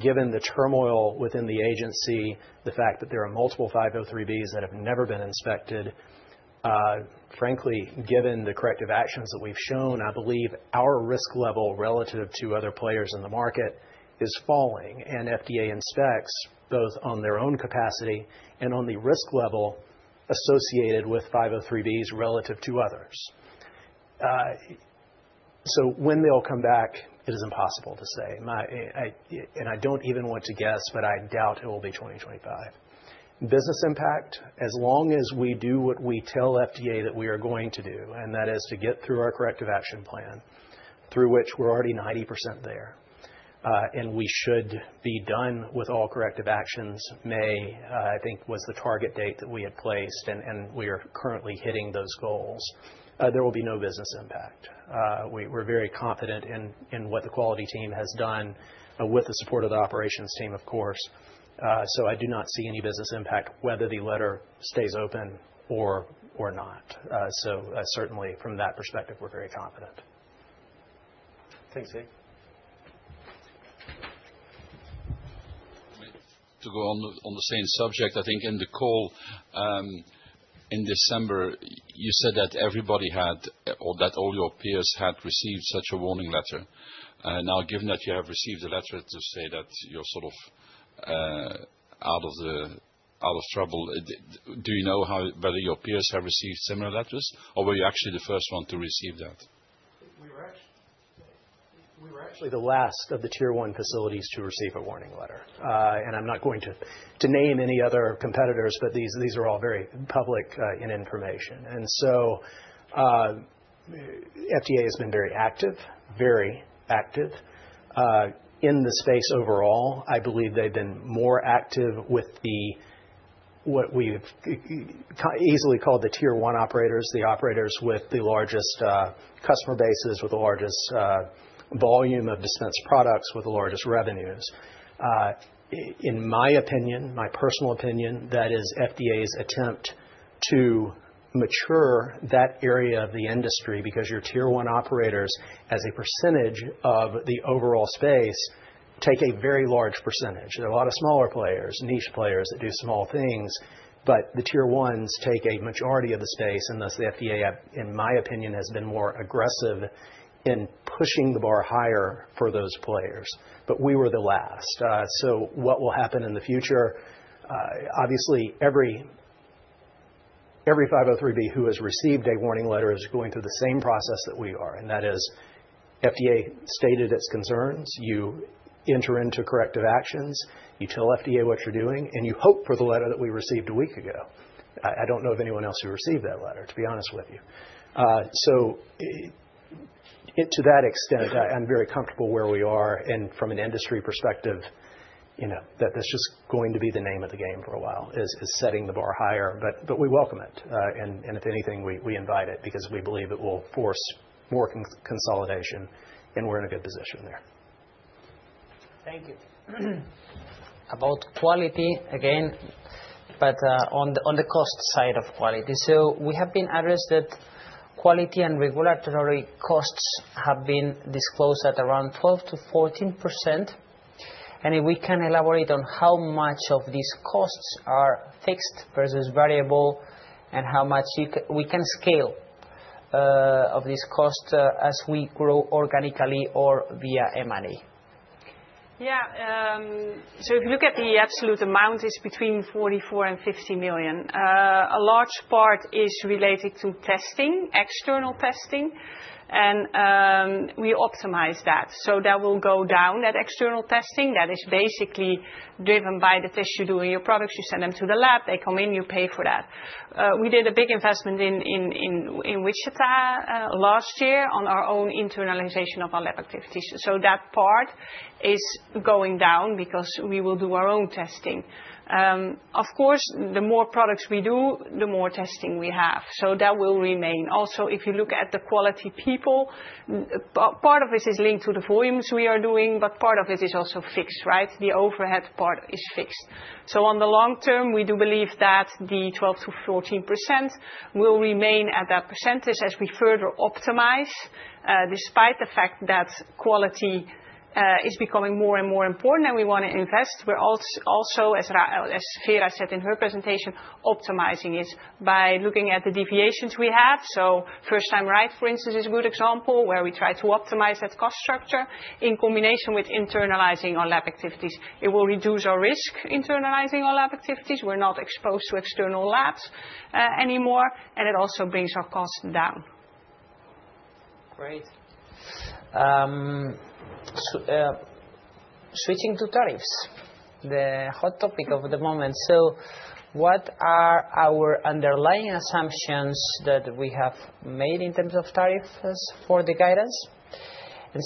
given the turmoil within the agency, the fact that there are multiple 503B s that have never been inspected, frankly, given the corrective actions that we've shown, I believe our risk level relative to other players in the market is falling. FDA inspects both on their own capacity and on the risk level associated with 503B s relative to others. When they'll come back, it is impossible to say. I don't even want to guess, but I doubt it will be 2025. Business impact, as long as we do what we tell FDA that we are going to do, and that is to get through our corrective action plan through which we're already 90% there, and we should be done with all corrective actions, May, I think was the target date that we had placed, and we are currently hitting those goals, there will be no business impact. We're very confident in what the quality team has done with the support of the operations team, of course. I do not see any business impact whether the letter stays open or not. Certainly, from that perspective, we're very confident. Thanks, Hig. To go on the same subject, I think in the call in December, you said that everybody had or that all your peers had received such a warning letter. Now, given that you have received a letter to say that you're sort of out of trouble, do you know whether your peers have received similar letters or were you actually the first one to receive that? We were actually the last of the tier one facilities to receive a warning letter. I'm not going to name any other competitors, but these are all very public in information. FDA has been very active, very active in the space overall. I believe they've been more active with what we've easily called the tier one operators, the operators with the largest customer bases, with the largest volume of dispensed products, with the largest revenues. In my opinion, my personal opinion, that is FDA's attempt to mature that area of the industry because your tier one operators, as a percentage of the overall space, take a very large percentage. There are a lot of smaller players, niche players that do small things, but the tier ones take a majority of the space, and thus the FDA, in my opinion, has been more aggressive in pushing the bar higher for those players. We were the last. What will happen in the future? Obviously, every 503B who has received a warning letter is going through the same process that we are. That is, FDA stated its concerns, you enter into corrective actions, you tell FDA what you're doing, and you hope for the letter that we received a week ago. I don't know of anyone else who received that letter, to be honest with you. To that extent, I'm very comfortable where we are. From an industry perspective, that's just going to be the name of the game for a while, is setting the bar higher. We welcome it. If anything, we invite it because we believe it will force more consolidation, and we're in a good position there. Thank you. About quality, again, but on the cost side of quality. We have been addressed that quality and regulatory costs have been disclosed at around 12%-14%. If we can elaborate on how much of these costs are fixed versus variable and how much we can scale of this cost as we grow organically or via M&A. Yeah. If you look at the absolute amount, it's between $44 million and $50 million. A large part is related to testing, external testing. We optimize that. That will go down at external testing. That is basically driven by the test you do in your products. You send them to the lab. They come in. You pay for that. We did a big investment in Wichita last year on our own internalization of our lab activities. That part is going down because we will do our own testing. Of course, the more products we do, the more testing we have. That will remain. If you look at the quality people, part of it is linked to the volumes we are doing, but part of it is also fixed, right? The overhead part is fixed. On the long term, we do believe that the 12%-14% will remain at that percentage as we further optimize. Despite the fact that quality is becoming more and more important and we want to invest, we're also, as Vera said in her presentation, optimizing it by looking at the deviations we have. First time right, for instance, is a good example where we try to optimize that cost structure in combination with internalizing our lab activities. It will reduce our risk internalizing our lab activities. We're not exposed to external labs anymore. It also brings our cost down. Great. Switching to tariffs, the hot topic of the moment. What are our underlying assumptions that we have made in terms of tariffs for the guidance?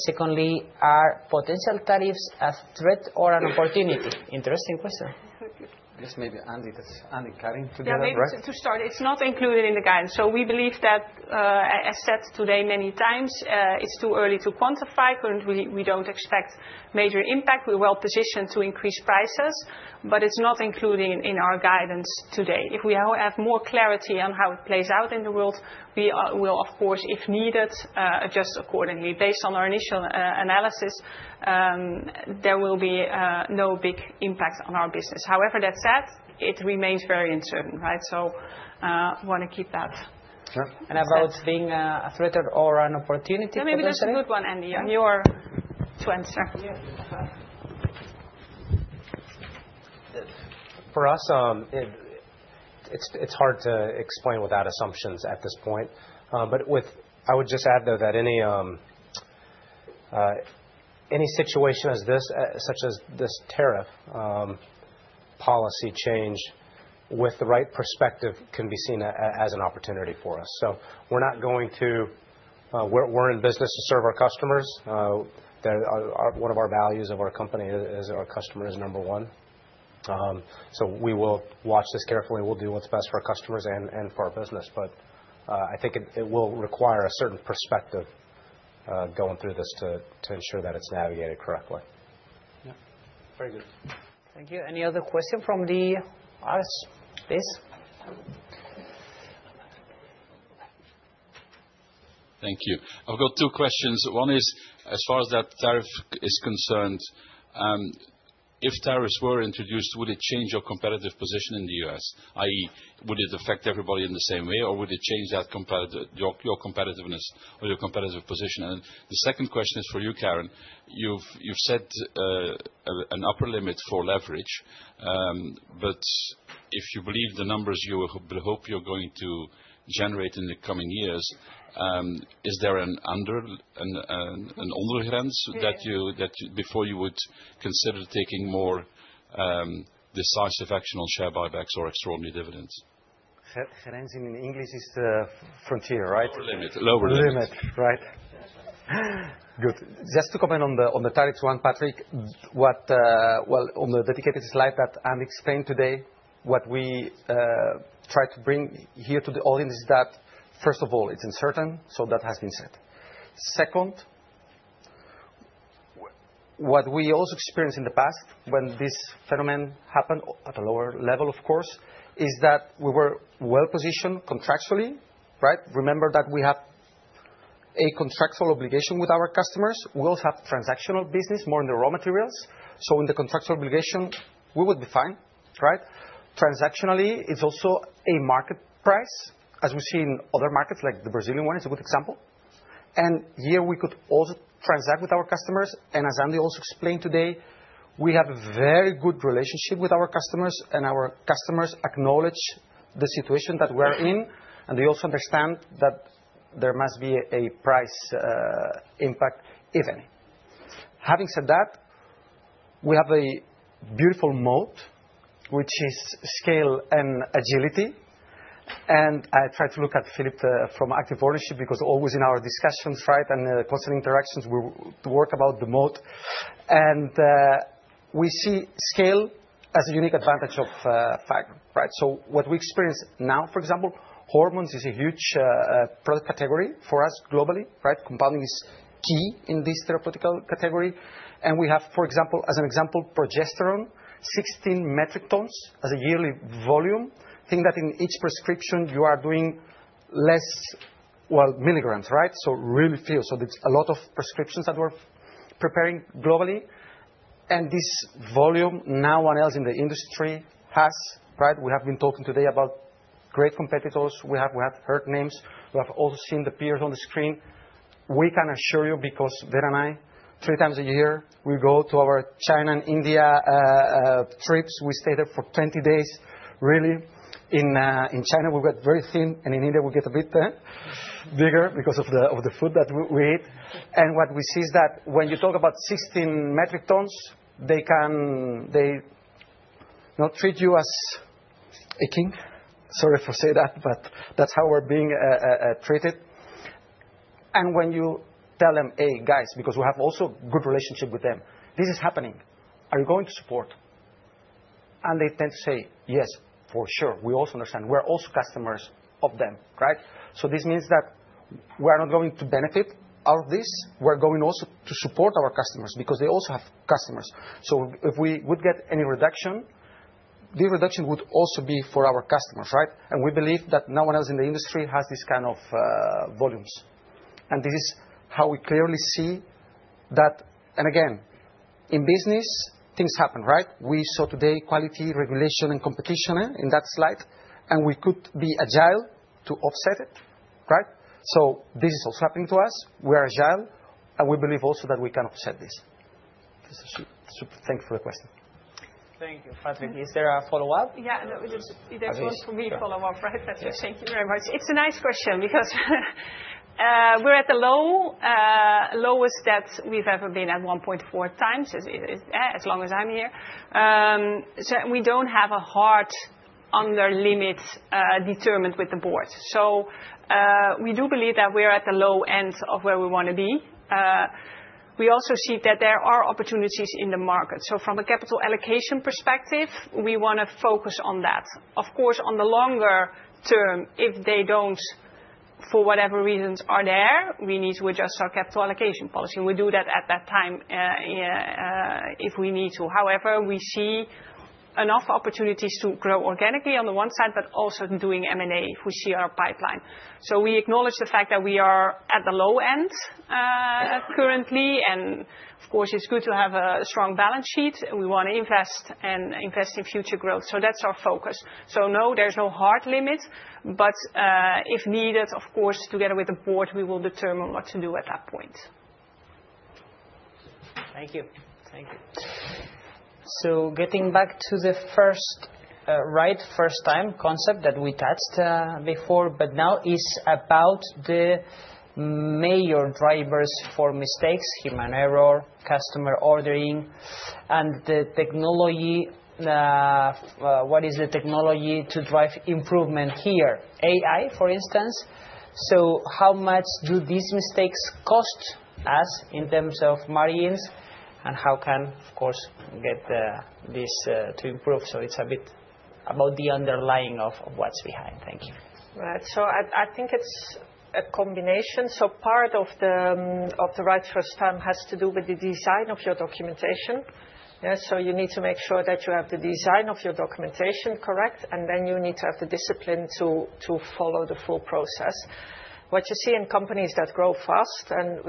Secondly, are potential tariffs a threat or an opportunity? Interesting question. I guess maybe Andy can add in to that. I mean, to start, it's not included in the guidance. We believe that, as said today many times, it's too early to quantify. We don't expect major impact. We're well positioned to increase prices, but it's not included in our guidance today. If we have more clarity on how it plays out in the world, we will, of course, if needed, adjust accordingly. Based on our initial analysis, there will be no big impact on our business. However, that said, it remains very uncertain, right? We want to keep that. About being a threat or an opportunity for the industry. Maybe that's a good one, Andy, on your to answer. For us, it's hard to explain without assumptions at this point. I would just add, though, that any situation as this, such as this tariff policy change with the right perspective, can be seen as an opportunity for us. We're in business to serve our customers. One of our values of our company is our customer is number one. We will watch this carefully. We'll do what's best for our customers and for our business. I think it will require a certain perspective going through this to ensure that it's navigated correctly. Thank you. Any other question from the audience? Please. Thank you. I've got two questions. One is, as far as that tariff is concerned, if tariffs were introduced, would it change your competitive position in the US? I.e., would it affect everybody in the same way or would it change your competitiveness or your competitive position? The second question is for you, Karin. You've set an upper limit for leverage. If you believe the numbers you hope you're going to generate in the coming years, is there an ondergrens before you would consider taking more decisive action on share buybacks or extraordinary dividends? Grens in English is frontier, right? Lower limit. Lower limit. Right. Good. Just to comment on the tariffs one, Patrick, on the dedicated slide that Andy explained today, what we try to bring here to the audience is that, first of all, it's uncertain. That has been said. Second, what we also experienced in the past when this phenomenon happened at a lower level, of course, is that we were well positioned contractually, right? Remember that we have a contractual obligation with our customers. We also have transactional business, more in the raw materials. In the contractual obligation, we would be fine, right? Transactionally, it's also a market price, as we see in other markets, like the Brazilian one is a good example. Here we could also transact with our customers. As Andy also explained today, we have a very good relationship with our customers, and our customers acknowledge the situation that we are in, and they also understand that there must be a price impact, if any. Having said that, we have a beautiful moat, which is scale and agility. I tried to look at Philipp from Active Ownership because always in our discussions, right, and constant interactions, we work about the moat. We see scale as a unique advantage of Fagron, right? What we experience now, for example, hormones is a huge product category for us globally, right? Compounding is key in this therapeutical category. We have, for example, as an example, progesterone, 16 metric tons as a yearly volume. Think that in each prescription, you are doing less, well, milligrams, right? So really few. There is a lot of prescriptions that we are preparing globally. This volume, no one else in the industry has, right? We have been talking today about great competitors. We have heard names. We have also seen the peers on the screen. We can assure you because Vera and I, three times a year, we go to our China and India trips. We stay there for 20 days, really. In China, we get very thin, and in India, we get a bit bigger because of the food that we eat. What we see is that when you talk about 16 metric tons, they treat you as a king. Sorry for saying that, but that is how we are being treated. When you tell them, "Hey, guys," because we have also a good relationship with them, "This is happening. Are you going to support?" And they tend to say, "Yes, for sure. We also understand. We're also customers of them," right? This means that we are not going to benefit out of this. We are going also to support our customers because they also have customers. If we would get any reduction, the reduction would also be for our customers, right? We believe that no one else in the industry has this kind of volumes. This is how we clearly see that. Again, in business, things happen, right? We saw today quality, regulation, and competition in that slide. We could be agile to offset it, right? This is also happening to us. We are agile, and we believe also that we can offset this. Thank you for the question. Thank you, Patrick. Is there a follow-up? Yeah. That was just for me to follow up, right, Patrick? Thank you very much. It's a nice question because we're at the lowest that we've ever been at 1.4 times as long as I'm here. We don't have a hard under limit determined with the board. We do believe that we are at the low end of where we want to be. We also see that there are opportunities in the market. From a capital allocation perspective, we want to focus on that. Of course, on the longer term, if they don't, for whatever reasons are there, we need to adjust our capital allocation policy. We do that at that time if we need to. However, we see enough opportunities to grow organically on the one side, but also doing M&A if we see our pipeline. We acknowledge the fact that we are at the low end currently. Of course, it's good to have a strong balance sheet. We want to invest and invest in future growth. That's our focus. No, there's no hard limit. If needed, of course, together with the board, we will determine what to do at that point. Thank you. Getting back to the first right first time concept that we touched before, now it is about the major drivers for mistakes, human error, customer ordering, and the technology. What is the technology to drive improvement here? AI, for instance. How much do these mistakes cost us in terms of margins? How can, of course, get this to improve? It is a bit about the underlying of what is behind. Thank you. Right. I think it's a combination. Part of the right first time has to do with the design of your documentation. You need to make sure that you have the design of your documentation correct. You need to have the discipline to follow the full process. What you see in companies that grow fast, and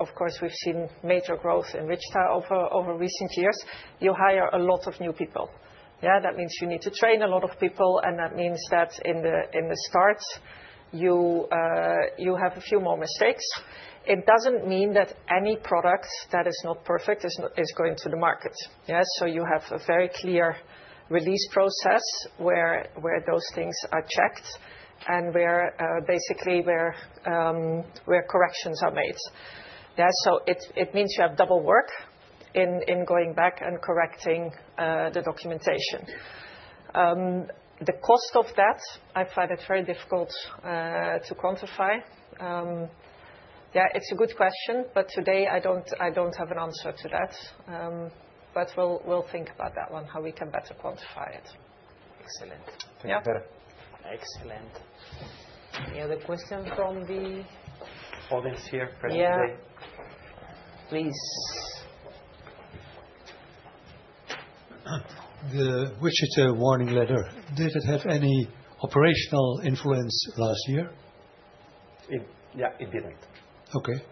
of course, we've seen major growth in Wichita over recent years, you hire a lot of new people. That means you need to train a lot of people. That means that in the start, you have a few more mistakes. It doesn't mean that any product that is not perfect is going to the market. You have a very clear release process where those things are checked and basically where corrections are made. It means you have double work in going back and correcting the documentation. The cost of that, I find it very difficult to quantify. Yeah, it's a good question, but today I don't have an answer to that. We'll think about that one, how we can better quantify it. Excellent. Thank you, Vera. Excellent. Any other questions from the audience here present today? Please. The Wichita warning letter, did it have any operational influence last year? Yeah, it didn't. Okay.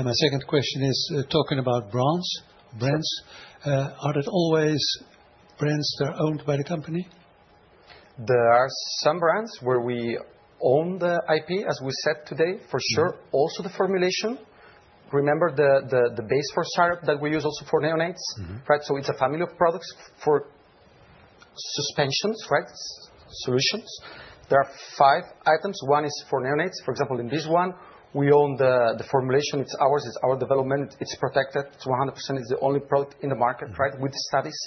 My second question is, talking about brands, are there always brands that are owned by the company? There are some brands where we own the IP, as we said today, for sure. Also the formulation. Remember the base for startup that we use also for neonates, right? It is a family of products for suspensions, right? Solutions. There are five items. One is for neonates. For example, in this one, we own the formulation. It is ours. It is our development. It is protected. It is 100%. It is the only product in the market, right? With the studies.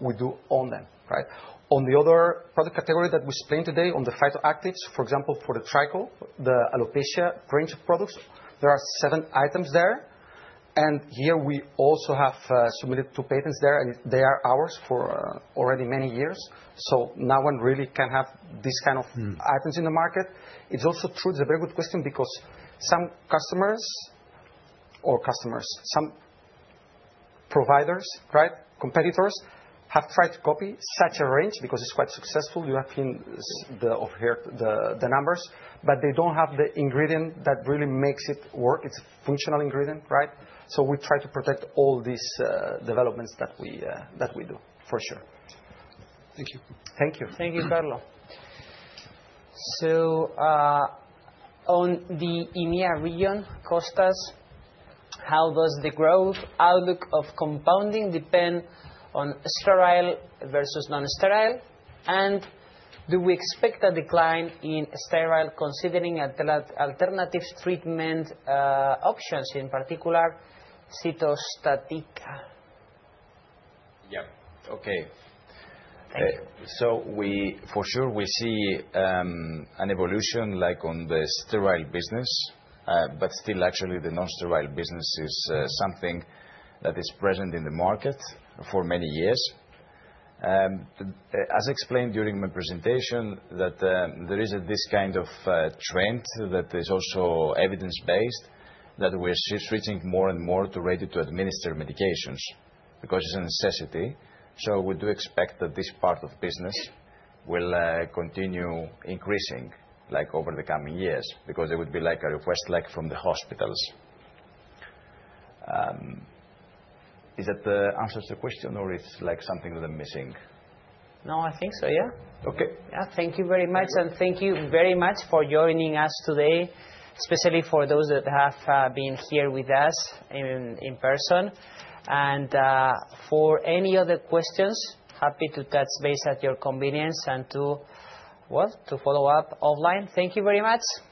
We do own them, right? On the other product category that we explained today on the phytoactives, for example, for the tricho, the alopecia range of products, there are seven items there. Here we also have submitted two patents there. They are ours for already many years. No one really can have these kind of items in the market. It is also true. It's a very good question because some customers or customers, some providers, right? Competitors have tried to copy such a range because it's quite successful. You have seen the numbers, but they don't have the ingredient that really makes it work. It's a functional ingredient, right? So we try to protect all these developments that we do, for sure. Thank you. Thank you. Thank you, Carlo. On the EMEA region, Costas, how does the growth outlook of compounding depend on sterile versus non-sterile? Do we expect a decline in sterile considering alternative treatment options, in particular cytostatic? Yeah. Okay. For sure, we see an evolution like on the sterile business, but still actually the non-sterile business is something that is present in the market for many years. As explained during my presentation, there is this kind of trend that is also evidence-based that we are switching more and more to ready-to-administer medications because it's a necessity. We do expect that this part of business will continue increasing over the coming years because it would be like a request from the hospitals. Does that answer the question or it's like something that I'm missing? No, I think so, yeah. Okay. Thank you very much. Thank you very much for joining us today, especially for those that have been here with us in person. For any other questions, happy to touch base at your convenience and to follow up offline. Thank you very much. Thank you.